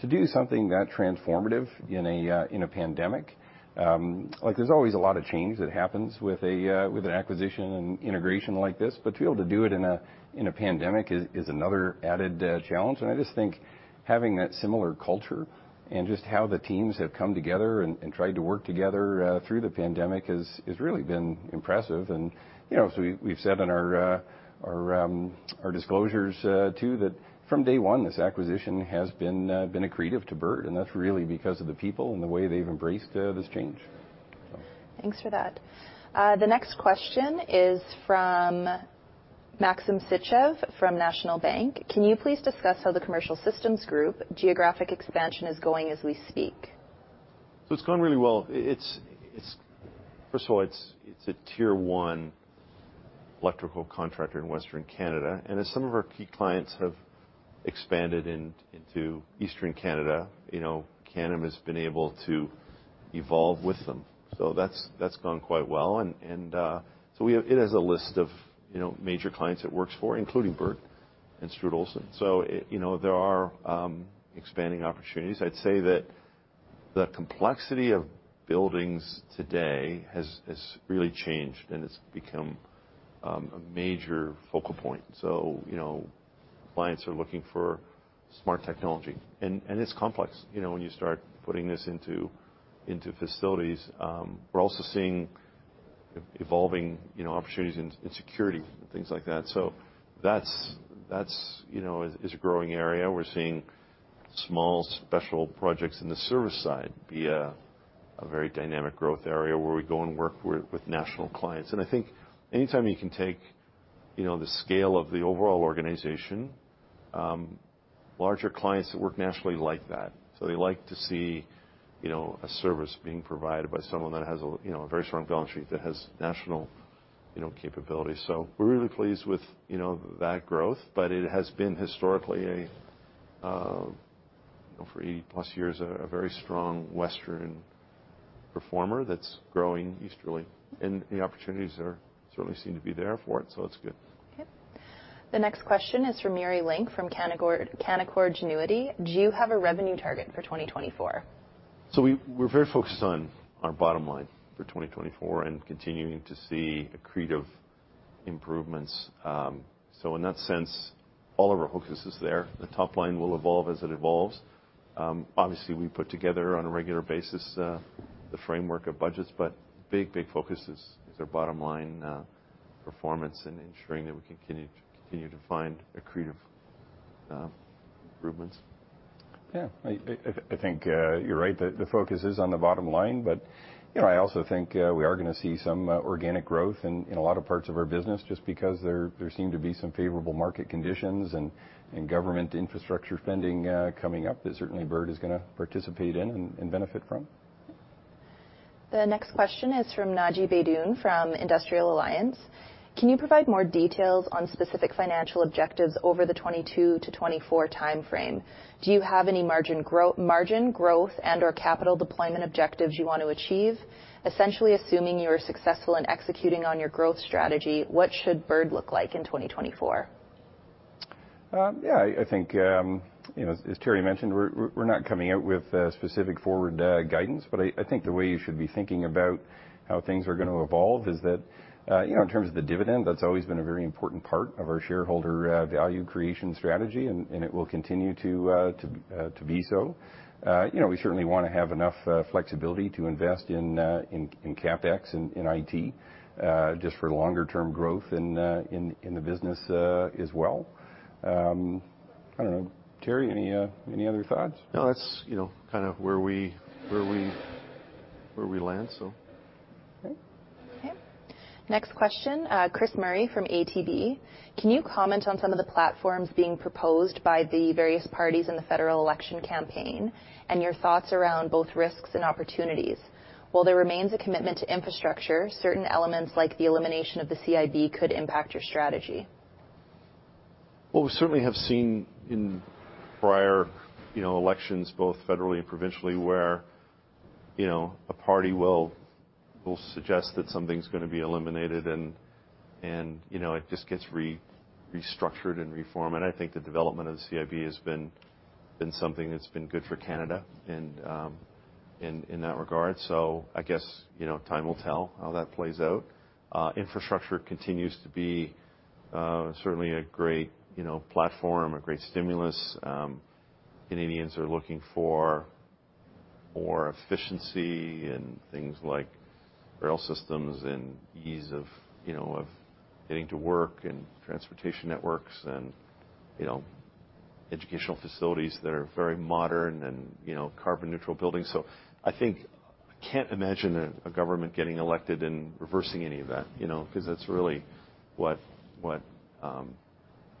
to do something that transformative in a pandemic, there's always a lot of change that happens with an acquisition and integration like this. To be able to do it in a pandemic is another added challenge. I just think having that similar culture and just how the teams have come together and tried to work together through the pandemic has really been impressive. As we've said in our disclosures, too, that from day one, this acquisition has been accretive to Bird, and that's really because of the people and the way they've embraced this change. Thanks for that. The next question is from Maxim Sytchev from National Bank. Can you please discuss how the Commercial Systems Group geographic expansion is going as we speak? It's going really well. First of all, it's a Tier 1 electrical contractor in Western Canada, and as some of our key clients have expanded into Eastern Canada, Canem has been able to evolve with them. That's gone quite well. It has a list of major clients it works for, including Bird and Stuart Olson. There are expanding opportunities. I'd say that the complexity of buildings today has really changed, and it's become a major focal point. Clients are looking for smart technology. It's complex when you start putting this into facilities. We're also seeing evolving opportunities in security and things like that. That is a growing area. We're seeing small special projects in the service side be a very dynamic growth area where we go and work with national clients. I think anytime you can take the scale of the overall organization, larger clients that work nationally like that. They like to see a service being provided by someone that has a very strong balance sheet, that has national capabilities. We're really pleased with that growth. It has been historically, for eight-plus years, a very strong Western performer that's growing easterly. The opportunities certainly seem to be there for it, that's good. Okay. The next question is from Yuri Lynk from Canaccord Genuity. Do you have a revenue target for 2024? We're very focused on our bottom line for 2024 and continuing to see accretive improvements. In that sense, all of our focus is there. The top line will evolve as it evolves. We put together on a regular basis the framework of budgets, but big focus is our bottom-line performance and ensuring that we continue to find accretive improvements. Yeah. I think you're right. The focus is on the bottom line. I also think we are going to see some organic growth in a lot of parts of our business, just because there seem to be some favorable market conditions and government infrastructure spending coming up that certainly Bird is going to participate in and benefit from. The next question is from Naji Baidoun from Industrial Alliance. Can you provide more details on specific financial objectives over the 2022 to 2024 timeframe? Do you have any margin growth and/or capital deployment objectives you want to achieve? Essentially, assuming you are successful in executing on your growth strategy, what should Bird look like in 2024? I think, as Teri mentioned, we're not coming out with specific forward guidance. I think the way you should be thinking about how things are going to evolve is that in terms of the dividend, that's always been a very important part of our shareholder value creation strategy, and it will continue to be so. We certainly want to have enough flexibility to invest in CapEx, in IT, just for longer-term growth in the business as well. I don't know. Teri, any other thoughts? No, that's kind of where we land. Okay. Okay. Next question, Chris Murray from ATB. Can you comment on some of the platforms being proposed by the various parties in the federal election campaign, and your thoughts around both risks and opportunities? While there remains a commitment to infrastructure, certain elements like the elimination of the CIB could impact your strategy. Well, we certainly have seen in prior elections, both federally and provincially, where a party will suggest that something's going to be eliminated, and it just gets restructured and reformed. I think the development of the CIB has been something that's been good for Canada in that regard. I guess, time will tell how that plays out. Infrastructure continues to be certainly a great platform, a great stimulus. Canadians are looking for more efficiency in things like rail systems and ease of getting to work and transportation networks and educational facilities that are very modern and carbon neutral buildings. I think I can't imagine a government getting elected and reversing any of that, because that's really what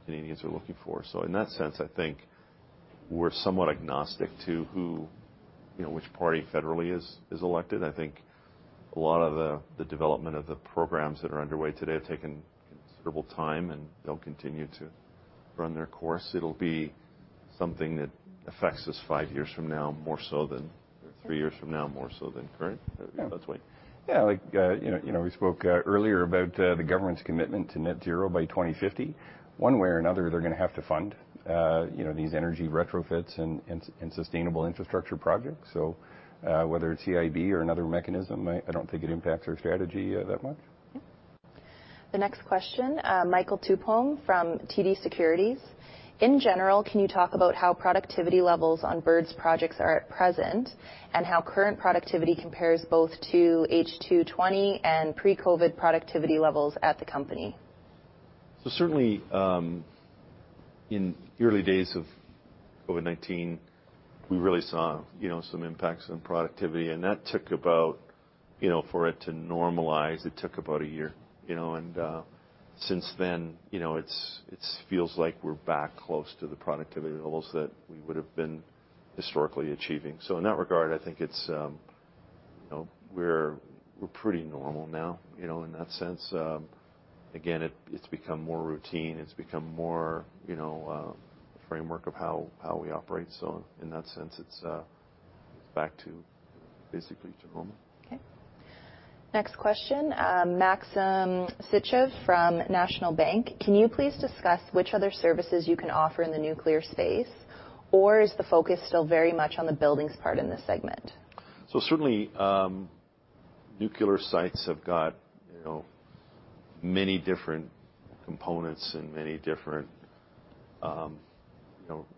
Canadians are looking for. In that sense, I think we're somewhat agnostic to which party federally is elected. I think a lot of the development of the programs that are underway today have taken considerable time, and they'll continue to run their course. It'll be something that affects us five years from now, more so than three years from now, more so than, correct? Yeah. That's why. Yeah, we spoke earlier about the government's commitment to net zero by 2050. One way or another, they're going to have to fund these energy retrofits and sustainable infrastructure projects. Whether it's CIB or another mechanism, I don't think it impacts our strategy that much. The next question, Michael Tupholme from TD Securities. In general, can you talk about how productivity levels on Bird's projects are at present and how current productivity compares both to H2 2020 and pre-COVID productivity levels at the company? Certainly, in the early days of COVID-19, we really saw some impacts on productivity. That took about, for it to normalize, it took about a year. Since then, it feels like we're back close to the productivity levels that we would've been historically achieving. In that regard, I think we're pretty normal now, in that sense. Again, it's become more routine. It's become more a framework of how we operate. In that sense, it's back to, basically to normal. Okay. Next question. Maxim Sytchev from National Bank. Can you please discuss which other services you can offer in the nuclear space? Is the focus still very much on the buildings part in this segment? Certainly, nuclear sites have got many different components and many different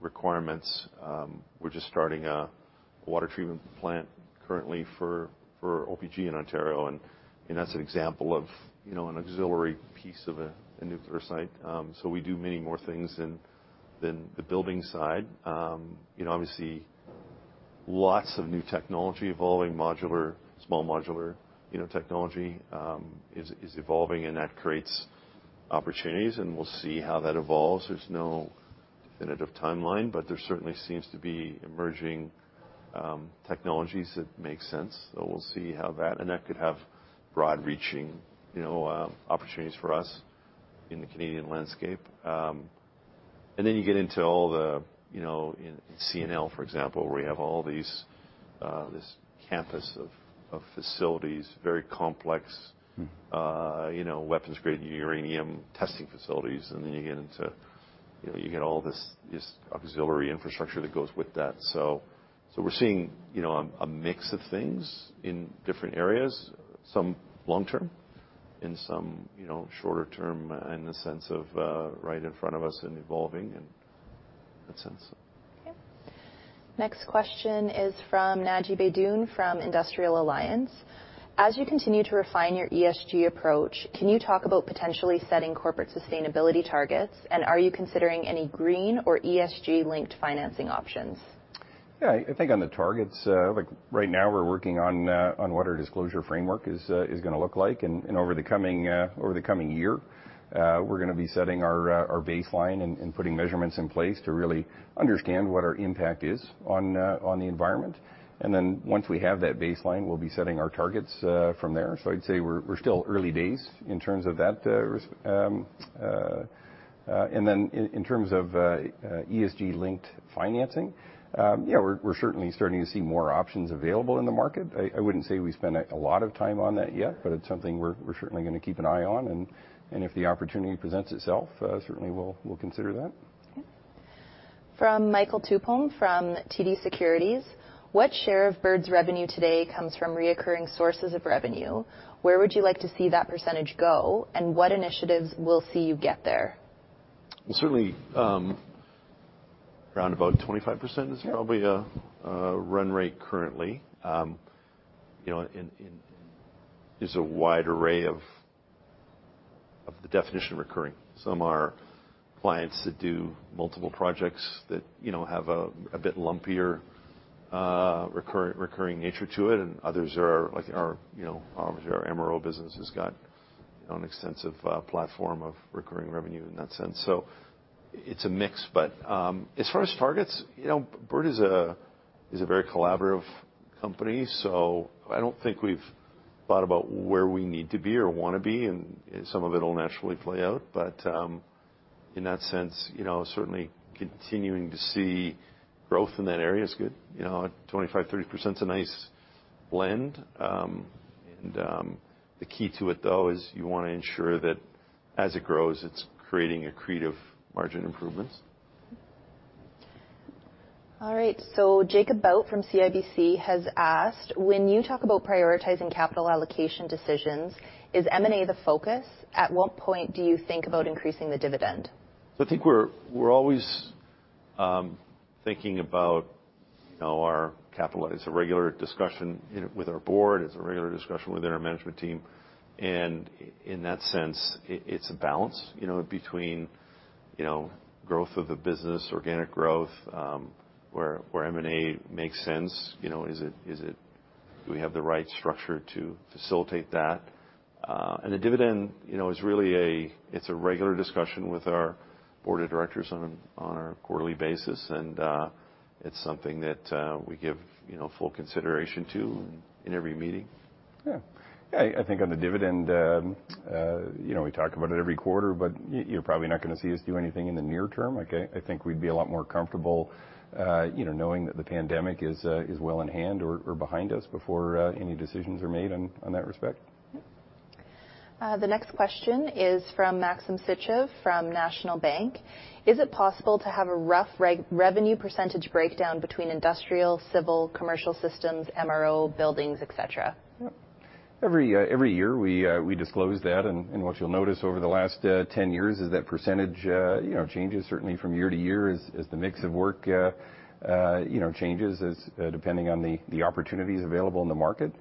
requirements. We're just starting a water treatment plant currently for OPG in Ontario, and that's an example of an auxiliary piece of a nuclear site. We do many more things than the buildings side. Obviously, lots of new technology evolving. Small modular technology is evolving, and that creates opportunities, and we'll see how that evolves. There's no definitive timeline, but there certainly seems to be emerging technologies that make sense. We'll see how that, and that could have broad-reaching opportunities for us in the Canadian landscape. You get into all the, in CNL, for example, where we have this campus of facilities, very complex weapons-grade uranium testing facilities. You get into all this auxiliary infrastructure that goes with that. We're seeing a mix of things in different areas, some long-term and some shorter term, in the sense of right in front of us and evolving in that sense. Okay. Next question is from Naji Baidoun from Industrial Alliance. As you continue to refine your ESG approach, can you talk about potentially setting corporate sustainability targets, and are you considering any green or ESG-linked financing options? Yeah. I think on the targets, right now we're working on what our disclosure framework is going to look like. Over the coming year, we're going to be setting our baseline and putting measurements in place to really understand what our impact is on the environment. Once we have that baseline, we'll be setting our targets from there. I'd say we're still early days in terms of that. In terms of ESG-linked financing, yeah, we're certainly starting to see more options available in the market. I wouldn't say we spend a lot of time on that yet, but it's something we're certainly going to keep an eye on. If the opportunity presents itself, certainly we'll consider that. Okay. From Michael Tupholme from TD Securities. What share of Bird's revenue today comes from reoccurring sources of revenue? Where would you like to see that percentage go, and what initiatives will see you get there? Well, certainly, around about 25% is probably a run rate currently. There's a wide array of the definition of recurring. Others are like our MRO business has got an extensive platform of recurring revenue in that sense. It's a mix, as far as targets, Bird is a very collaborative company, I don't think we've thought about where we need to be or want to be. Some of it will naturally play out. In that sense, certainly continuing to see growth in that area is good. 25%, 30% is a nice blend. The key to it, though, is you want to ensure that as it grows, it's creating accretive margin improvements. All right. Jacob Bout from CIBC has asked, "When you talk about prioritizing capital allocation decisions, is M&A the focus? At what point do you think about increasing the dividend? I think we're always thinking about our capital. It's a regular discussion with our board. It's a regular discussion within our management team. In that sense, it's a balance between growth of the business, organic growth, where M&A makes sense. Do we have the right structure to facilitate that? The dividend, it's a regular discussion with our board of directors on a quarterly basis. It's something that we give full consideration to in every meeting. Yeah. I think on the dividend, we talk about it every quarter. You're probably not going to see us do anything in the near term. I think we'd be a lot more comfortable knowing that the pandemic is well in hand or behind us before any decisions are made in that respect. The next question is from Maxim Sytchev from National Bank. Is it possible to have a rough revenue % breakdown between industrial, civil, Commercial Systems, MRO, buildings, et cetera? Every year we disclose that, and what you'll notice over the last 10 years is that percentage changes certainly from year to year as the mix of work changes depending on the opportunities available in the market.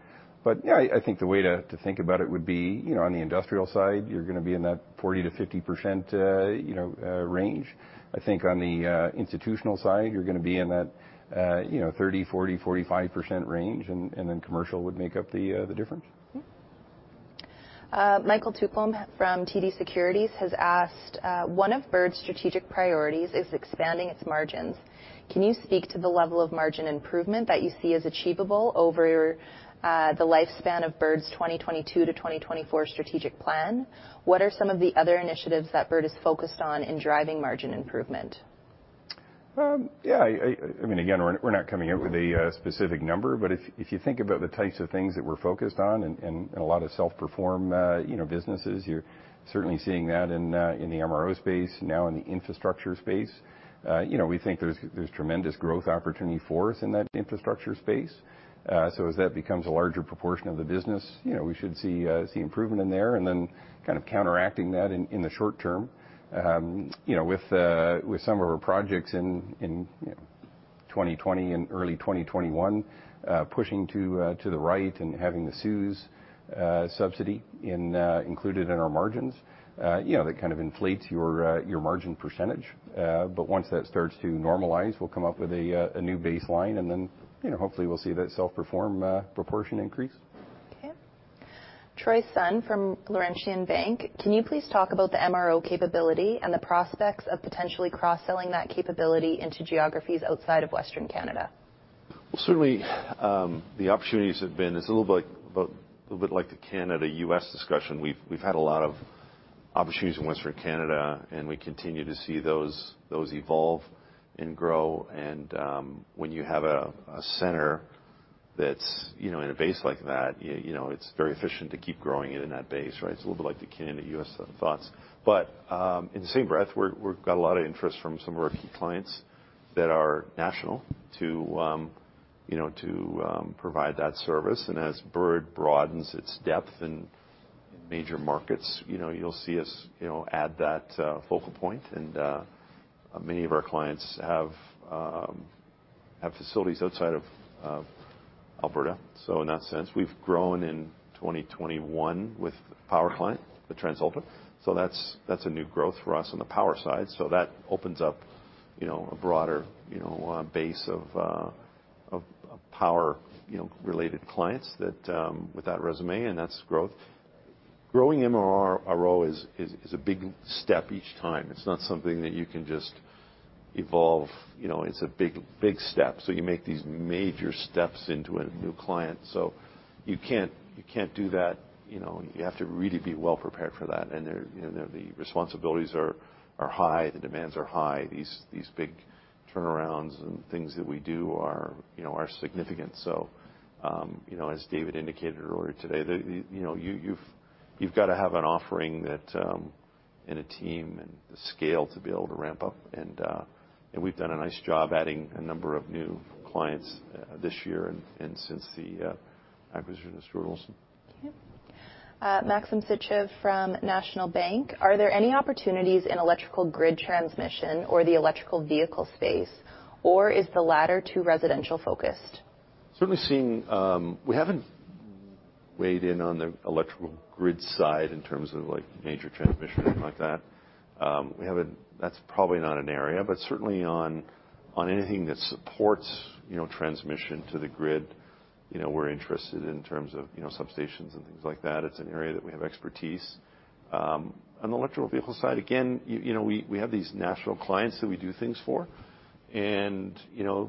I think the way to think about it would be on the industrial side, you're going to be in that 40%-50% range. I think on the institutional side, you're going to be in that 30%, 40%, 45% range, and then commercial would make up the difference. Michael Tupholme from TD Securities has asked, "One of Bird's strategic priorities is expanding its margins. Can you speak to the level of margin improvement that you see is achievable over the lifespan of Bird's 2022 to 2024 strategic plan? What are some of the other initiatives that Bird is focused on in driving margin improvement? We're not coming out with a specific number, but if you think about the types of things that we're focused on and a lot of self-perform businesses, you're certainly seeing that in the MRO space now in the infrastructure space. We think there's tremendous growth opportunity for us in that infrastructure space. As that becomes a larger proportion of the business, we should see improvement in there. Kind of counteracting that in the short term, with some of our projects in 2020 and early 2021, pushing to the right and having the CEWS subsidy included in our margins. That kind of inflates your margin %. Once that starts to normalize, we'll come up with a new baseline, and then hopefully we'll see that self-perform proportion increase. Okay. Troy Sun from Laurentian Bank. Can you please talk about the MRO capability and the prospects of potentially cross-selling that capability into geographies outside of Western Canada? Certainly, the opportunities have been, it's a little bit like the Canada-U.S. discussion. We've had a lot of opportunities in Western Canada, and we continue to see those evolve and grow. When you have a center that's in a base like that, it's very efficient to keep growing it in that base. It's a little bit like the Canada-U.S. thoughts. In the same breath, we've got a lot of interest from some of our key clients that are national to provide that service. As Bird broadens its depth in major markets, you'll see us add that focal point. Many of our clients have facilities outside of Alberta. In that sense, we've grown in 2021 with a power client, the TransAlta. That's a new growth for us on the power side. That opens up a broader base of power-related clients with that resume, and that's growth. Growing MRO is a big step each time. It's not something that you can just evolve. It's a big step. You make these major steps into a new client. You can't do that. You have to really be well prepared for that. The responsibilities are high, the demands are high. These big turnarounds and things that we do are significant. As David indicated earlier today, You've got to have an offering, and a team, and the scale to be able to ramp up. We've done a nice job adding a number of new clients this year and since the acquisition of Stuart Olson. Okay. Maxim Sytchev from National Bank. Are there any opportunities in electrical grid transmission or the electrical vehicle space, or is the latter too residential-focused? We haven't weighed in on the electrical grid side in terms of major transmission or anything like that. That's probably not an area, but certainly on anything that supports transmission to the grid, we're interested in terms of substations and things like that. It's an area that we have expertise. On the electrical vehicle side, again, we have these national clients that we do things for. There's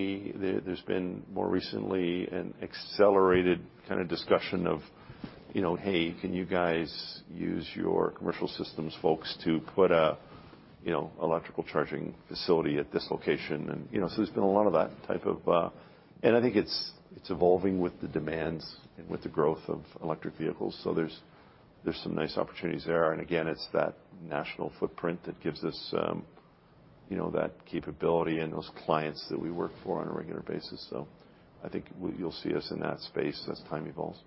been more recently an accelerated kind of discussion of, "Hey, can you guys use your Commercial Systems folks to put a electrical charging facility at this location?" There's been a lot of. I think it's evolving with the demands and with the growth of electric vehicles. There's some nice opportunities there. Again, it's that national footprint that gives us that capability and those clients that we work for on a regular basis. I think you'll see us in that space as time evolves.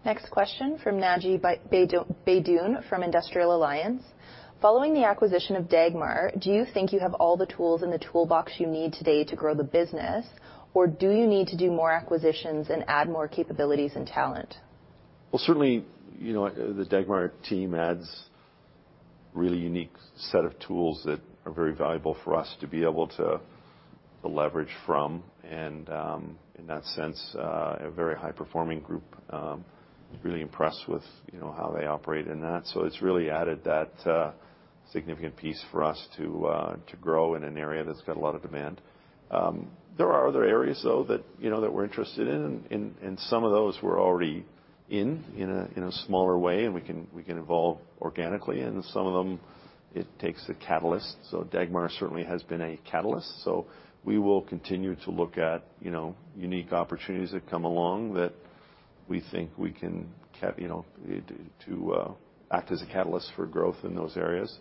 Okay. Next question from Naji Baidoun from Industrial Alliance. Following the acquisition of Dagmar, do you think you have all the tools in the toolbox you need today to grow the business, or do you need to do more acquisitions and add more capabilities and talent? Well, certainly, the Dagmar team adds really unique set of tools that are very valuable for us to be able to leverage from, and in that sense, a very high-performing group. Really impressed with how they operate in that. It's really added that significant piece for us to grow in an area that's got a lot of demand. There are other areas, though, that we're interested in. Some of those we're already in a smaller way, and we can evolve organically. Some of them, it takes a catalyst. Dagmar certainly has been a catalyst. We will continue to look at unique opportunities that come along that we think we can act as a catalyst for growth in those areas.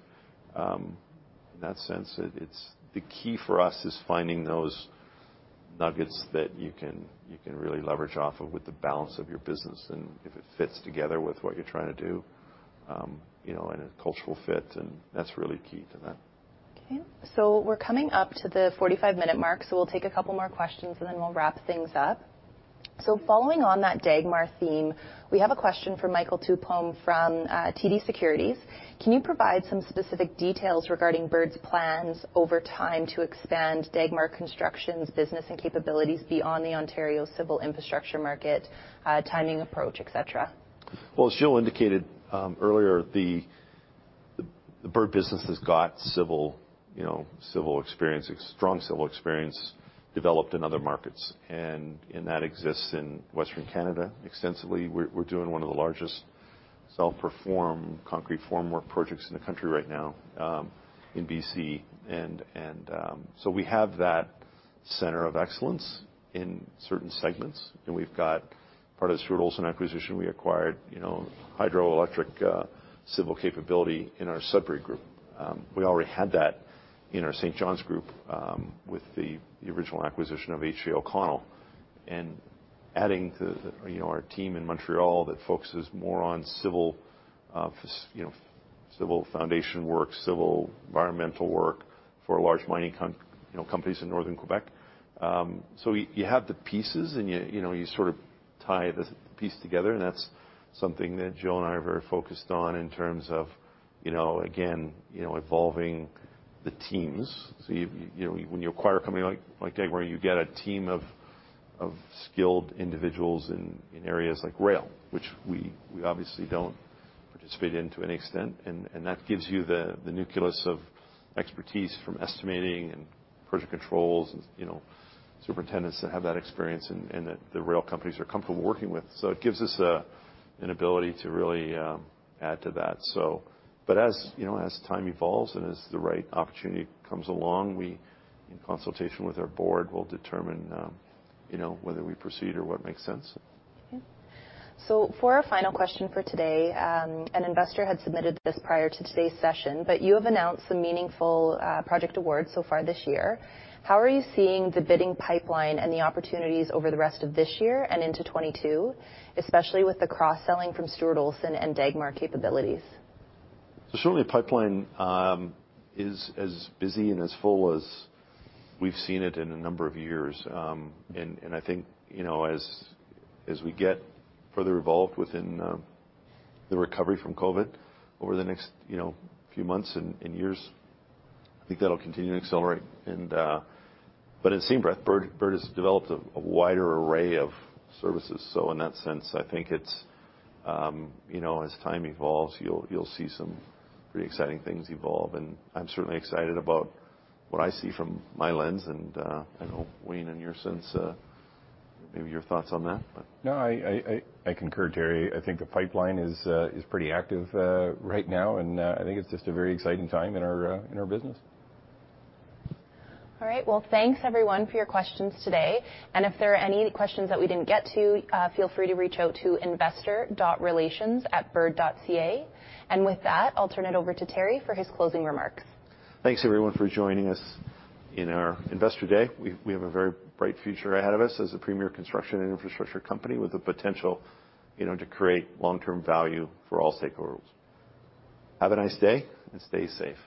In that sense, the key for us is finding those nuggets that you can really leverage off of with the balance of your business and if it fits together with what you're trying to do, and a cultural fit, and that's really key to that. Okay. We're coming up to the 45-minute mark, we'll take two more questions and then we'll wrap things up. Following on that Dagmar theme, we have a question from Michael Tupholme from TD Securities. Can you provide some specific details regarding Bird's plans over time to expand Dagmar Construction's business and capabilities beyond the Ontario civil infrastructure market, timing approach, et cetera? Well, as Gill indicated earlier, the Bird business has got civil experience, strong civil experience, developed in other markets, and that exists in Western Canada extensively. We're doing one of the largest self-perform concrete formwork projects in the country right now in BC. We have that center of excellence in certain segments, and we've got part of the Stuart Olson acquisition, we acquired hydroelectric civil capability in our Sudbury group. We already had that in our St. John's group with the original acquisition of H.J. O'Connell, and adding to our team in Montreal that focuses more on civil foundation work, civil environmental work for large mining companies in Northern Quebec. You have the pieces, and you sort of tie the piece together, and that's something that Gill and I are very focused on in terms of, again, evolving the teams. When you acquire a company like Dagmar, you get a team of skilled individuals in areas like rail, which we obviously don't participate in to any extent. That gives you the nucleus of expertise from estimating and project controls and superintendents that have that experience and that the rail companies are comfortable working with. It gives us an ability to really add to that. As time evolves and as the right opportunity comes along, we, in consultation with our Board, will determine whether we proceed or what makes sense. For our final question for today, an investor had submitted this prior to today's session. You have announced some meaningful project awards so far this year. How are you seeing the bidding pipeline and the opportunities over the rest of this year and into 2022, especially with the cross-selling from Stuart Olson and Dagmar capabilities? Certainly, the pipeline is as busy and as full as we've seen it in a number of years. I think as we get further evolved within the recovery from COVID over the next few months and years, I think that'll continue to accelerate. In the same breath, Bird has developed a wider array of services. In that sense, I think as time evolves, you'll see some pretty exciting things evolve. I'm certainly excited about what I see from my lens. I know, Wayne, in your sense, maybe your thoughts on that. No, I concur, Teri. I think the pipeline is pretty active right now, and I think it's just a very exciting time in our business. All right. Well, thanks everyone for your questions today. If there are any questions that we didn't get to, feel free to reach out to investor.relations@bird.ca. With that, I'll turn it over to Teri for his closing remarks. Thanks, everyone, for joining us in our Investor Day. We have a very bright future ahead of us as a premier construction and infrastructure company with the potential to create long-term value for all stakeholders. Have a nice day, and stay safe.